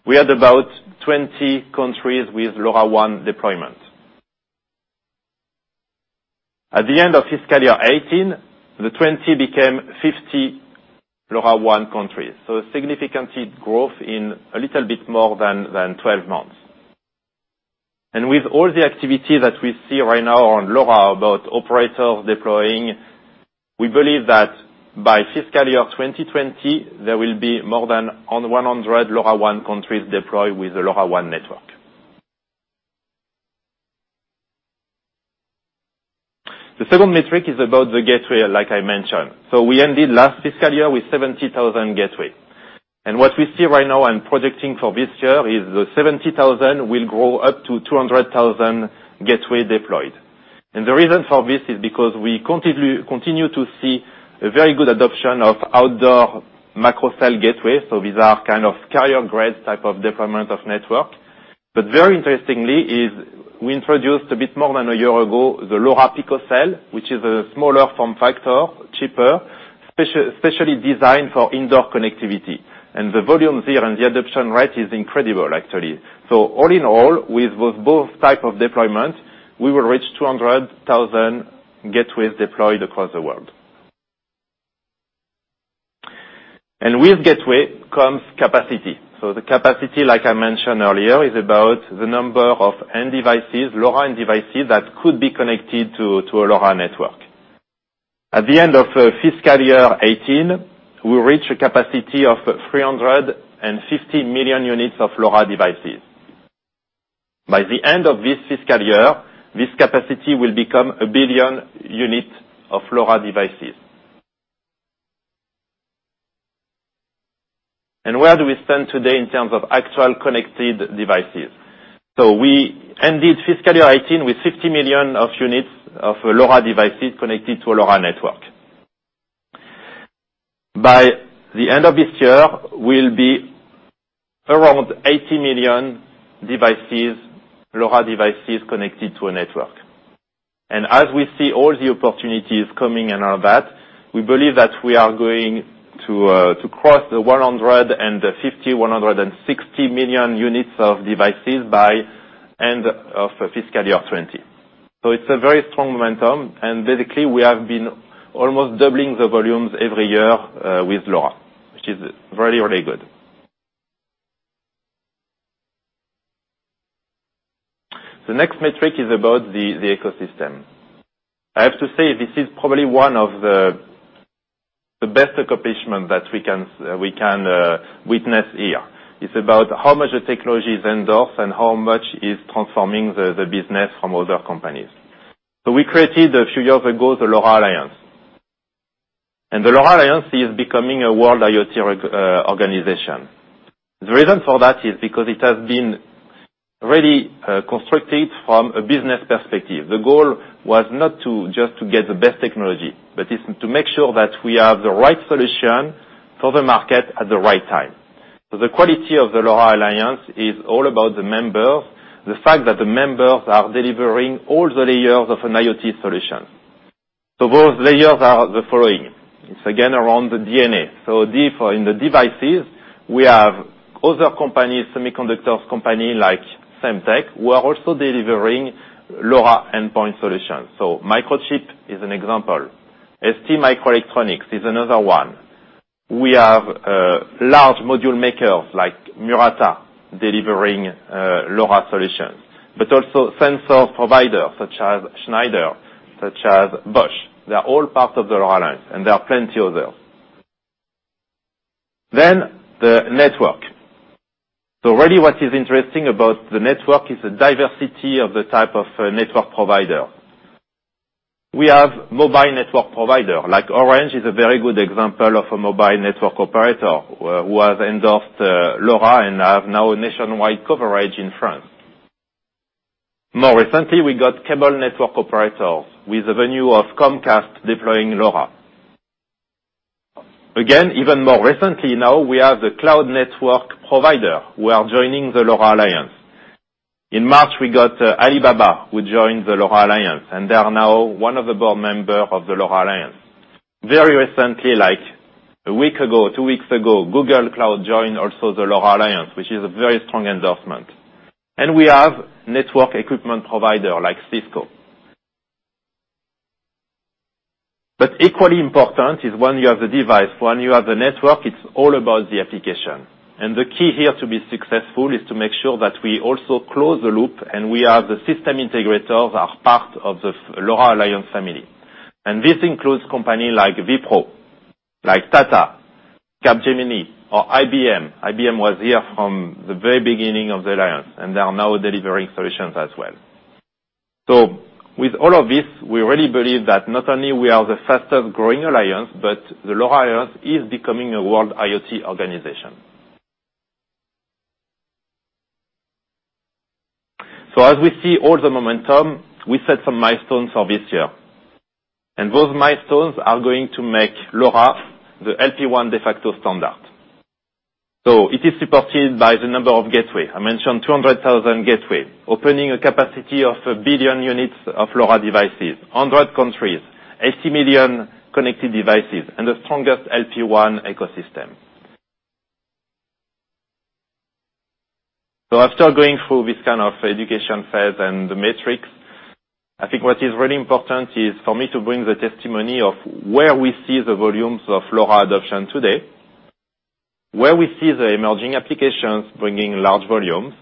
Speaker 11: We had about 20 countries with LoRaWAN deployment. At the end of fiscal year 2018, the 20 became 50 LoRaWAN countries. A significant growth in a little bit more than 12 months. With all the activity that we see right now on LoRa about operators deploying, we believe that by fiscal year 2020, there will be more than 100 LoRaWAN countries deployed with the LoRaWAN network. The second metric is about the gateway, like I mentioned. We ended last fiscal year with 70,000 gateway. What we see right now and projecting for this year is the 70,000 will grow up to 200,000 gateway deployed. The reason for this is because we continue to see a very good adoption of outdoor microcell gateway. These are carrier grade type of deployment of network. Very interestingly is we introduced a bit more than a year ago, the LoRa picocell, which is a smaller form factor, cheaper, specially designed for indoor connectivity. The volume there and the adoption rate is incredible, actually. All in all, with both type of deployment, we will reach 200,000 gateways deployed across the world. With gateway comes capacity. The capacity, like I mentioned earlier, is about the number of end devices, LoRa end devices, that could be connected to a LoRa network. At the end of FY 2018, we reach a capacity of 350 million units of LoRa devices. By the end of this fiscal year, this capacity will become 1 billion unit of LoRa devices. Where do we stand today in terms of actual connected devices? We ended FY 2018 with 50 million of units of LoRa devices connected to a LoRa network. By the end of this year, we'll be around 80 million LoRa devices connected to a network. As we see all the opportunities coming and all that, we believe that we are going to cross the 150, 160 million units of devices by end of FY 2020. It's a very strong momentum, basically, we have been almost doubling the volumes every year, with LoRa, which is very, very good. The next metric is about the ecosystem. I have to say, this is probably one of the best accomplishment that we can witness here. It's about how much the technology is endorsed and how much is transforming the business from other companies. We created, a few years ago, the LoRa Alliance. The LoRa Alliance is becoming a world IoT organization. The reason for that is because it has been really constructed from a business perspective. The goal was not to just to get the best technology, but it's to make sure that we have the right solution for the market at the right time. The quality of the LoRa Alliance is all about the members. The fact that the members are delivering all the layers of an IoT solution. Those layers are the following. It's again around the DNA. D for in the devices, we have other companies, semiconductors company like Semtech, who are also delivering LoRa endpoint solutions. Microchip is an example. STMicroelectronics is another one. We have large module makers like Murata delivering LoRa solutions, but also sensor providers such as Schneider, such as Bosch. They're all part of the LoRa Alliance, and there are plenty others. The network. Really what is interesting about the network is the diversity of the type of network provider. We have mobile network provider, like Orange is a very good example of a mobile network operator, who has endorsed LoRa and have now a nationwide coverage in France. More recently, we got cable network operators with the venture of Comcast deploying LoRa. Even more recently now, we have the cloud network provider who are joining the LoRa Alliance. In March, we got Alibaba, who joined the LoRa Alliance, and they are now one of the board member of the LoRa Alliance. Very recently, like a week ago, two weeks ago, Google Cloud joined also the LoRa Alliance, which is a very strong endorsement. We have network equipment provider like Cisco. Equally important is when you have the device, when you have the network, it's all about the application. The key here to be successful is to make sure that we also close the loop, and we have the system integrators are part of the LoRa Alliance family. This includes company like Wipro, like Tata, Capgemini, or IBM. IBM was here from the very beginning of the alliance and they are now delivering solutions as well. With all of this, we really believe that not only we are the fastest-growing alliance, but the LoRa Alliance is becoming a world IoT organization. As we see all the momentum, we set some milestones for this year, and those milestones are going to make LoRa the LPWAN de facto standard. It is supported by the number of gateway. I mentioned 200,000 gateway, opening a capacity of 1 billion units of LoRa devices, 100 countries, 80 million connected devices, and the strongest LPWAN ecosystem. After going through this kind of education phase and the metrics, I think what is really important is for me to bring the testimony of where we see the volumes of LoRa adoption today, where we see the emerging applications bringing large volumes,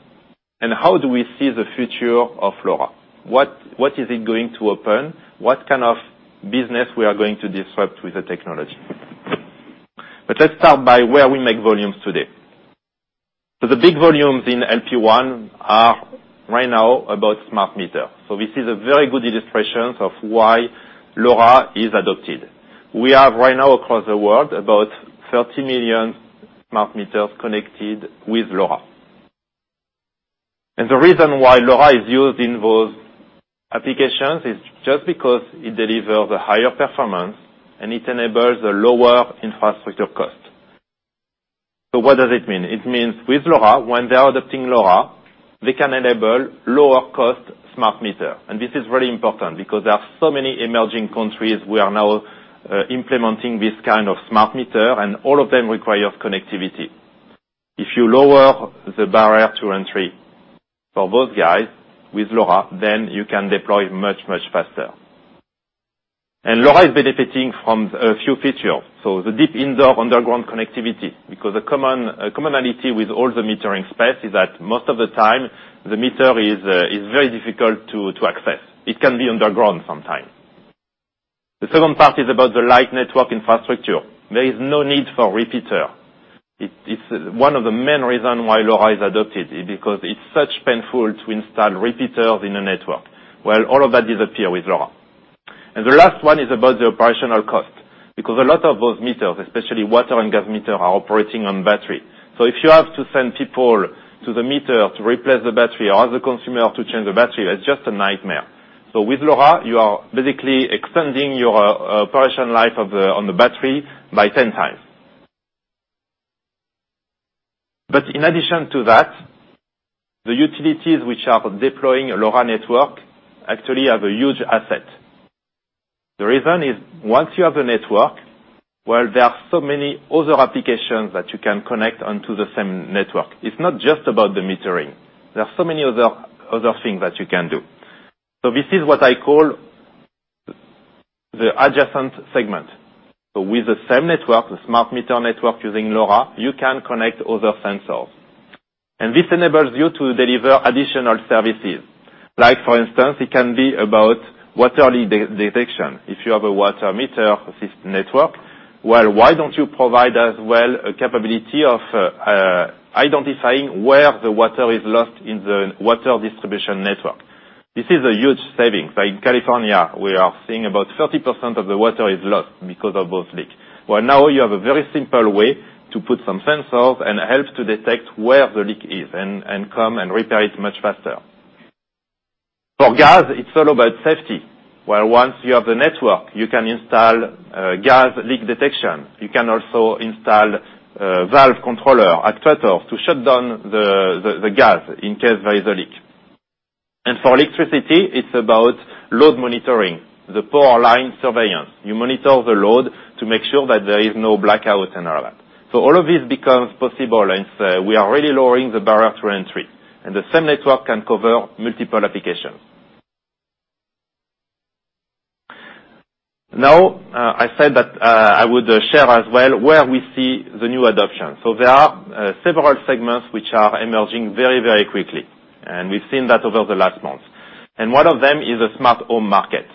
Speaker 11: and how do we see the future of LoRa. What is it going to open? What kind of business we are going to disrupt with the technology? Let's start by where we make volumes today. The big volumes in LPWAN are right now about smart meter. This is a very good illustration of why LoRa is adopted. We have right now across the world about 30 million smart meters connected with LoRa. The reason why LoRa is used in those applications is just because it delivers a higher performance, and it enables a lower infrastructure cost. What does it mean? It means with LoRa, when they are adopting LoRa, they can enable lower cost smart meter. This is very important because there are so many emerging countries who are now implementing this kind of smart meter, and all of them require connectivity. If you lower the barrier to entry for both guys with LoRa, you can deploy much, much faster. LoRa is benefiting from a few features. The deep indoor underground connectivity, because a commonality with all the metering space is that most of the time, the meter is very difficult to access. It can be underground sometime. The second part is about the light network infrastructure. There is no need for repeater. It's one of the main reason why LoRa is adopted, because it's such painful to install repeaters in a network, while all of that disappear with LoRa. The last one is about the operational cost, because a lot of those meters, especially water and gas meter, are operating on battery. If you have to send people to the meter to replace the battery or the consumer to change the battery, that's just a nightmare. With LoRa, you are basically extending your operation life on the battery by 10 times. In addition to that, the utilities which are deploying a LoRa network actually have a huge asset. The reason is once you have a network, well, there are so many other applications that you can connect onto the same network. It's not just about the metering. There are so many other things that you can do. This is what I call the adjacent segment. With the same network, the smart meter network using LoRa, you can connect other sensors. This enables you to deliver additional services. Like for instance, it can be about water leak detection. If you have a water meter system network, well, why don't you provide as well a capability of identifying where the water is lost in the water distribution network? This is a huge savings. Like in California, we are seeing about 30% of the water is lost because of those leak. Well, now you have a very simple way to put some sensors and help to detect where the leak is and come and repair it much faster. For gas, it's all about safety. Well, once you have the network, you can install gas leak detection. You can also install valve controller, a cutoff to shut down the gas in case there is a leak. For electricity, it's about load monitoring, the power line surveillance. You monitor the load to make sure that there is no blackout and all that. All of this becomes possible, and we are really lowering the barrier to entry. The same network can cover multiple applications. Now, I said that I would share as well where we see the new adoption. There are several segments which are emerging very, very quickly, and we've seen that over the last months. One of them is the smart home market.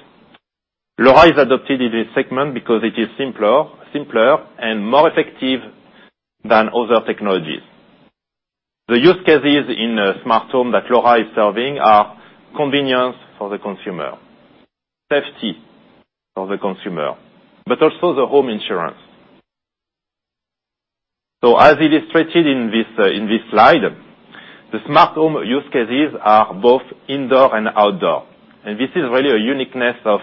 Speaker 11: LoRa is adopted in this segment because it is simpler and more effective than other technologies. The use cases in a smart home that LoRa is serving are convenience for the consumer, safety for the consumer, but also the home insurance. As illustrated in this slide, the smart home use cases are both indoor and outdoor. This is really a uniqueness of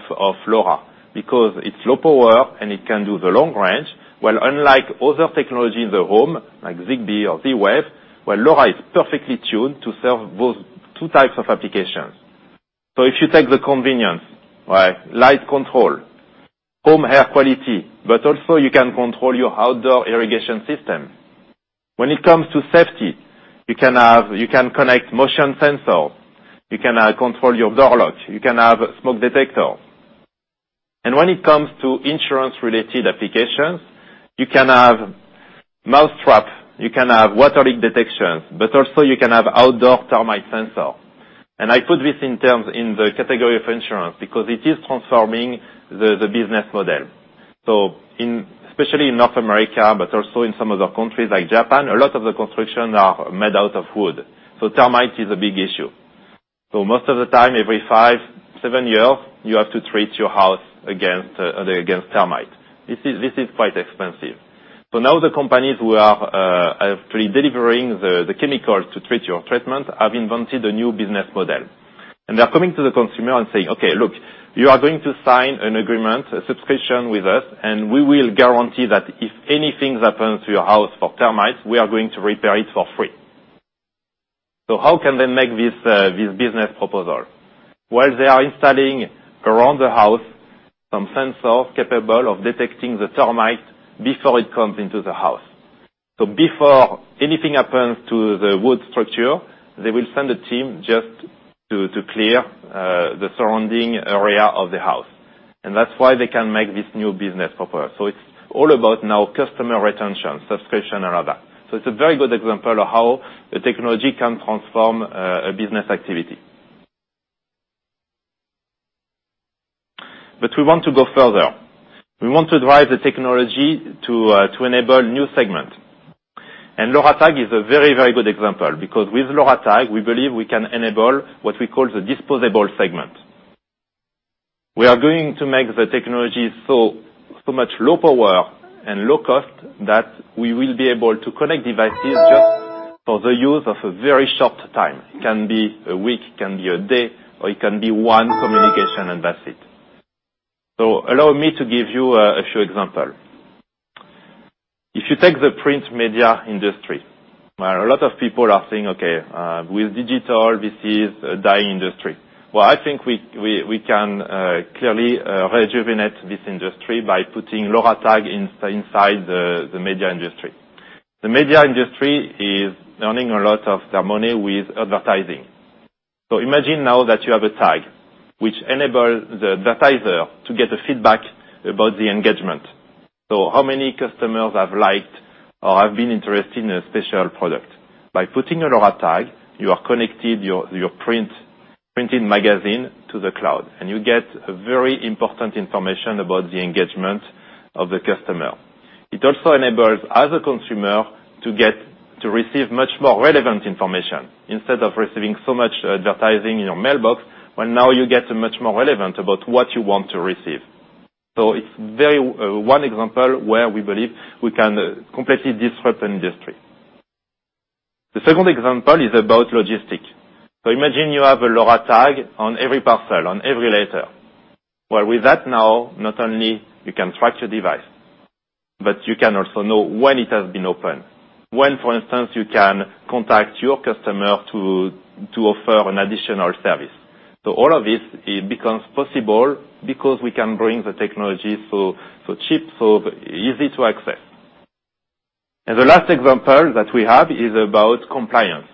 Speaker 11: LoRa, because it's low power and it can do the long range, while unlike other technology in the home, like Zigbee or Z-Wave, where LoRa is perfectly tuned to serve those two types of applications. If you take the convenience, like light control, home air quality, but also you can control your outdoor irrigation system. When it comes to safety, you can connect motion sensor, you can control your door lock, you can have smoke detector. When it comes to insurance-related applications, you can have mouse trap, you can have water leak detection, but also you can have outdoor termite sensor. I put this in the category of insurance, because it is transforming the business model. Especially in North America, but also in some other countries like Japan, a lot of the construction are made out of wood. Termite is a big issue. Most of the time, every 5, 7 years, you have to treat your house against termite. This is quite expensive. Now the companies who are actually delivering the chemicals to treat your treatment have invented a new business model. They are coming to the consumer and saying, "Okay, look. You are going to sign an agreement, a subscription with us, and we will guarantee that if anything happens to your house for termites, we are going to repair it for free." How can they make this business proposal? Well, they are installing around the house some sensors capable of detecting the termite before it comes into the house. Before anything happens to the wood structure, they will send a team just to clear the surrounding area of the house. That's why they can make this new business proposal. It's all about now customer retention, subscription and other. It's a very good example of how a technology can transform a business activity. We want to go further. We want to drive the technology to enable new segment. LoRa tag is a very, very good example, because with LoRa tag, we believe we can enable what we call the disposable segment. We are going to make the technology so much low power and low cost that we will be able to connect devices just for the use of a very short time. It can be a week, it can be a day, or it can be one communication and that's it. Allow me to give you a few examples. If you take the print media industry, where a lot of people are saying, "Okay, with digital, this is a dying industry." Well, I think we can clearly rejuvenate this industry by putting LoRa tag inside the media industry. The media industry is earning a lot of their money with advertising. Imagine now that you have a tag which enables the advertiser to get a feedback about the engagement. How many customers have liked or have been interested in a special product? By putting a LoRa tag, you are connecting your printed magazine to the cloud, and you get a very important information about the engagement of the customer. It also enables as a consumer to receive much more relevant information, instead of receiving so much advertising in your mailbox, where now you get much more relevant about what you want to receive. It's one example where we believe we can completely disrupt an industry. The second example is about logistics. Imagine you have a LoRa tag on every parcel, on every letter. Well, with that now, not only you can track your device, but you can also know when it has been opened. When, for instance, you can contact your customer to offer an additional service. All of this, it becomes possible because we can bring the technology so cheap, so easy to access. The last example that we have is about compliance.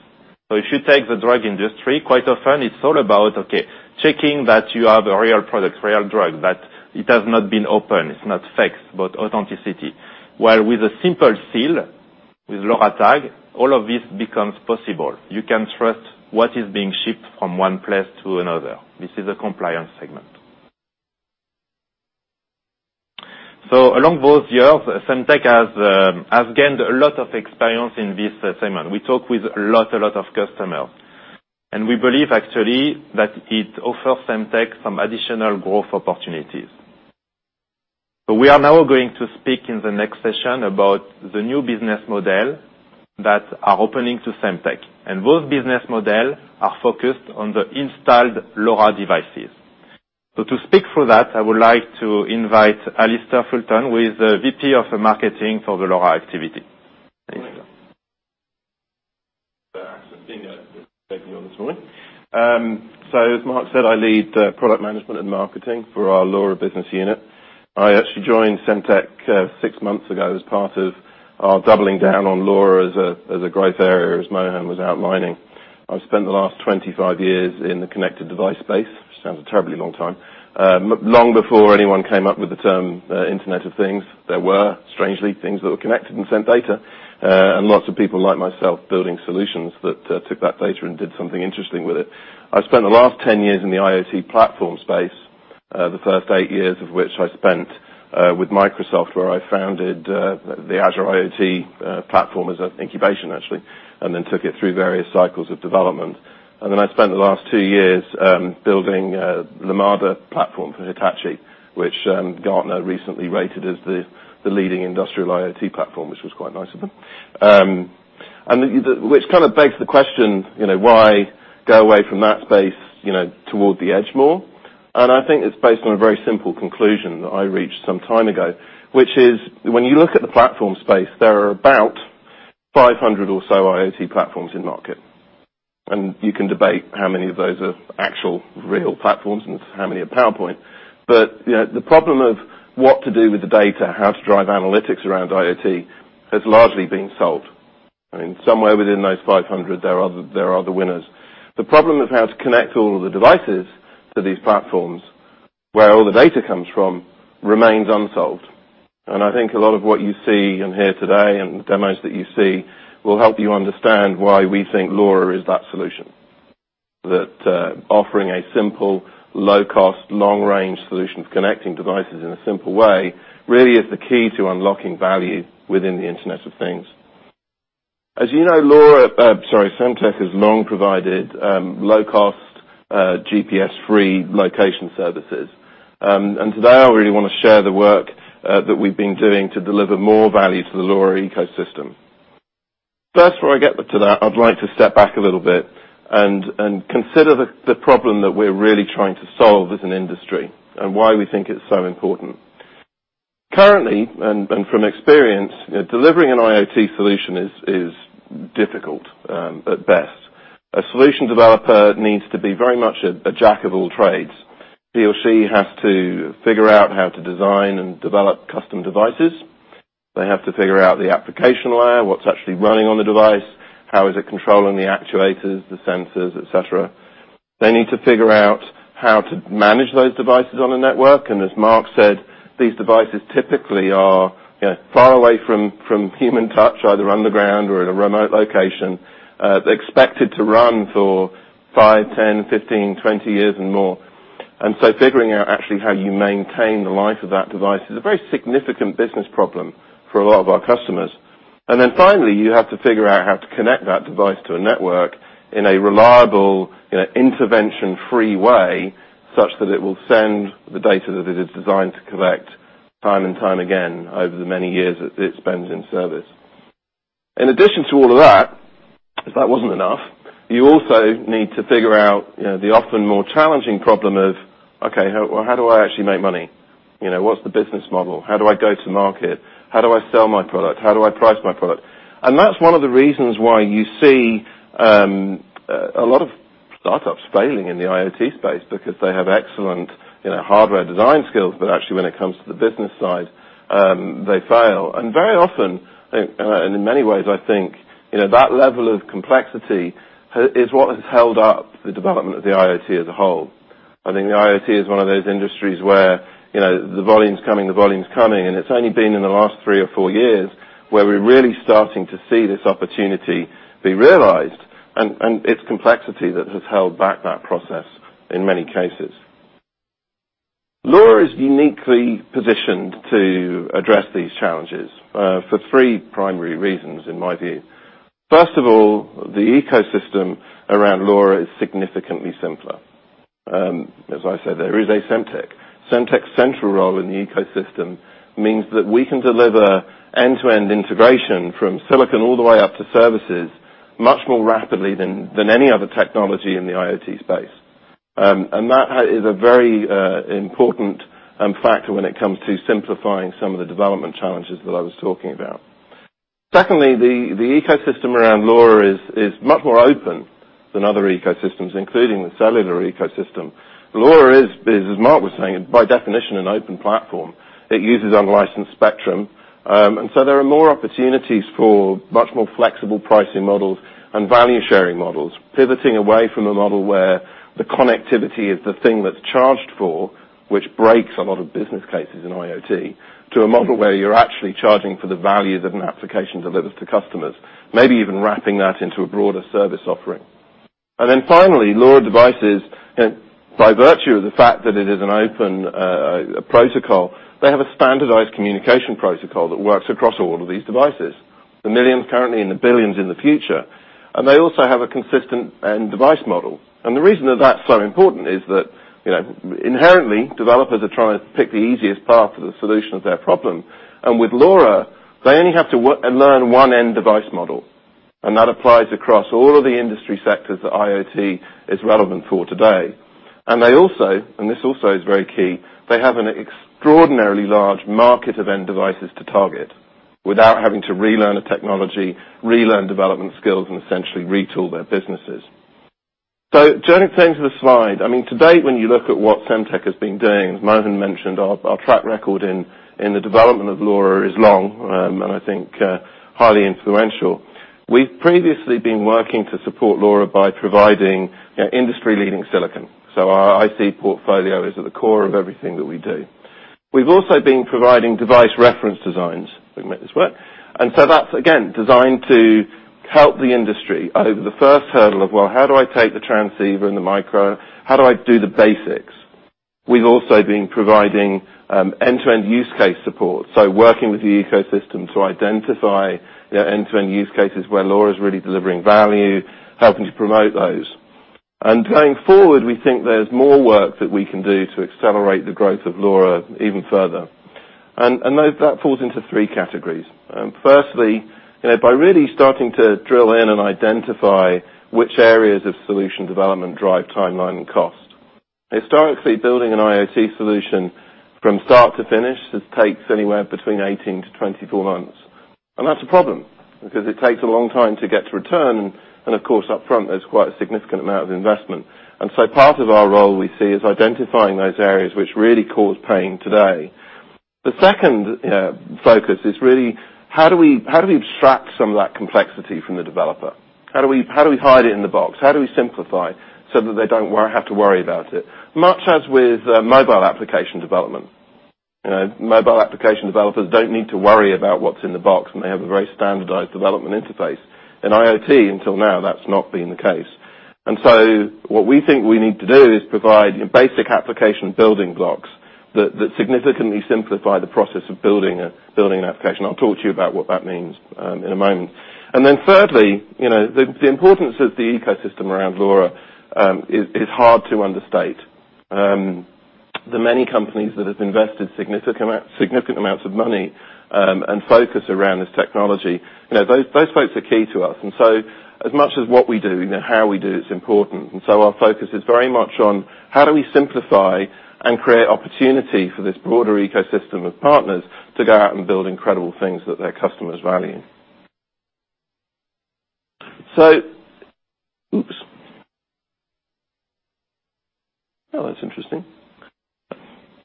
Speaker 11: If you take the drug industry, quite often, it's all about, okay, checking that you have a real product, real drug, that it has not been opened. It's not fake, but authenticity. While with a simple seal, with LoRa tag, all of this becomes possible. You can trust what is being shipped from one place to another. This is a compliance segment. Along those years, Semtech has gained a lot of experience in this segment. We talk with a lot of customers. We believe actually that it offers Semtech some additional growth opportunities. We are now going to speak in the next session about the new business model that are opening to Semtech. Those business model are focused on the installed LoRa devices. To speak for that, I would like to invite Alistair Fulton, who is the VP of marketing for the LoRa activity. Alistair.
Speaker 17: Thanks for seeing us this morning. As Marc said, I lead product management and marketing for our LoRa business unit. I actually joined Semtech six months ago as part of our doubling down on LoRa as a growth area, as Mohan was outlining. I've spent the last 25 years in the connected device space, which sounds a terribly long time. Long before anyone came up with the term Internet of Things, there were strangely things that were connected and sent data. Lots of people like myself building solutions that took that data and did something interesting with it. I've spent the last 10 years in the IoT platform space. The first eight years of which I spent with Microsoft, where I founded the Azure IoT platform as an incubation, actually, then took it through various cycles of development. Then I spent the last two years building the Lumada platform for Hitachi, which Gartner recently rated as the leading industrial IoT platform, which was quite nice of them. Which kind of begs the question, why go away from that space toward the edge more? I think it's based on a very simple conclusion that I reached some time ago, which is, when you look at the platform space, there are about 500 or so IoT platforms in market. You can debate how many of those are actual real platforms and how many are PowerPoint. The problem of what to do with the data, how to drive analytics around IoT, has largely been solved. Somewhere within those 500, there are the winners. The problem of how to connect all of the devices to these platforms, where all the data comes from, remains unsolved. I think a lot of what you see and hear today, and demos that you see, will help you understand why we think LoRa is that solution. That offering a simple, low-cost, long-range solution of connecting devices in a simple way, really is the key to unlocking value within the Internet of Things. As you know, Semtech has long provided low-cost GPS-free location services. Today, I really want to share the work that we've been doing to deliver more value to the LoRa ecosystem. First, before I get to that, I'd like to step back a little bit and consider the problem that we're really trying to solve as an industry, and why we think it's so important. Currently, and from experience, delivering an IoT solution is difficult at best. A solution developer needs to be very much a jack of all trades. He or she has to figure out how to design and develop custom devices. They have to figure out the application layer, what's actually running on the device, how is it controlling the actuators, the sensors, et cetera. They need to figure out how to manage those devices on a network, as Marc said, these devices typically are far away from human touch, either underground or in a remote location. They're expected to run for five, 10, 15, 20 years and more. So figuring out actually how you maintain the life of that device is a very significant business problem for a lot of our customers. Then finally, you have to figure out how to connect that device to a network in a reliable, intervention-free way, such that it will send the data that it is designed to collect time and time again over the many years that it spends in service. In addition to all of that, as if that wasn't enough, you also need to figure out the often more challenging problem of, okay, how do I actually make money? What's the business model? How do I go to market? How do I sell my product? How do I price my product? That's one of the reasons why you see a lot of startups failing in the IoT space because they have excellent hardware design skills, but actually when it comes to the business side, they fail. Very often, and in many ways, I think, that level of complexity is what has held up the development of the IoT as a whole. I think the IoT is one of those industries where the volume's coming, the volume's coming, it's only been in the last three or four years where we're really starting to see this opportunity be realized. It's complexity that has held back that process in many cases. LoRa is uniquely positioned to address these challenges, for three primary reasons, in my view. First of all, the ecosystem around LoRa is significantly simpler. As I said, there is a Semtech. Semtech's central role in the ecosystem means that we can deliver end-to-end integration from Silicon all the way up to services much more rapidly than any other technology in the IoT space. That is a very important factor when it comes to simplifying some of the development challenges that I was talking about. Secondly, the ecosystem around LoRa is much more open than other ecosystems, including the cellular ecosystem. LoRa is, as Marc was saying, by definition, an open platform. It uses unlicensed spectrum. So there are more opportunities for much more flexible pricing models and value-sharing models, pivoting away from a model where the connectivity is the thing that's charged for, which breaks a lot of business cases in IoT, to a model where you're actually charging for the value that an application delivers to customers, maybe even wrapping that into a broader service offering. Finally, LoRa devices, by virtue of the fact that it is an open protocol, they have a standardized communication protocol that works across all of these devices, the millions currently and the billions in the future. They also have a consistent end device model. The reason that that's so important is that, inherently, developers are trying to pick the easiest path to the solution of their problem. With LoRa, they only have to learn one end device model. That applies across all of the industry sectors that IoT is relevant for today. They also, and this also is very key, they have an extraordinarily large market of end devices to target, without having to relearn a technology, relearn development skills, and essentially retool their businesses. Turning things to the slide. To date, when you look at what Semtech has been doing, as Mohan mentioned, our track record in the development of LoRa is long, and I think, highly influential. We've previously been working to support LoRa by providing industry-leading silicon. Our IC portfolio is at the core of everything that we do. We've also been providing device reference designs. Let me make this work. That's, again, designed to help the industry over the first hurdle of, well, how do I take the transceiver and the micro? How do I do the basics? We've also been providing end-to-end use case support, so working with the ecosystem to identify their end-to-end use cases where LoRa is really delivering value, helping to promote those. Going forward, we think there's more work that we can do to accelerate the growth of LoRa even further. That falls into three categories. Firstly, by really starting to drill in and identify which areas of solution development drive timeline and cost. Historically, building an IoT solution from start to finish, it takes anywhere between 18 to 24 months. That's a problem, because it takes a long time to get to return, and of course, upfront, there's quite a significant amount of investment. Part of our role, we see, is identifying those areas which really cause pain today. The second focus is really, how do we abstract some of that complexity from the developer? How do we hide it in the box? How do we simplify so that they don't have to worry about it? Much as with mobile application development. Mobile application developers don't need to worry about what's in the box, and they have a very standardized development interface. In IoT, until now, that's not been the case. What we think we need to do is provide basic application building blocks that significantly simplify the process of building an application. I'll talk to you about what that means in a moment. Thirdly, the importance of the ecosystem around LoRa is hard to understate. The many companies that have invested significant amounts of money, and focus around this technology, those folks are key to us. As much as what we do, how we do it is important. Our focus is very much on how do we simplify and create opportunity for this broader ecosystem of partners to go out and build incredible things that their customers value. Oops. Oh, that's interesting.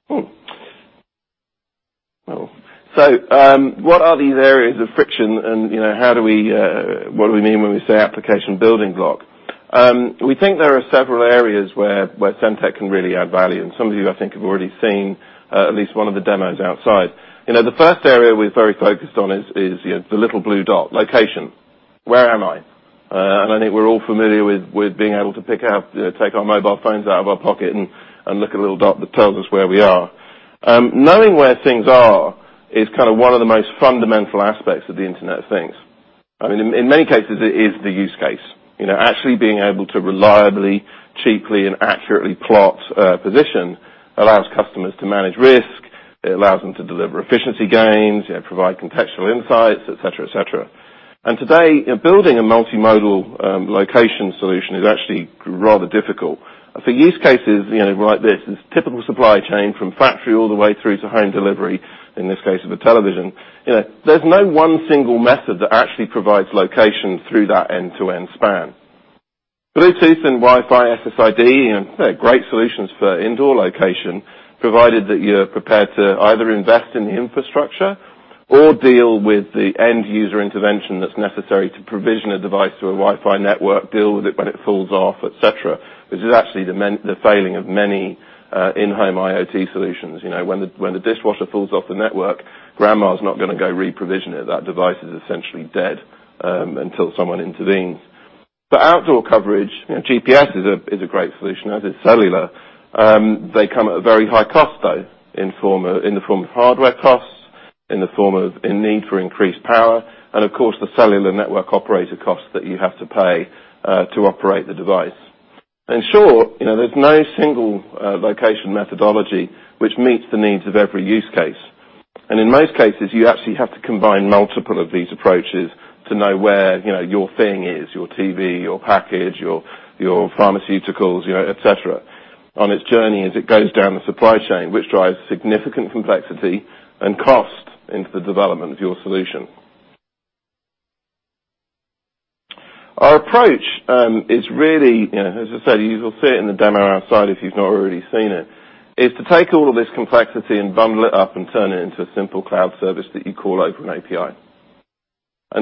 Speaker 17: Hmm. Oh. What are these areas of friction and what do we mean when we say application building block? We think there are several areas where Semtech can really add value, and some of you, I think, have already seen at least one of the demos outside. The first area we're very focused on is the little blue dot, location. Where am I? I think we're all familiar with being able to take our mobile phones out of our pocket and look at a little dot that tells us where we are. Knowing where things are is one of the most fundamental aspects of the Internet of Things. In many cases, it is the use case. Actually being able to reliably, cheaply, and accurately plot a position allows customers to manage risk, it allows them to deliver efficiency gains, provide contextual insights, et cetera. Today, building a multimodal location solution is actually rather difficult. For use cases like this typical supply chain from factory all the way through to home delivery, in this case of a television. There's no one single method that actually provides location through that end-to-end span. Bluetooth and Wi-Fi SSID, they're great solutions for indoor location, provided that you're prepared to either invest in the infrastructure or deal with the end-user intervention that's necessary to provision a device to a Wi-Fi network, deal with it when it falls off, et cetera, which is actually the failing of many in-home IoT solutions. When the dishwasher falls off the network, grandma's not going to go reprovision it. That device is essentially dead until someone intervenes. For outdoor coverage, GPS is a great solution, as is cellular. They come at a very high cost, though, in the form of hardware costs, in the form of a need for increased power, and of course, the cellular network operator cost that you have to pay to operate the device. In short, there's no single location methodology which meets the needs of every use case. In most cases, you actually have to combine multiple of these approaches to know where your thing is, your TV, your package, your pharmaceuticals, et cetera, on its journey as it goes down the supply chain, which drives significant complexity and cost into the development of your solution. Our approach is really, as I said, you will see it in the demo outside if you've not already seen it, is to take all of this complexity and bundle it up and turn it into a simple cloud service that you call over an API.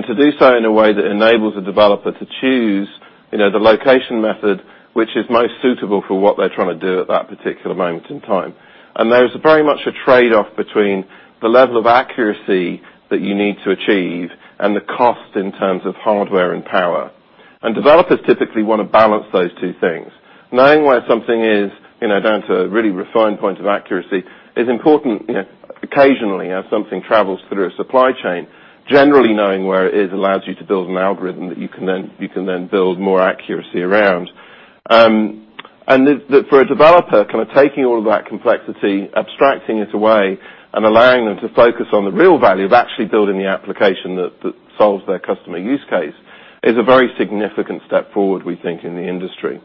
Speaker 17: To do so in a way that enables a developer to choose the location method which is most suitable for what they're trying to do at that particular moment in time. There's very much a trade-off between the level of accuracy that you need to achieve and the cost in terms of hardware and power. Developers typically want to balance those two things. Knowing where something is, down to a really refined point of accuracy, is important occasionally, as something travels through a supply chain. Generally knowing where it is allows you to build an algorithm that you can then build more accuracy around. For a developer, taking all of that complexity, abstracting it away, and allowing them to focus on the real value of actually building the application that solves their customer use case, is a very significant step forward, we think, in the industry.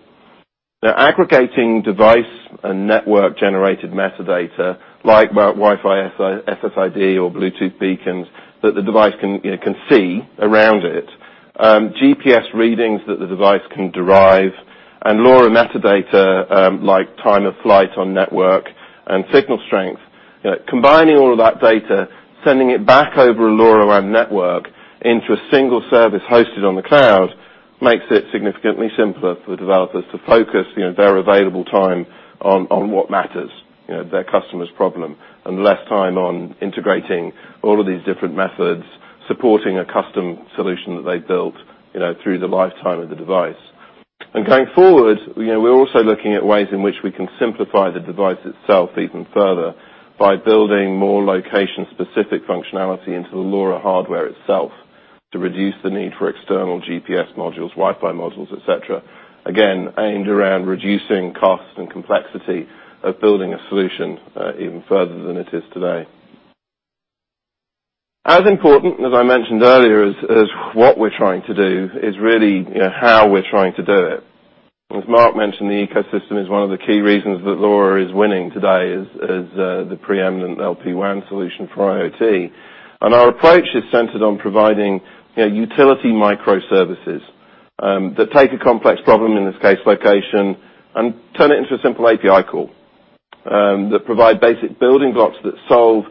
Speaker 17: aggregating device and network-generated metadata, like Wi-Fi SSID or Bluetooth beacons, that the device can see around it, GPS readings that the device can derive, and LoRa metadata, like time of flight on network and signal strength. Combining all of that data, sending it back over a LoRaWAN network into a single service hosted on the cloud, makes it significantly simpler for developers to focus their available time on what matters, their customer's problem, and less time on integrating all of these different methods Supporting a custom solution that they've built through the lifetime of the device. Going forward, we're also looking at ways in which we can simplify the device itself even further by building more location-specific functionality into the LoRa hardware itself to reduce the need for external GPS modules, Wi-Fi modules, et cetera. aimed around reducing cost and complexity of building a solution even further than it is today. As important, as I mentioned earlier, is what we're trying to do is really how we're trying to do it. As Marc mentioned, the ecosystem is one of the key reasons that LoRa is winning today as the preeminent LPWAN solution for IoT. Our approach is centered on providing utility microservices, that take a complex problem, in this case, location, and turn it into a simple API call, that provide basic building blocks that solve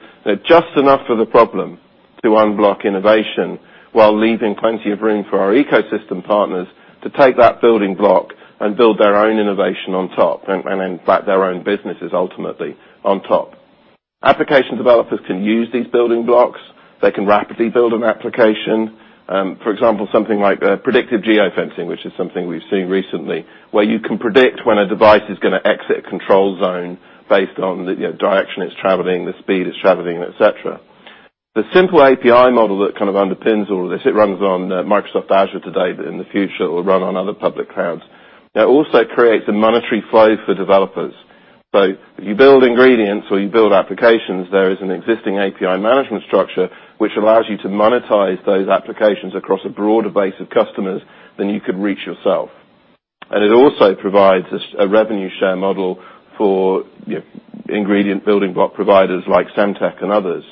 Speaker 17: just enough of the problem to unblock innovation while leaving plenty of room for our ecosystem partners to take that building block and build their own innovation on top, and in fact, their own businesses ultimately on top. Application developers can use these building blocks. They can rapidly build an application. For example, something like predictive geo-fencing, which is something we've seen recently, where you can predict when a device is going to exit a control zone based on the direction it's traveling, the speed it's traveling, et cetera. The simple API model that kind of underpins all of this, it runs on Microsoft Azure today, but in the future, it will run on other public clouds. That also creates a monetary flow for developers. You build ingredients or you build applications, there is an existing API management structure which allows you to monetize those applications across a broader base of customers than you could reach yourself. It also provides a revenue share model for ingredient building block providers like Semtech and others.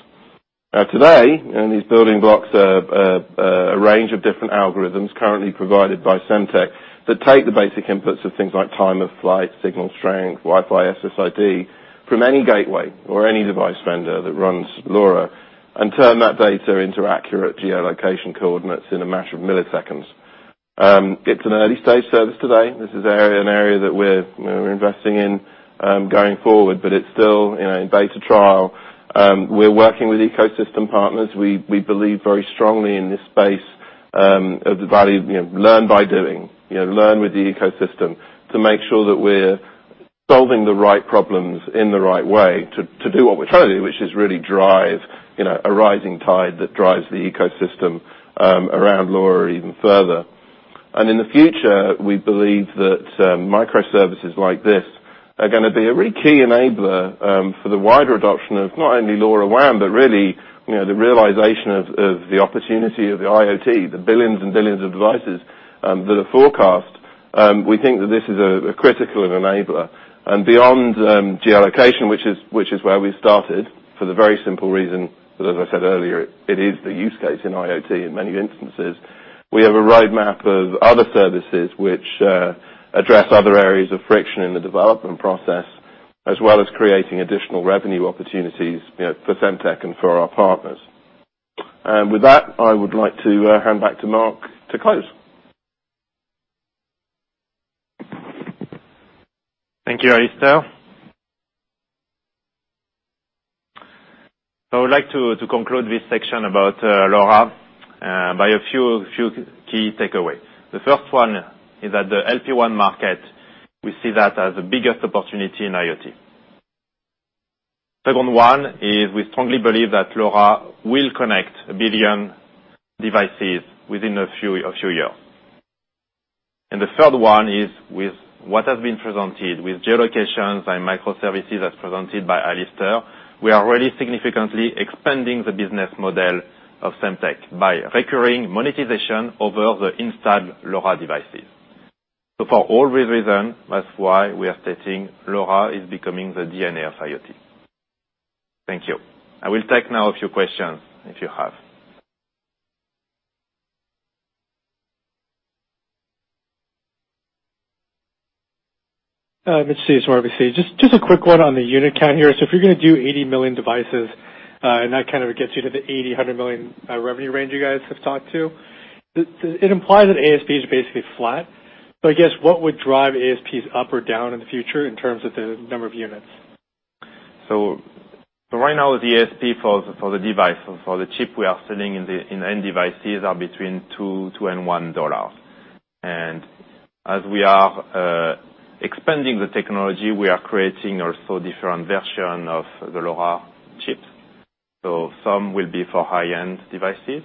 Speaker 17: Today, in these building blocks, a range of different algorithms currently provided by Semtech that take the basic inputs of things like time of flight, signal strength, Wi-Fi SSID from any gateway or any device vendor that runs LoRa and turn that data into accurate geolocation coordinates in a matter of milliseconds. It's an early-stage service today. This is an area that we're investing in going forward, but it's still in beta trial. We're working with ecosystem partners. We believe very strongly in this space of the value of learn by doing, learn with the ecosystem to make sure that we're solving the right problems in the right way to do what we're trying to do, which is really drive a rising tide that drives the ecosystem around LoRa even further. In the future, we believe that microservices like this are going to be a really key enabler for the wider adoption of not only LoRaWAN, but really the realization of the opportunity of the IoT, the billions and billions of devices that are forecast. We think that this is a critical enabler. Beyond geolocation, which is where we started for the very simple reason that, as I said earlier, it is the use case in IoT in many instances, we have a roadmap of other services which address other areas of friction in the development process, as well as creating additional revenue opportunities for Semtech and for our partners. With that, I would like to hand back to Marc to close.
Speaker 11: Thank you, Alistair. I would like to conclude this section about LoRa by a few key takeaways. The first one is that the LPWAN market, we see that as the biggest opportunity in IoT. Second one is we strongly believe that LoRa will connect 1 billion devices within a few years. The third one is with what has been presented with geolocations and microservices as presented by Alistair, we are really significantly expanding the business model of Semtech by recurring monetization over the installed LoRa devices. For all these reasons, that's why we are stating LoRa is becoming the DNA of IoT. Thank you. I will take now a few questions if you have. Hi, Mitch.
Speaker 18: Just a quick one on the unit count here. If you're going to do 80 million devices, and that kind of gets you to the $80 million-$100 million revenue range you guys have talked to, it implies that ASPs is basically flat. I guess what would drive ASPs up or down in the future in terms of the number of units?
Speaker 11: Right now, the ASP for the device, for the chip we are selling in end devices are between $2 and $1. As we are expanding the technology, we are creating also different version of the LoRa chips. Some will be for high-end devices,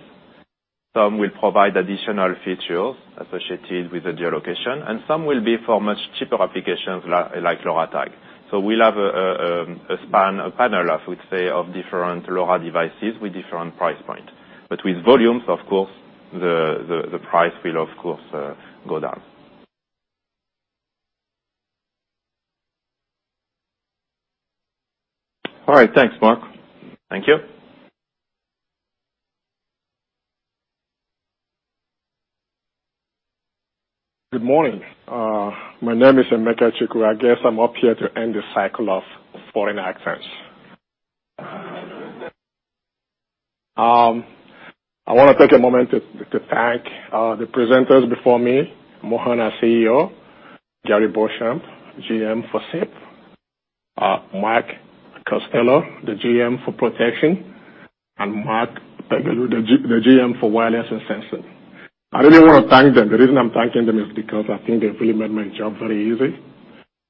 Speaker 11: some will provide additional features associated with the geolocation, and some will be for much cheaper applications like LoRa tag. We'll have a span, a panel, I would say, of different LoRa devices with different price point. With volumes, of course, the price will, of course, go down.
Speaker 18: All right. Thanks, Marc.
Speaker 11: Thank you.
Speaker 19: Good morning. My name is Emeka Chukwu. I guess I'm up here to end the cycle of foreign accents. I want to take a moment to thank the presenters before me, Mohan, our CEO, Gary Beauchamp, GM for SIP Mark Costello, the GM for protection, and Marc Pégulu, the GM for wireless and sensing. I really want to thank them. The reason I'm thanking them is because I think they've really made my job very easy.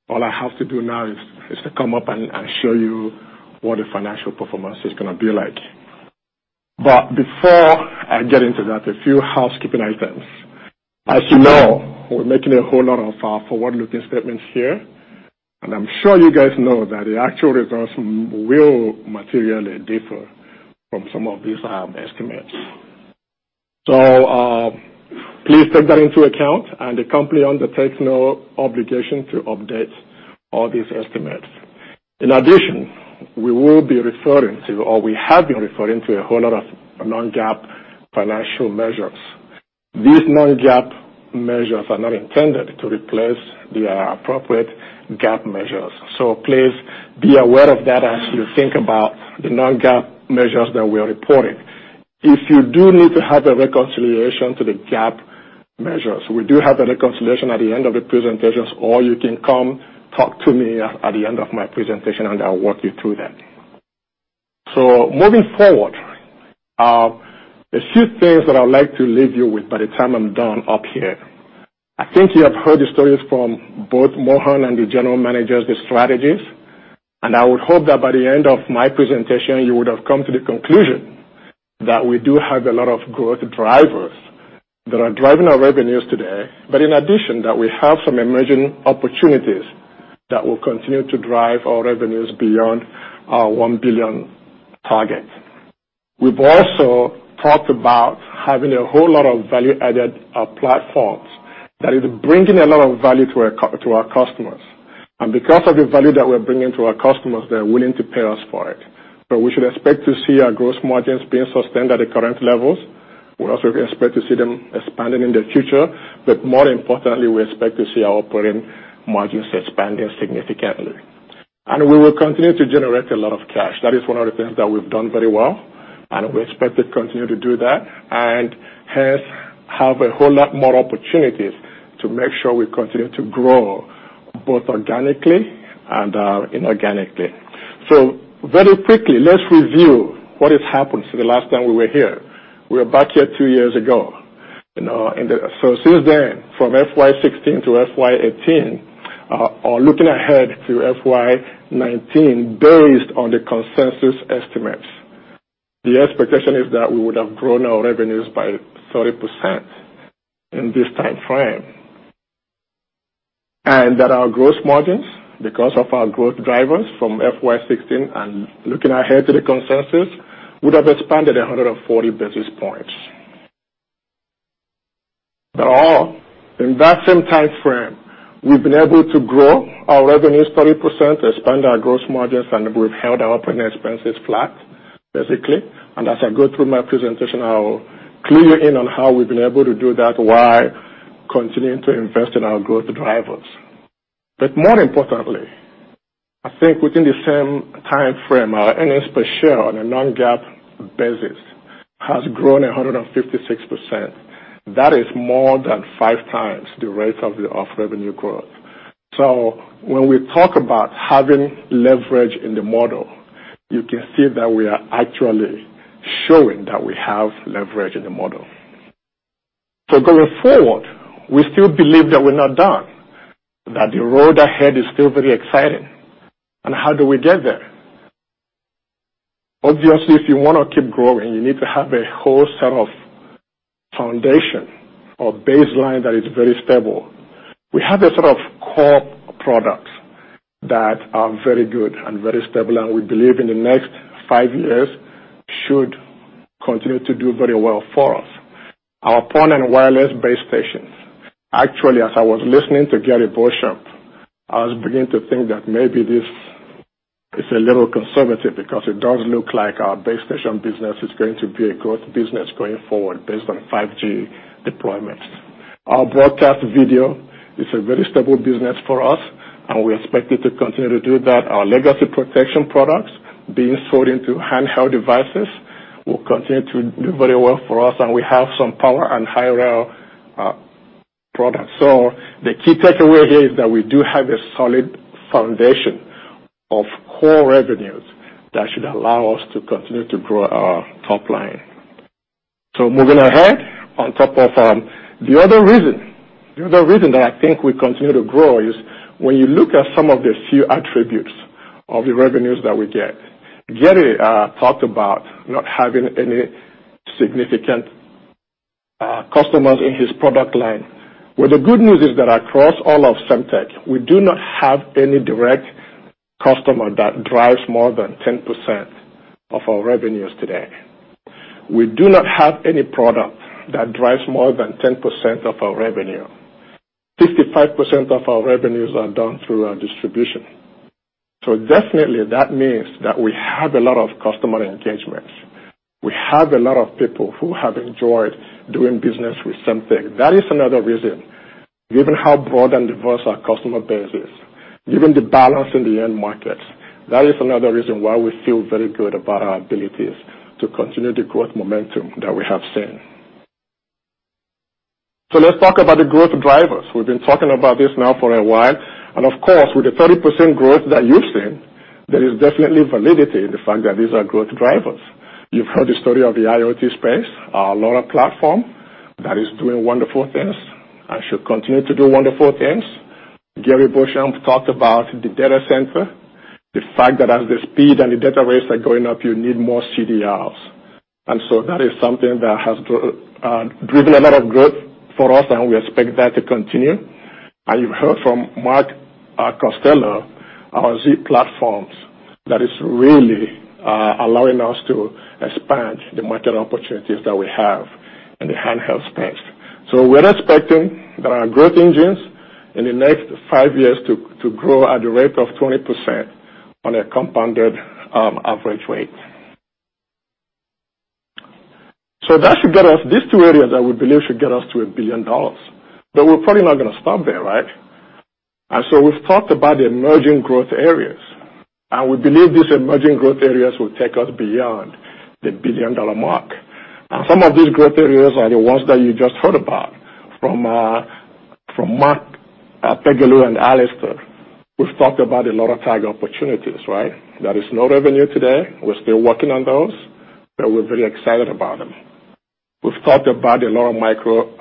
Speaker 19: All I have to do now is to come up and show you what the financial performance is going to be like. Before I get into that, a few housekeeping items. As you know, we're making a whole lot of forward-looking statements here, and I'm sure you guys know that the actual results will materially differ from some of these estimates. Please take that into account, and the company undertakes no obligation to update all these estimates. In addition, we will be referring to or we have been referring to a whole lot of non-GAAP financial measures. These non-GAAP measures are not intended to replace the appropriate GAAP measures. Please be aware of that as you think about the non-GAAP measures that we are reporting. If you do need to have a reconciliation to the GAAP measures, we do have a reconciliation at the end of the presentations, or you can come talk to me at the end of my presentation, and I'll walk you through that. Moving forward, there are a few things that I'd like to leave you with by the time I'm done up here. I think you have heard the stories from both Mohan and the general managers, the strategies, and I would hope that by the end of my presentation, you would have come to the conclusion that we do have a lot of growth drivers that are driving our revenues today. In addition, that we have some emerging opportunities that will continue to drive our revenues beyond our $1 billion target. We've also talked about having a whole lot of value-added platforms that is bringing a lot of value to our customers. Because of the value that we're bringing to our customers, they're willing to pay us for it. We should expect to see our gross margins being sustained at the current levels. We also expect to see them expanding in the future. More importantly, we expect to see our operating margins expanding significantly. We will continue to generate a lot of cash. That is one of the things that we've done very well, and we expect to continue to do that and hence have a whole lot more opportunities to make sure we continue to grow both organically and inorganically. Very quickly, let's review what has happened since the last time we were here. We were back here two years ago. Since then, from FY 2016 to FY 2018, or looking ahead to FY 2019, based on the consensus estimates, the expectation is that we would have grown our revenues by 30% in this timeframe. That our gross margins, because of our growth drivers from FY 2016 and looking ahead to the consensus, would have expanded 140 basis points. All in that same timeframe, we've been able to grow our revenues 30%, expand our gross margins, and we've held our operating expenses flat, basically. As I go through my presentation, I will clue you in on how we've been able to do that while continuing to invest in our growth drivers. More importantly, I think within the same timeframe, our earnings per share on a non-GAAP basis has grown 156%. That is more than five times the rate of the revenue growth. When we talk about having leverage in the model, you can see that we are actually showing that we have leverage in the model. Going forward, we still believe that we're not done, that the road ahead is still very exciting. How do we get there? Obviously, if you want to keep growing, you need to have a whole set of foundation or baseline that is very stable. We have a set of core products that are very good and very stable, and we believe in the next five years should continue to do very well for us. Our powerline and wireless base stations. Actually, as I was listening to Gary Beauchamp, I was beginning to think that maybe this is a little conservative because it does look like our base station business is going to be a growth business going forward based on 5G deployments. Our broadcast video is a very stable business for us, and we expect it to continue to do that. Our legacy protection products being sold into handheld devices will continue to do very well for us, and we have some power and high-rel products. The key takeaway here is that we do have a solid foundation of core revenues that should allow us to continue to grow our top line. Moving ahead, on top of the other reason that I think we continue to grow is when you look at some of the few attributes of the revenues that we get. Gary talked about not having any significant customers in his product line. Well, the good news is that across all of Semtech, we do not have any direct customer that drives more than 10% of our revenues today. We do not have any product that drives more than 10% of our revenue. 55% of our revenues are done through our distribution. Definitely, that means that we have a lot of customer engagements. We have a lot of people who have enjoyed doing business with Semtech. That is another reason. Given how broad and diverse our customer base is, given the balance in the end markets, that is another reason why we feel very good about our abilities to continue the growth momentum that we have seen. Let's talk about the growth drivers. We've been talking about this now for a while. Of course, with the 30% growth that you've seen, there is definitely validity in the fact that these are growth drivers. You've heard the story of the IoT space, our LoRa platform, that is doing wonderful things and should continue to do wonderful things. Gary Beauchamp talked about the data center, the fact that as the speed and the data rates are going up, you need more CDRs. That is something that has driven a lot of growth for us, and we expect that to continue. You've heard from Mark Costello, our Z-Platform, that is really allowing us to expand the market opportunities that we have in the handheld space. We're expecting our growth engines in the next five years to grow at the rate of 20% on a compounded average rate. These two areas I would believe should get us to $1 billion. We're probably not going to stop there, right? We've talked about the emerging growth areas, and we believe these emerging growth areas will take us beyond the $1 billion mark. Some of these growth areas are the ones that you just heard about from Marc Pégulu, and Alistair. We've talked about a lot of tag opportunities, right? That is no revenue today. We're still working on those, but we're very excited about them. We've talked about a lot of micro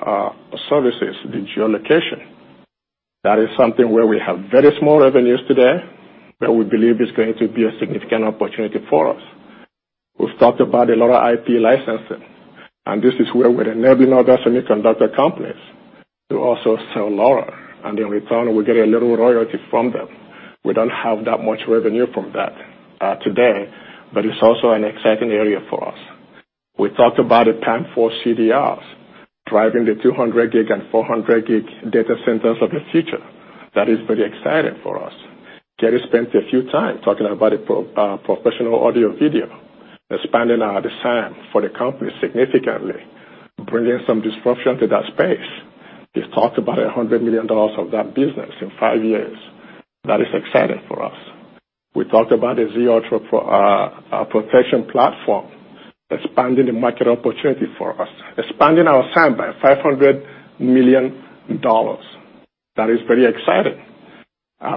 Speaker 19: services, the geolocation. That is something where we have very small revenues today, but we believe it's going to be a significant opportunity for us. We've talked about a lot of IP licensing, and this is where we enable other semiconductor companies to also sell LoRa, and in return, we get a little royalty from them. We don't have that much revenue from that today, but it's also an exciting area for us. We talked about a TAM for CDRs driving the 200 gig and 400 gig data centers of the future. That is very exciting for us. Gary spent a few time talking about professional audio video, expanding our design for the company significantly, bringing some disruption to that space. He's talked about $100 million of that business in five years. That is exciting for us. We talked about the Z-Ultra protection platform, expanding the market opportunity for us, expanding our TAM by $500 million. That is very exciting.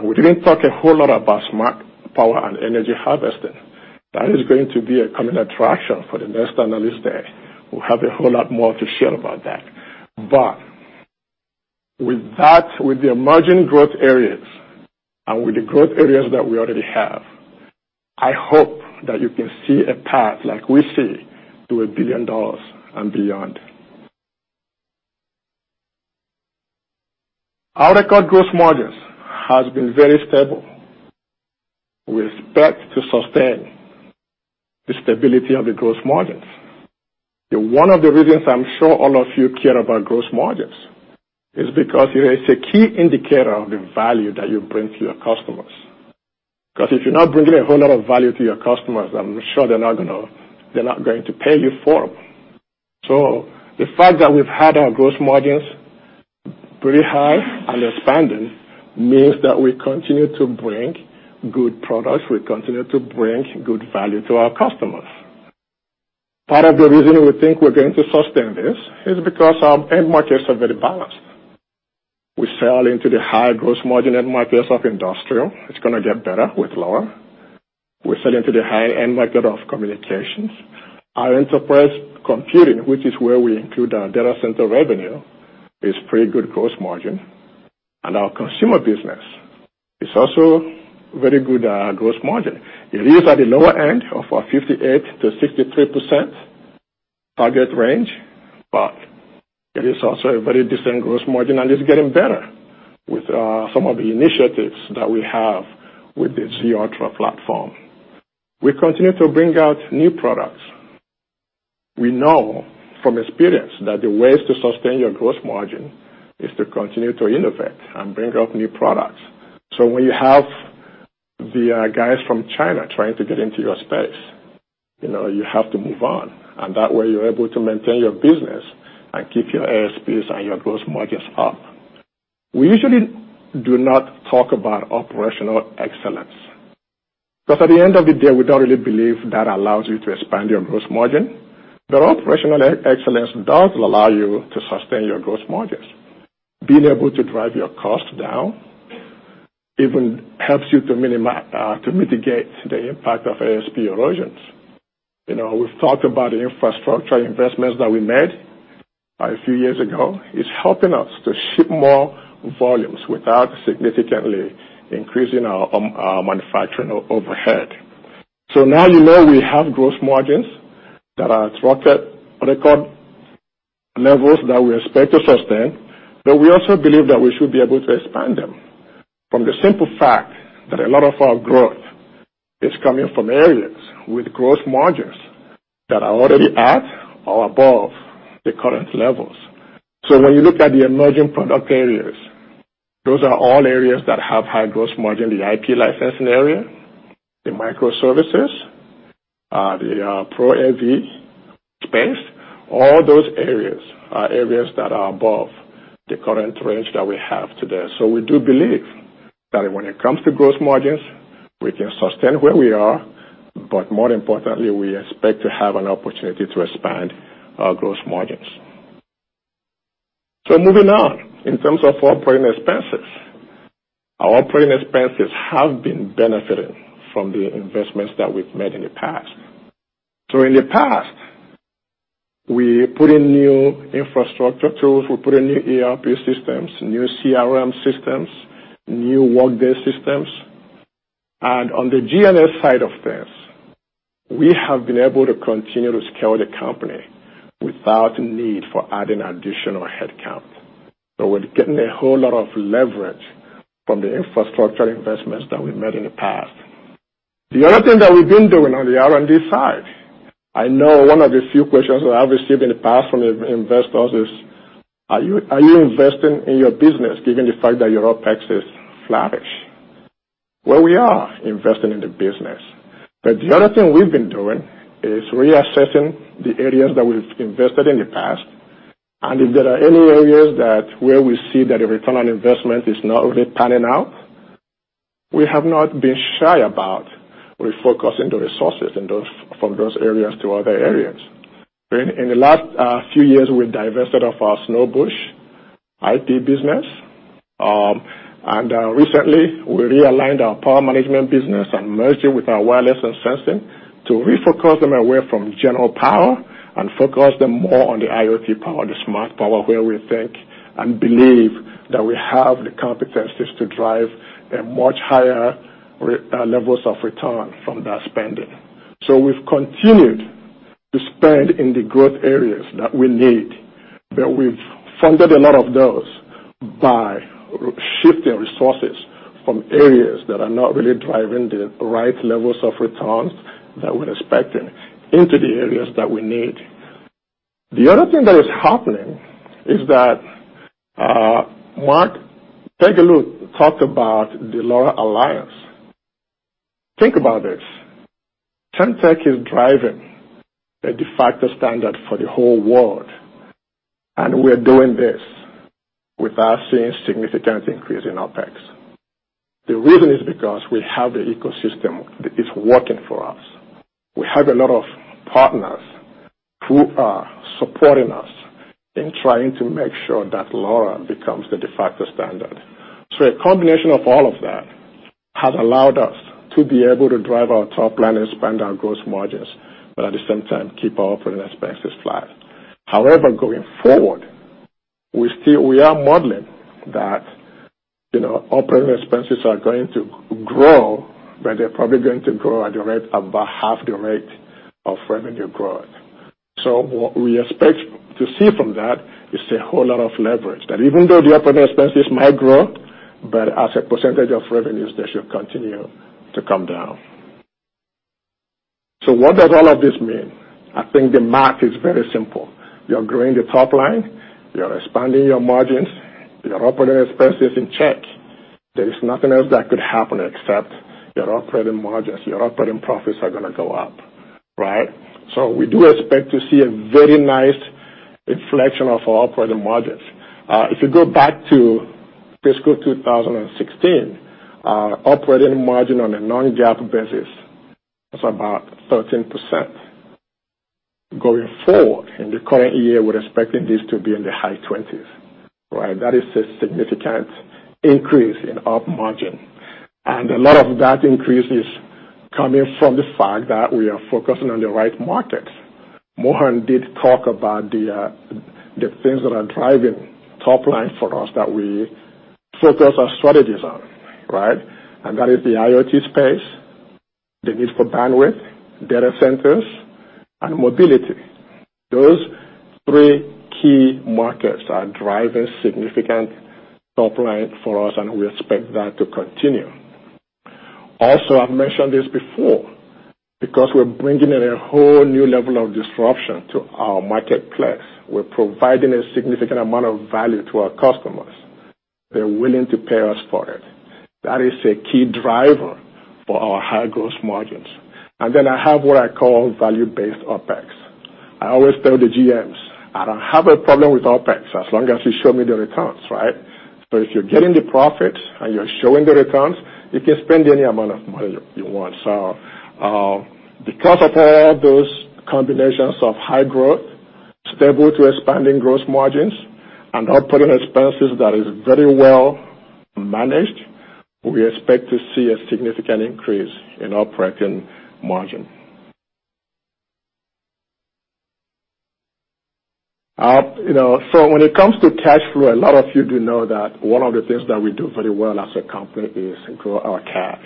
Speaker 19: We didn't talk a whole lot about smart power and energy harvesting. That is going to be a coming attraction for the next Analyst Day. We have a whole lot more to share about that. With the emerging growth areas and with the growth areas that we already have, I hope that you can see a path like we see to $1 billion and beyond. Our record gross margins has been very stable. We expect to sustain the stability of the gross margins. One of the reasons I'm sure all of you care about gross margins is because it is a key indicator of the value that you bring to your customers. If you're not bringing a whole lot of value to your customers, I'm sure they're not going to pay you for them. The fact that we've had our gross margins pretty high and expanding means that we continue to bring good products, we continue to bring good value to our customers. Part of the reason we think we're going to sustain this is because our end markets are very balanced. We sell into the high gross margin end markets of industrial. It's going to get better with LoRa. We sell into the high-end market of communications. Our enterprise computing, which is where we include our data center revenue, is pretty good gross margin. Our consumer business is also very good gross margin. It is at the lower end of our 58%-63% target range, but it is also a very decent gross margin, and it's getting better with some of the initiatives that we have with the Z-Ultra platform. We continue to bring out new products. We know from experience that the ways to sustain your gross margin is to continue to innovate and bring up new products. When you have the guys from China trying to get into your space, you have to move on, and that way you're able to maintain your business and keep your ASPs and your gross margins up. We usually do not talk about operational excellence, because at the end of the day, we don't really believe that allows you to expand your gross margin. Operational excellence does allow you to sustain your gross margins. Being able to drive your cost down even helps you to mitigate the impact of ASP erosions. We've talked about the infrastructure investments that we made a few years ago. It's helping us to ship more volumes without significantly increasing our manufacturing overhead. Now you know we have gross margins that are at record levels that we expect to sustain, we also believe that we should be able to expand them from the simple fact that a lot of our growth is coming from areas with gross margins that are already at or above the current levels. When you look at the emerging product areas, those are all areas that have high gross margin, the IP licensing area, the micro services, the Pro AV space. All those areas are areas that are above the current range that we have today. We do believe that when it comes to gross margins, we can sustain where we are. More importantly, we expect to have an opportunity to expand our gross margins. Moving on, in terms of operating expenses. Our operating expenses have been benefiting from the investments that we've made in the past. In the past, we put in new infrastructure tools, we put in new ERP systems, new CRM systems, new Workday systems. On the G&A side of things, we have been able to continue to scale the company without a need for adding additional headcount. We're getting a whole lot of leverage from the infrastructure investments that we made in the past. The other thing that we've been doing on the R&D side, I know one of the few questions that I've received in the past from investors is, are you investing in your business given the fact that your OpEx is flattish? Well, we are investing in the business. The other thing we've been doing is reassessing the areas that we've invested in the past, and if there are any areas that where we see that the return on investment is not really panning out, we have not been shy about refocusing the resources from those areas to other areas. In the last few years, we divested off our Snowbush IP business. Recently we realigned our power management business and merged it with our wireless and sensing to refocus them away from general power and focus them more on the IoT power, the smart power, where we think and believe that we have the competencies to drive a much higher levels of return from that spending. We've continued to spend in the growth areas that we need, we've funded a lot of those by shifting resources from areas that are not really driving the right levels of returns that we're expecting into the areas that we need. The other thing that is happening is that Marc Pégulu talked about the LoRa Alliance. Think about this. Semtech is driving a de facto standard for the whole world, and we are doing this without seeing significant increase in OpEx. The reason is because we have the ecosystem that is working for us. We have a lot of partners who are supporting us in trying to make sure that LoRa becomes the de facto standard. A combination of all of that has allowed us to be able to drive our top line, expand our gross margins, but at the same time keep our operating expenses flat. Going forward, we are modeling that operating expenses are going to grow, they're probably going to grow at about half the rate of revenue growth. What we expect to see from that is a whole lot of leverage, that even though the operating expenses might grow, as a percentage of revenues, they should continue to come down. What does all of this mean? I think the math is very simple. You're growing the top line, you're expanding your margins, your operating expenses in check. There is nothing else that could happen except your operating margins, your operating profits are going to go up. Right? We do expect to see a very nice reflection of our operating margins. If you go back to fiscal 2016, our operating margin on a non-GAAP basis was about 13%. Going forward in the current year, we're expecting this to be in the high twenties. Right? That is a significant increase in op margin. A lot of that increase is coming from the fact that we are focusing on the right markets. Mohan did talk about the things that are driving top line for us, that we focus our strategies on, right? That is the IoT space, the need for bandwidth, data centers, and mobility. Those three key markets are driving significant top line for us, and we expect that to continue. I've mentioned this before, because we're bringing in a whole new level of disruption to our marketplace, we're providing a significant amount of value to our customers. They're willing to pay us for it. That is a key driver for our high gross margins. Then I have what I call value-based OpEx. I always tell the GMs, I don't have a problem with OpEx as long as you show me the returns, right? If you're getting the profit and you're showing the returns, you can spend any amount of money you want. Because of all those combinations of high growth, stable to expanding gross margins, and operating expenses that is very well managed, we expect to see a significant increase in operating margin. When it comes to cash flow, a lot of you do know that one of the things that we do very well as a company is grow our cash.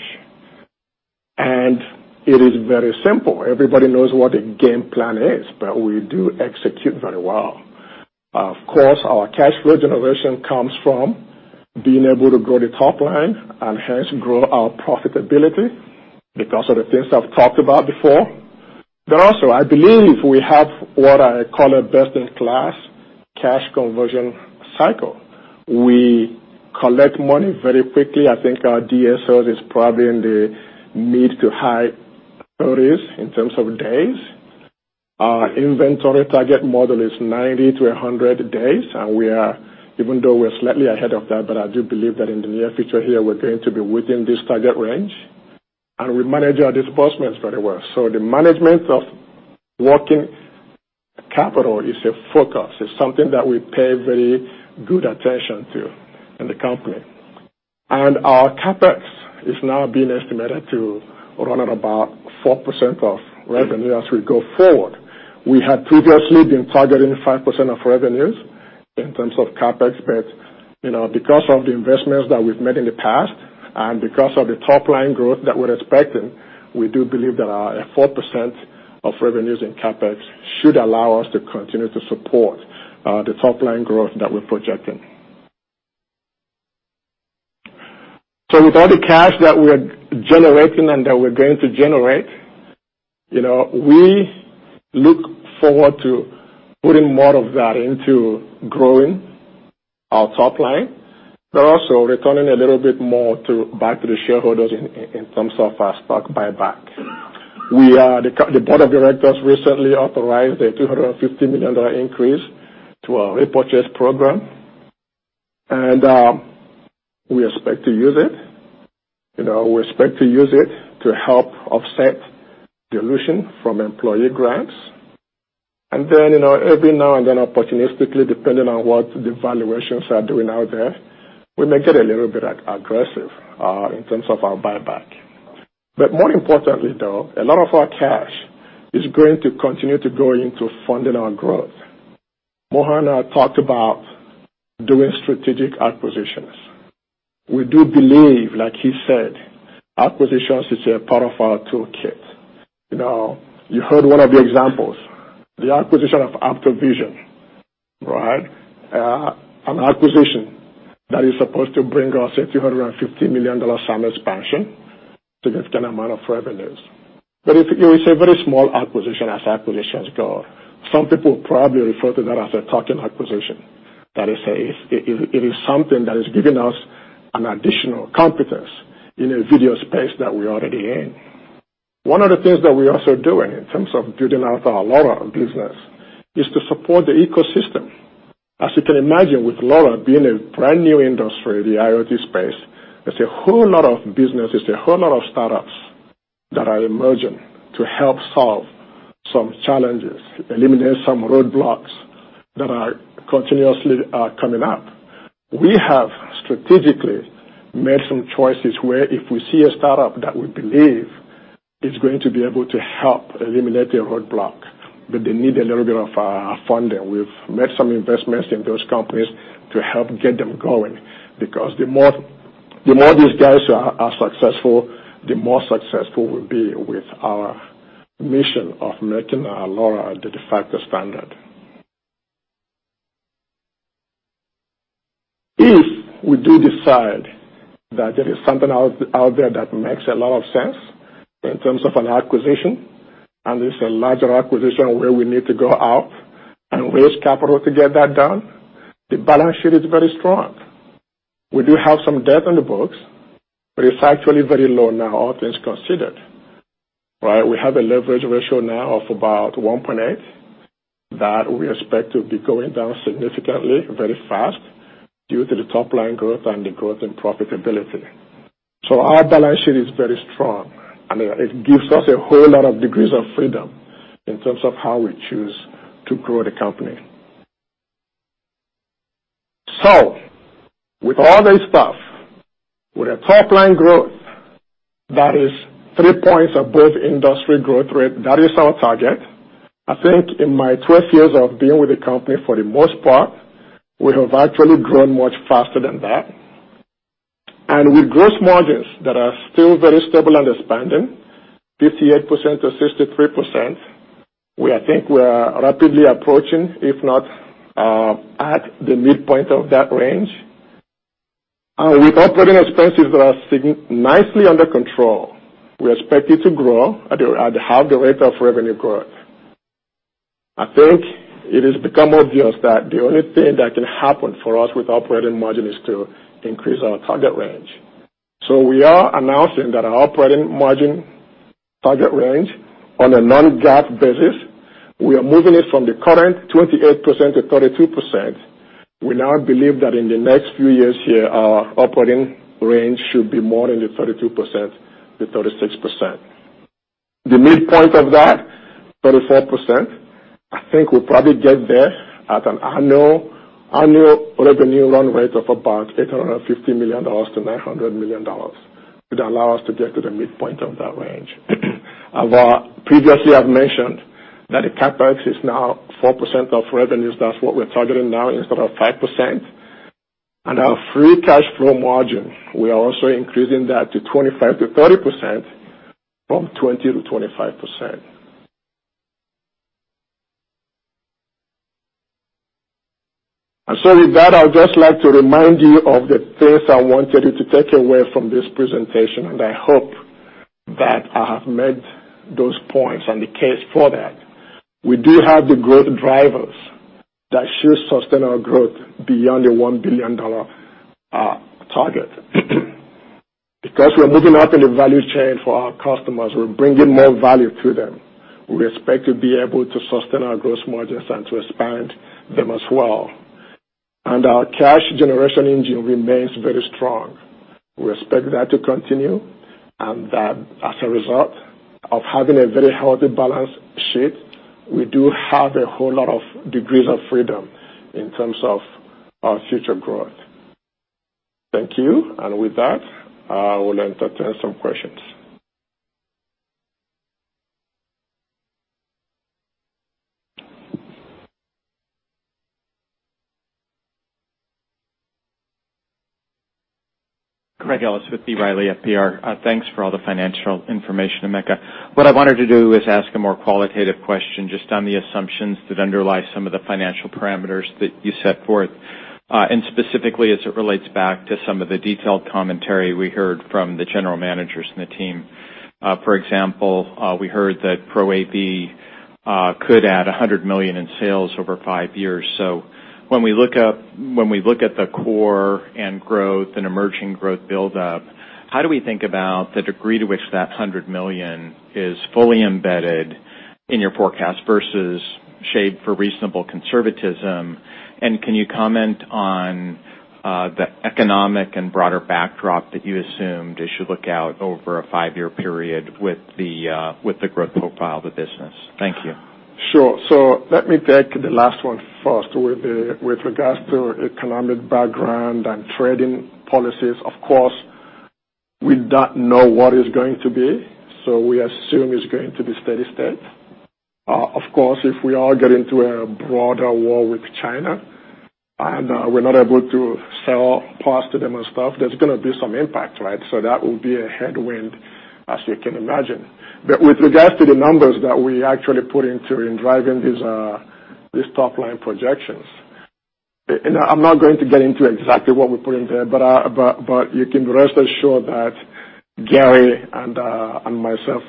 Speaker 19: It is very simple. Everybody knows what the game plan is, we do execute very well. Of course, our cash flow generation comes from being able to grow the top line and hence grow our profitability because of the things I've talked about before. I believe we have what I call a best-in-class cash conversion cycle. We collect money very quickly. I think our DSO is probably in the mid-to-high 30s in terms of days. Our inventory target model is 90-100 days, and even though we're slightly ahead of that, I do believe that in the near future here, we're going to be within this target range. We manage our disbursements very well. The management of working capital is a focus. It's something that we pay very good attention to in the company. Our CapEx is now being estimated to run at about 4% of revenue as we go forward. We had previously been targeting 5% of revenues in terms of CapEx, because of the investments that we've made in the past and because of the top-line growth that we're expecting, we do believe that our 4% of revenues in CapEx should allow us to continue to support the top-line growth that we're projecting. With all the cash that we're generating and that we're going to generate, we look forward to putting more of that into growing our top line, but also returning a little bit more back to the shareholders in terms of our stock buyback. The board of directors recently authorized a $250 million increase to our repurchase program, and we expect to use it. We expect to use it to help offset dilution from employee grants. Every now and then, opportunistically, depending on what the valuations are doing out there, we may get a little bit aggressive in terms of our buyback. More importantly, though, a lot of our cash is going to continue to go into funding our growth. Mohan and I talked about doing strategic acquisitions. We do believe, like he said, acquisitions is a part of our toolkit. You heard one of the examples, the acquisition of AptoVision. An acquisition that is supposed to bring us a $250 million annual expansion, significant amount of revenues. It was a very small acquisition as acquisitions go. Some people probably refer to that as a token acquisition. That is, it is something that is giving us an additional competence in a video space that we're already in. One of the things that we're also doing in terms of building out our LoRa business is to support the ecosystem. As you can imagine, with LoRa being a brand-new industry, the IoT space, there's a whole lot of businesses, a whole lot of startups that are emerging to help solve some challenges, eliminate some roadblocks that are continuously coming up. We have strategically made some choices where if we see a startup that we believe is going to be able to help eliminate a roadblock, but they need a little bit of funding, we've made some investments in those companies to help get them going, because the more these guys are successful, the more successful we'll be with our mission of making LoRa the de facto standard. If we do decide that there is something out there that makes a lot of sense in terms of an acquisition, and it's a larger acquisition where we need to go out and raise capital to get that done, the balance sheet is very strong. We do have some debt on the books, but it's actually very low now, all things considered. We have a leverage ratio now of about 1.8 that we expect to be going down significantly very fast due to the top-line growth and the growth in profitability. Our balance sheet is very strong, and it gives us a whole lot of degrees of freedom in terms of how we choose to grow the company. With all this stuff, with a top-line growth that is three points above industry growth rate, that is our target. I think in my 12 years of being with the company, for the most part, we have actually grown much faster than that. With gross margins that are still very stable and expanding, 58%-63%, we think we are rapidly approaching, if not at the midpoint of that range. With operating expenses that are nicely under control, we expect it to grow at half the rate of revenue growth. I think it has become obvious that the only thing that can happen for us with operating margin is to increase our target range. We are announcing that our operating margin target range on a non-GAAP basis, we are moving it from the current 28%-32%. We now believe that in the next few years here, our operating range should be more in the 32%-36%. The midpoint of that, 34%, I think we'll probably get there at an annual revenue run rate of about $850 million-$900 million. It allow us to get to the midpoint of that range. Previously, I've mentioned that the CapEx is now 4% of revenues. That's what we're targeting now instead of 5%. Our free cash flow margin, we are also increasing that to 25%-30% from 20%-25%. With that, I would just like to remind you of the things I wanted you to take away from this presentation, and I hope that I have made those points and the case for that. We do have the growth drivers that should sustain our growth beyond the $1 billion target. Because we're moving up in the value chain for our customers, we're bringing more value to them. We expect to be able to sustain our gross margins and to expand them as well. Our cash generation engine remains very strong. We expect that to continue and that as a result of having a very healthy balance sheet, we do have a whole lot of degrees of freedom in terms of our future growth. Thank you. With that, I will entertain some questions.
Speaker 3: Craig Ellis with B. Riley FBR. Thanks for all the financial information, Emeka. What I wanted to do is ask a more qualitative question just on the assumptions that underlie some of the financial parameters that you set forth. Specifically as it relates back to some of the detailed commentary we heard from the general managers and the team. For example, we heard that Pro AV could add $100 million in sales over 5 years. When we look at the core and growth and emerging growth buildup, how do we think about the degree to which that $100 million is fully embedded in your forecast versus shape for reasonable conservatism? Can you comment on the economic and broader backdrop that you assumed as you look out over a 5-year period with the growth profile of the business? Thank you.
Speaker 19: Sure. Let me take the last one first. With regards to economic background and trading policies, of course, we don't know what it's going to be, we assume it's going to be steady state. Of course, if we are getting to a broader war with China and we're not able to sell parts to them and stuff, there's going to be some impact, right? That will be a headwind as you can imagine. With regards to the numbers that we actually put into in driving these top-line projections, I'm not going to get into exactly what we put in there, but you can rest assured that Gary and myself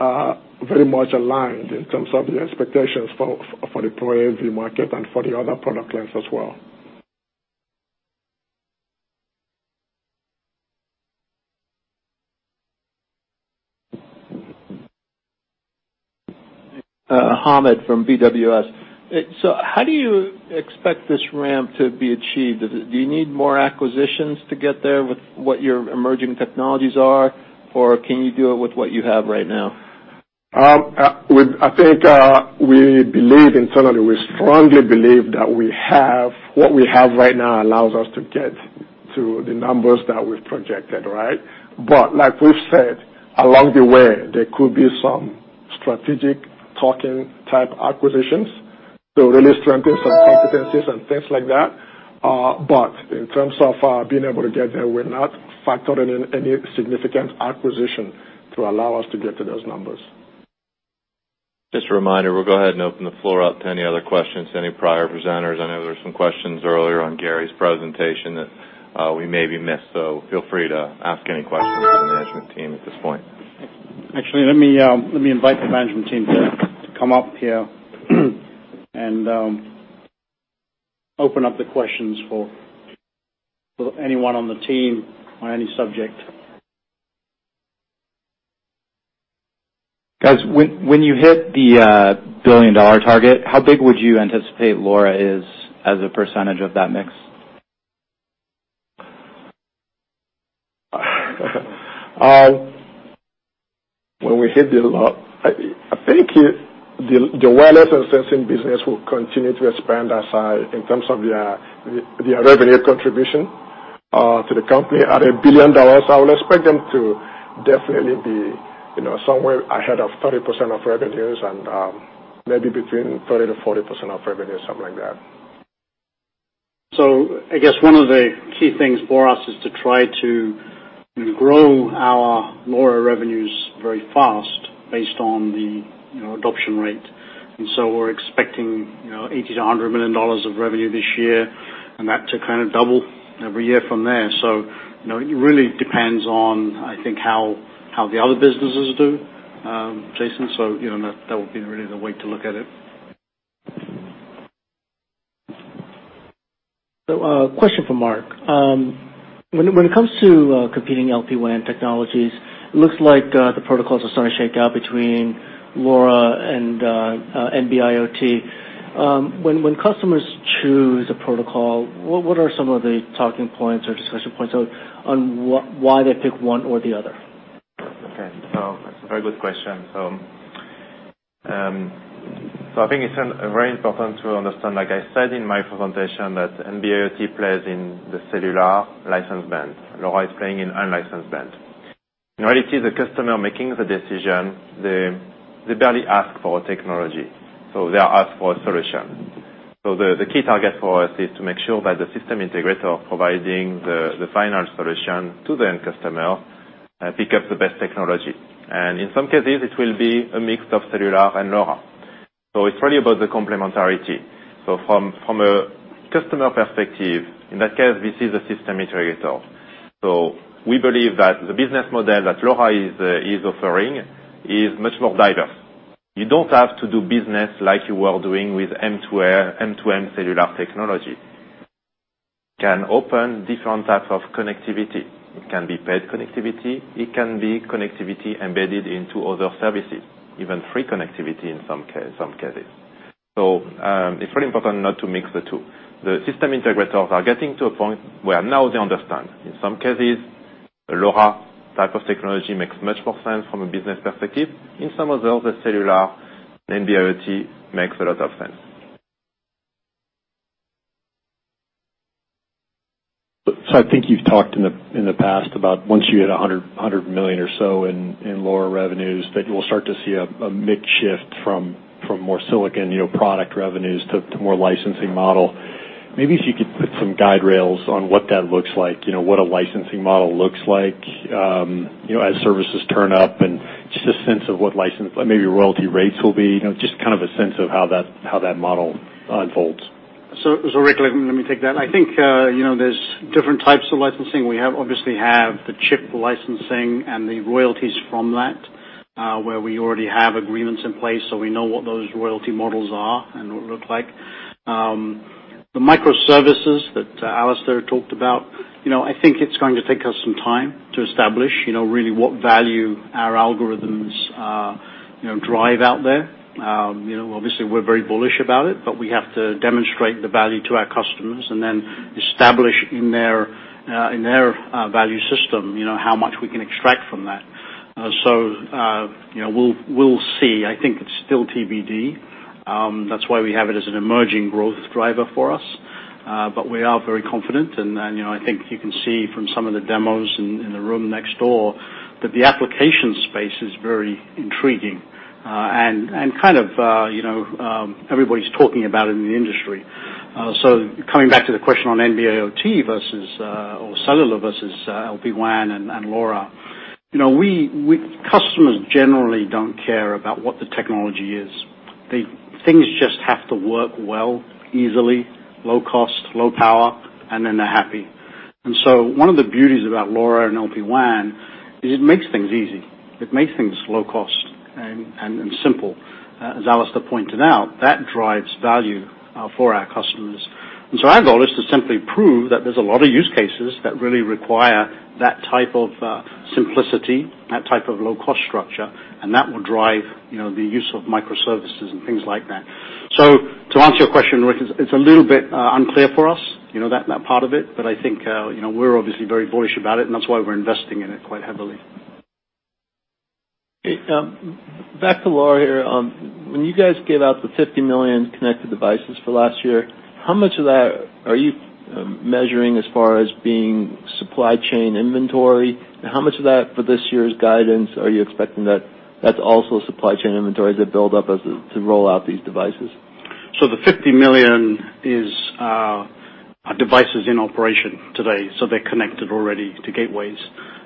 Speaker 19: are very much aligned in terms of the expectations for the Pro AV market and for the other product lines as well.
Speaker 20: Hamed from BWS. How do you expect this ramp to be achieved? Do you need more acquisitions to get there with what your emerging technologies are, or can you do it with what you have right now?
Speaker 19: We believe internally, we strongly believe that what we have right now allows us to get to the numbers that we've projected, right? Like we've said, along the way, there could be some strategic talking type acquisitions to really strengthen some competencies and things like that. In terms of being able to get there, we're not factoring in any significant acquisition to allow us to get to those numbers.
Speaker 2: Just a reminder, we'll go ahead and open the floor up to any other questions to any prior presenters. I know there were some questions earlier on Gary's presentation that we maybe missed, feel free to ask any questions of the management team at this point.
Speaker 1: Actually, let me invite the management team to come up here and open up the questions for anyone on the team on any subject.
Speaker 3: Guys, when you hit the billion-dollar target, how big would you anticipate LoRa is as a percentage of that mix?
Speaker 19: When we hit the I think the Wireless and Sensing business will continue to expand our size in terms of the revenue contribution to the company at $1 billion. I would expect them to definitely be somewhere ahead of 30% of revenues and maybe between 30%-40% of revenues, something like that.
Speaker 1: I guess one of the key things for us is to try to grow our LoRa revenues very fast based on the adoption rate. We're expecting $80 million-$100 million of revenue this year and that to double every year from there. It really depends on, I think how the other businesses do, Jason, that would be really the way to look at it.
Speaker 6: A question for Marc. When it comes to competing LPWAN technologies, it looks like the protocols are starting to shake out between LoRa and NB-IoT. When customers choose a protocol, what are some of the talking points or discussion points out on why they pick one or the other?
Speaker 11: That's a very good question. I think it's very important to understand, like I said in my presentation, that NB-IoT plays in the cellular license band. LoRa is playing in unlicensed band. In reality, the customer making the decision, they barely ask for technology. They ask for a solution. The key target for us is to make sure that the system integrator providing the final solution to the end customer, picks up the best technology. In some cases, it will be a mix of cellular and LoRa. It's really about the complementarity. From a customer perspective, in that case, this is a system integrator. We believe that the business model that LoRa is offering is much more diverse You don't have to do business like you were doing with M2M cellular technology. Can open different types of connectivity. It can be paid connectivity, it can be connectivity embedded into other services, even free connectivity in some cases. It's very important not to mix the two. The system integrators are getting to a point where now they understand. In some cases, LoRa type of technology makes much more sense from a business perspective. In some others, cellular, NB-IoT makes a lot of sense.
Speaker 7: I think you've talked in the past about once you hit $100 million or so in LoRa revenues, that you will start to see a mix shift from more silicon product revenues to more licensing model. Maybe if you could put some guide rails on what that looks like, what a licensing model looks like, as services turn up and just a sense of what license, maybe royalty rates will be, just kind of a sense of how that model unfolds.
Speaker 1: Rick, let me take that. I think there's different types of licensing. We obviously have the chip licensing and the royalties from that, where we already have agreements in place, we know what those royalty models are and what they look like. The microservices that Alistair talked about, I think it's going to take us some time to establish, really what value our algorithms drive out there. Obviously, we're very bullish about it, but we have to demonstrate the value to our customers and then establish in their value system, how much we can extract from that. We'll see. I think it's still TBD. That's why we have it as an emerging growth driver for us. We are very confident, I think you can see from some of the demos in the room next door, that the application space is very intriguing. Kind of everybody's talking about it in the industry. Coming back to the question on NB-IoT versus, or cellular versus LPWAN and LoRa. Customers generally don't care about what the technology is. Things just have to work well, easily, low cost, low power, and then they're happy. One of the beauties about LoRa and LPWAN is it makes things easy. It makes things low cost and simple. As Alistair pointed out, that drives value for our customers. Our goal is to simply prove that there's a lot of use cases that really require that type of simplicity, that type of low-cost structure, and that will drive the use of microservices and things like that. To answer your question, Rick, it's a little bit unclear for us, that part of it. I think we're obviously very bullish about it, and that's why we're investing in it quite heavily.
Speaker 20: Hey, back to LoRa here. When you guys gave out the 50 million connected devices for last year, how much of that are you measuring as far as being supply chain inventory? How much of that for this year's guidance are you expecting that that's also supply chain inventory as they build up to roll out these devices?
Speaker 1: The 50 million is devices in operation today, so they're connected already to gateways.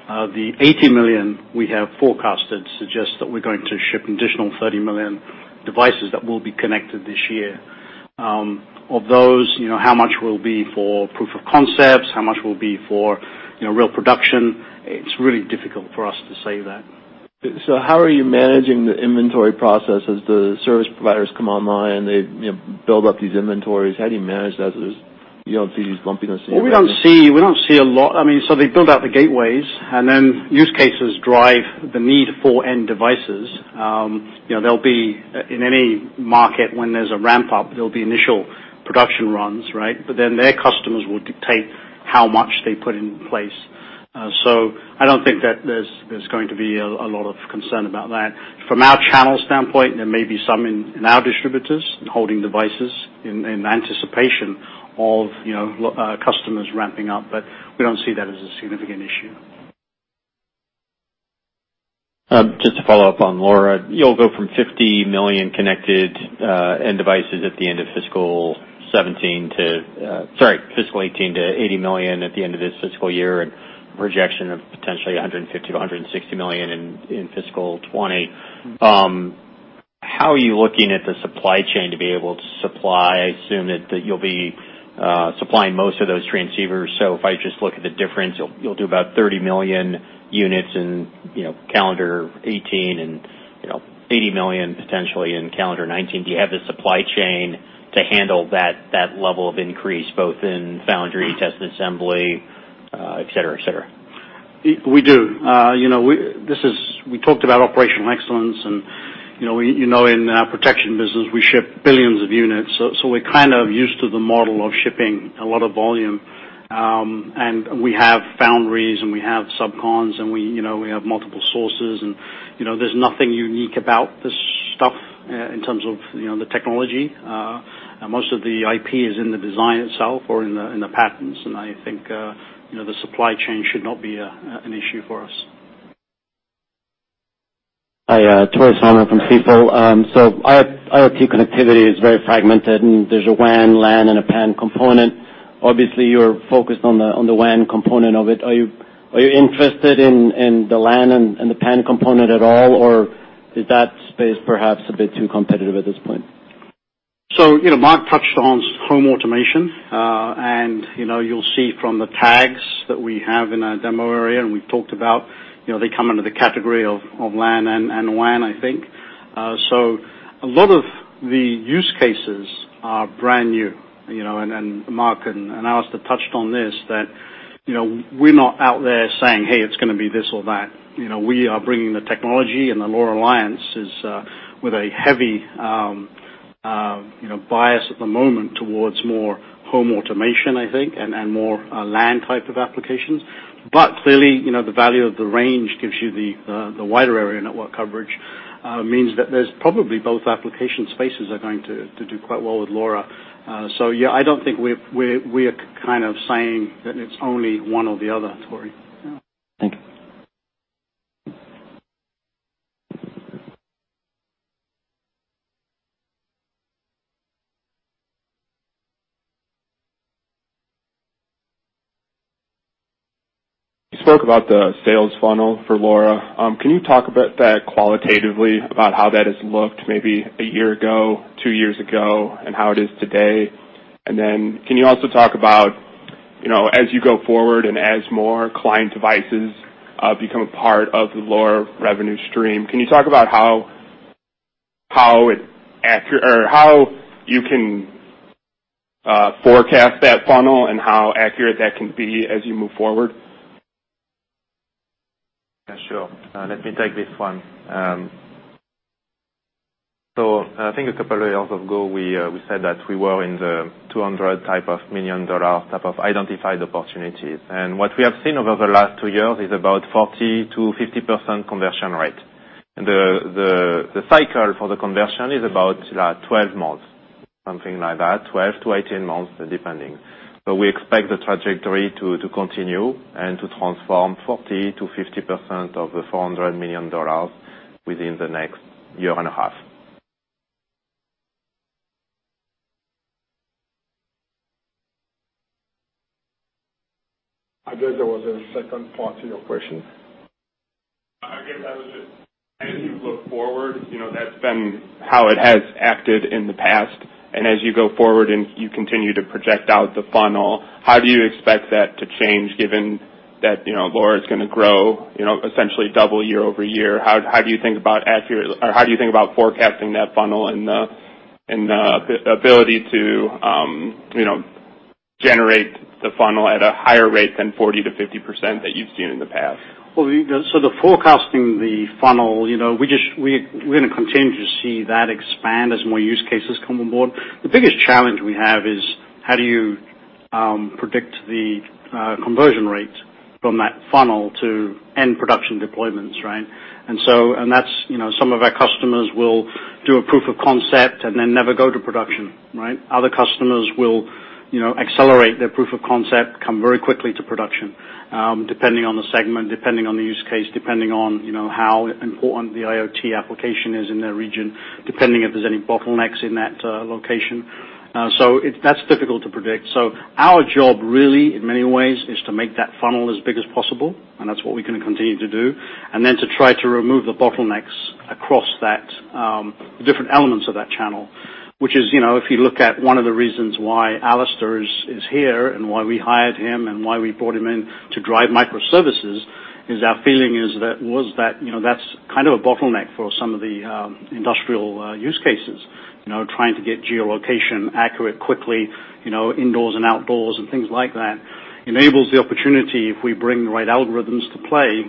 Speaker 1: The 80 million we have forecasted suggests that we're going to ship an additional 30 million devices that will be connected this year. Of those, how much will be for proof of concepts, how much will be for real production? It's really difficult for us to say that.
Speaker 20: How are you managing the inventory process as the service providers come online, they build up these inventories? How do you manage that? Do you see lumpiness in there?
Speaker 1: We don't see a lot. They build out the gateways, and then use cases drive the need for end devices. In any market when there's a ramp up, there'll be initial production runs, right? Their customers will dictate how much they put in place. I don't think that there's going to be a lot of concern about that. From our channel standpoint, there may be some in our distributors holding devices in anticipation of customers ramping up, but we don't see that as a significant issue.
Speaker 10: Just to follow up on LoRa, you'll go from 50 million connected end devices at the end of fiscal 2017 to, sorry, fiscal 2018 to 80 million at the end of this fiscal year and projection of potentially 150 million-160 million in fiscal 2020. How are you looking at the supply chain to be able to supply? I assume that you'll be supplying most of those transceivers. If I just look at the difference, you'll do about 30 million units in calendar 2018, and 80 million potentially in calendar 2019. Do you have the supply chain to handle that level of increase, both in foundry, test and assembly, et cetera?
Speaker 1: We do. We talked about operational excellence, and in our protection business, we ship billions of units. We're kind of used to the model of shipping a lot of volume. We have foundries, and we have sub cons, and we have multiple sources, and there's nothing unique about this stuff in terms of the technology. Most of the IP is in the design itself or in the patents, and I think the supply chain should not be an issue for us.
Speaker 21: Hi, Tore Svanberg from Stifel. IoT connectivity is very fragmented, and there's a WAN, LAN, and a PAN component. Obviously, you're focused on the WAN component of it. Are you interested in the LAN and the PAN component at all, or is that space perhaps a bit too competitive at this point?
Speaker 1: Mark touched on home automation, and you'll see from the tags that we have in our demo area, and we've talked about, they come under the category of LAN and WAN, I think. A lot of the use cases are brand new, and Mark and Alistair touched on this, that we're not out there saying, "Hey, it's going to be this or that." We are bringing the technology, and the LoRa Alliance is with a heavy bias at the moment towards more home automation, I think, and more LAN type of applications. Clearly, the value of the range gives you the wider area network coverage, means that there's probably both application spaces are going to do quite well with LoRa. Yeah, I don't think we are saying that it's only one or the other, Tore.
Speaker 21: Thank you. You spoke about the sales funnel for LoRa. Can you talk about that qualitatively, about how that has looked maybe a year ago, two years ago, and how it is today? Can you also talk about, as you go forward and as more client devices become a part of the LoRa revenue stream, can you talk about how you can forecast that funnel and how accurate that can be as you move forward?
Speaker 11: Yeah, sure. Let me take this one. I think a couple of years ago, we said that we were in the $200 million type of identified opportunities. What we have seen over the last two years is about 40%-50% conversion rate. The cycle for the conversion is about 12 months, something like that, 12-18 months, depending. We expect the trajectory to continue and to transform 40%-50% of the $400 million within the next year and a half.
Speaker 1: I guess there was a second part to your question.
Speaker 21: I guess that was it. As you look forward, that's been how it has acted in the past, as you go forward and you continue to project out the funnel, how do you expect that to change given that LoRa is going to grow, essentially double year-over-year? How do you think about forecasting that funnel and the ability to generate the funnel at a higher rate than 40%-50% that you've seen in the past?
Speaker 1: Well, the forecasting the funnel, we're going to continue to see that expand as more use cases come on board. The biggest challenge we have is how do you predict the conversion rate from that funnel to end production deployments, right? Some of our customers will do a proof of concept and then never go to production, right? Other customers will accelerate their proof of concept, come very quickly to production. Depending on the segment, depending on the use case, depending on how important the IoT application is in their region, depending if there's any bottlenecks in that location. That's difficult to predict. Our job really, in many ways, is to make that funnel as big as possible, and that's what we're going to continue to do. Then to try to remove the bottlenecks across the different elements of that channel. Which is, if you look at one of the reasons why Alistair is here and why we hired him and why we brought him in to drive microservices, is our feeling was that's kind of a bottleneck for some of the industrial use cases. Trying to get geolocation accurate quickly, indoors and outdoors and things like that, enables the opportunity if we bring the right algorithms to play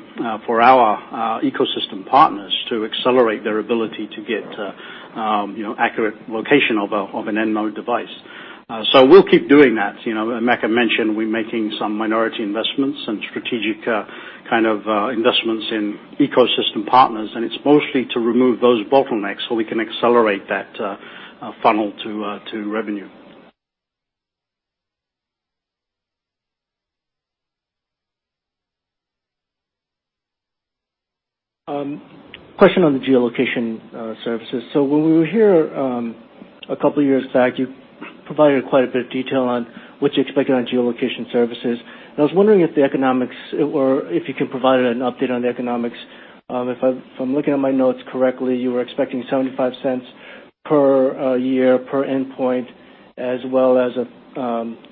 Speaker 1: for our ecosystem partners to accelerate their ability to get accurate location of an end node device. We'll keep doing that. Emeka mentioned we're making some minority investments and strategic kind of investments in ecosystem partners, and it's mostly to remove those bottlenecks so we can accelerate that funnel to revenue.
Speaker 6: Question on the geolocation services. When we were here a couple of years back, you provided quite a bit of detail on what you're expecting on geolocation services. I was wondering if the economics were, if you could provide an update on the economics. If I'm looking at my notes correctly, you were expecting $0.75 per year, per endpoint, as well as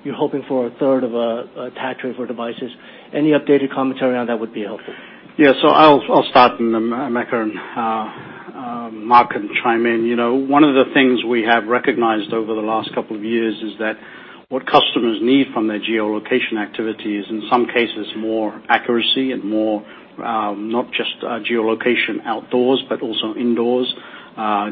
Speaker 6: you're hoping for a third of attach rate for devices. Any updated commentary on that would be helpful.
Speaker 1: I'll start, and then Emeka and Marc can chime in. One of the things we have recognized over the last couple of years is that what customers need from their geolocation activity is, in some cases, more accuracy and more, not just geolocation outdoors, but also indoors,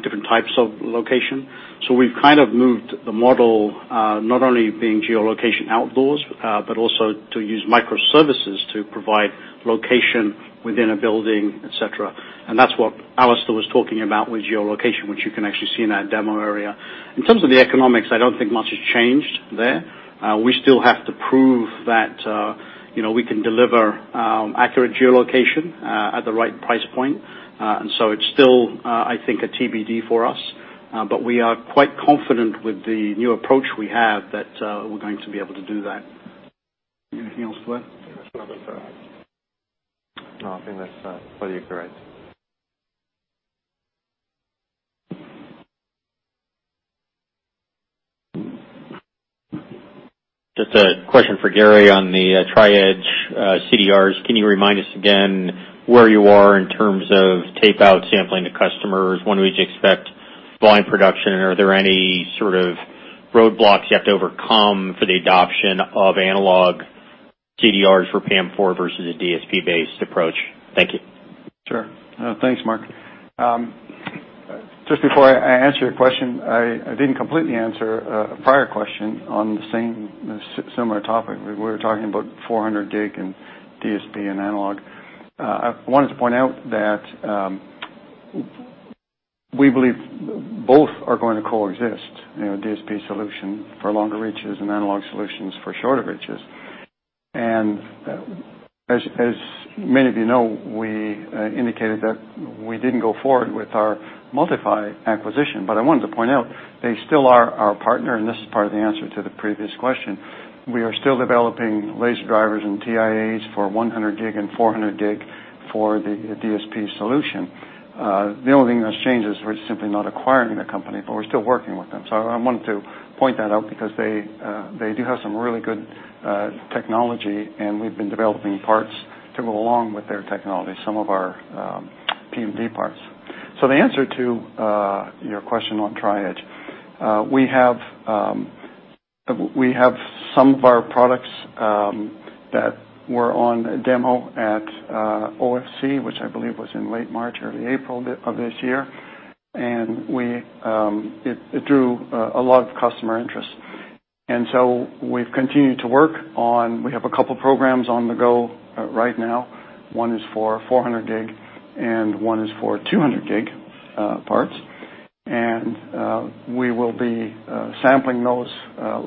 Speaker 1: different types of location. We've kind of moved the model, not only being geolocation outdoors, but also to use microservices to provide location within a building, et cetera. That's what Alistair was talking about with geolocation, which you can actually see in our demo area. In terms of the economics, I don't think much has changed there. We still have to prove that we can deliver accurate geolocation at the right price point. It's still, I think, a TBD for us. We are quite confident with the new approach we have that we're going to be able to do that. Anything else to add?
Speaker 11: No, that's about it.
Speaker 1: No, I think that's fully accurate.
Speaker 8: Just a question for Gary on the Tri-Edge CDRs. Can you remind us again where you are in terms of tape-out sampling to customers, when we'd expect volume production, and are there any sort of roadblocks you have to overcome for the adoption of analog CDRs for PAM4 versus a DSP-based approach? Thank you.
Speaker 4: Sure. Thanks, Mark. Just before I answer your question, I didn't completely answer a prior question on the similar topic. We were talking about 400G and DSP and analog. I wanted to point out that we believe both are going to coexist, DSP solution for longer reaches and analog solutions for shorter reaches. As many of you know, we indicated that we didn't go forward with our MultiPhy acquisition, but I wanted to point out they still are our partner, and this is part of the answer to the previous question. We are still developing laser drivers and TIAs for 100G and 400G for the DSP solution. The only thing that's changed is we're simply not acquiring the company, but we're still working with them. I wanted to point that out because they do have some really good technology, and we've been developing parts to go along with their technology, some of our PMD parts. The answer to your question on Tri-Edge. We have some of our products that were on demo at OFC, which I believe was in late March, early April of this year, and it drew a lot of customer interest. We've continued to work on, we have a couple programs on the go right now. One is for 400G and one is for 200G parts. We will be sampling those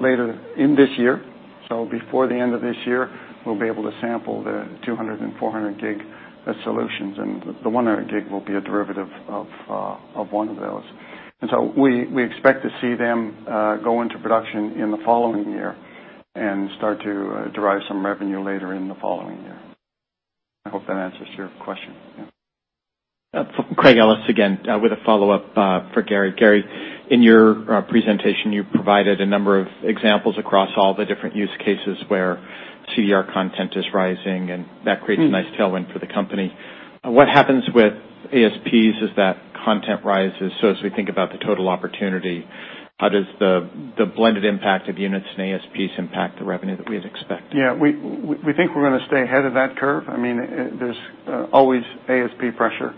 Speaker 4: later in this year. Before the end of this year, we'll be able to sample the 200 and 400G solutions, and the 100G will be a derivative of one of those. We expect to see them go into production in the following year and start to derive some revenue later in the following year. I hope that answers your question. Yeah.
Speaker 3: Craig Ellis again with a follow-up for Gary. Gary, in your presentation, you provided a number of examples across all the different use cases where CDR content is rising, and that creates a nice tailwind for the company. What happens with ASPs as that content rises? As we think about the total opportunity, how does the blended impact of units and ASPs impact the revenue that we had expected?
Speaker 4: Yeah, we think we're going to stay ahead of that curve. There's always ASP pressure.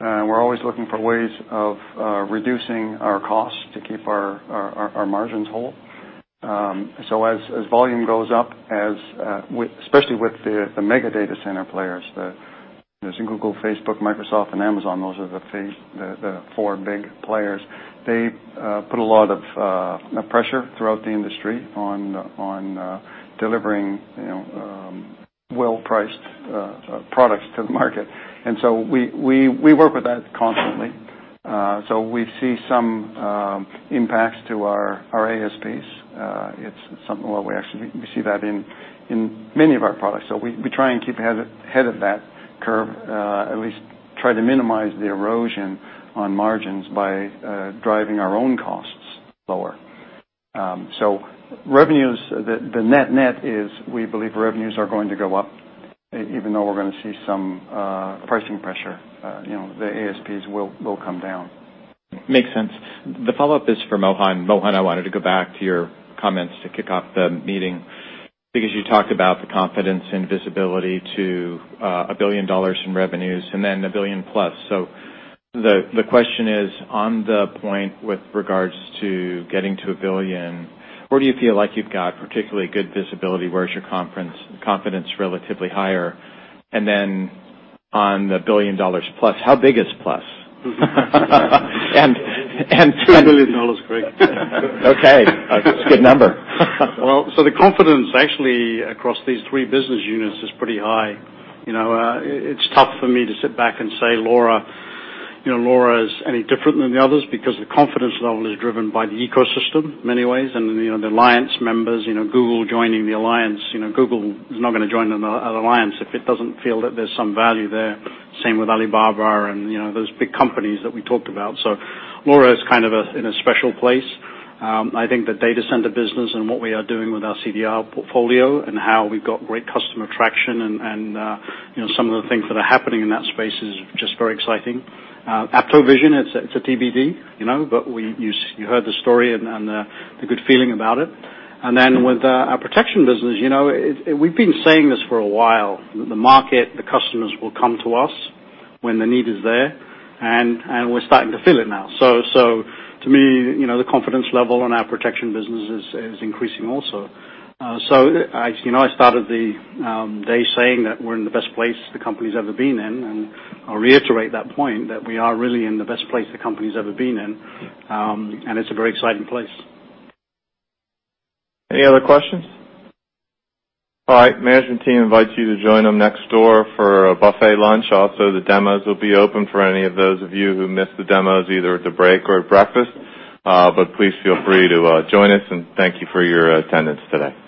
Speaker 4: We're always looking for ways of reducing our costs to keep our margins whole. As volume goes up, especially with the mega data center players, the Google, Facebook, Microsoft, and Amazon, those are the four big players. They put a lot of pressure throughout the industry on delivering well-priced products to the market. We work with that constantly. We see some impacts to our ASPs. It's something where we actually see that in many of our products. We try and keep ahead of that curve, at least try to minimize the erosion on margins by driving our own costs lower. The net is we believe revenues are going to go up even though we're going to see some pricing pressure. The ASPs will come down.
Speaker 3: Makes sense. The follow-up is for Mohan. Mohan, I wanted to go back to your comments to kick off the meeting because you talked about the confidence and visibility to $1 billion in revenues and then $1 billion plus. The question is on the point with regards to getting to $1 billion, where do you feel like you've got particularly good visibility? Where is your confidence relatively higher? Then on the $1 billion plus, how big is plus?
Speaker 1: $2 billion, Craig.
Speaker 3: Okay. That's a good number.
Speaker 1: The confidence actually across these three business units is pretty high. It's tough for me to sit back and say LoRa is any different than the others because the confidence level is driven by the ecosystem many ways and the LoRa Alliance members, Google joining the alliance. Google is not going to join an alliance if it doesn't feel that there's some value there. Same with Alibaba and those big companies that we talked about. LoRa is kind of in a special place. I think the data center business and what we are doing with our CDR portfolio and how we've got great customer traction and some of the things that are happening in that space is just very exciting. AptoVision, it's a TBD, but you heard the story and the good feeling about it. With our protection business, we've been saying this for a while, the market, the customers will come to us when the need is there, and we're starting to feel it now. To me, the confidence level on our protection business is increasing also. I started the day saying that we're in the best place the company's ever been in, and I'll reiterate that point that we are really in the best place the company's ever been in. It's a very exciting place.
Speaker 2: Any other questions? All right. Management team invites you to join them next door for a buffet lunch. Also, the demos will be open for any of those of you who missed the demos, either at the break or at breakfast. Please feel free to join us and thank you for your attendance today.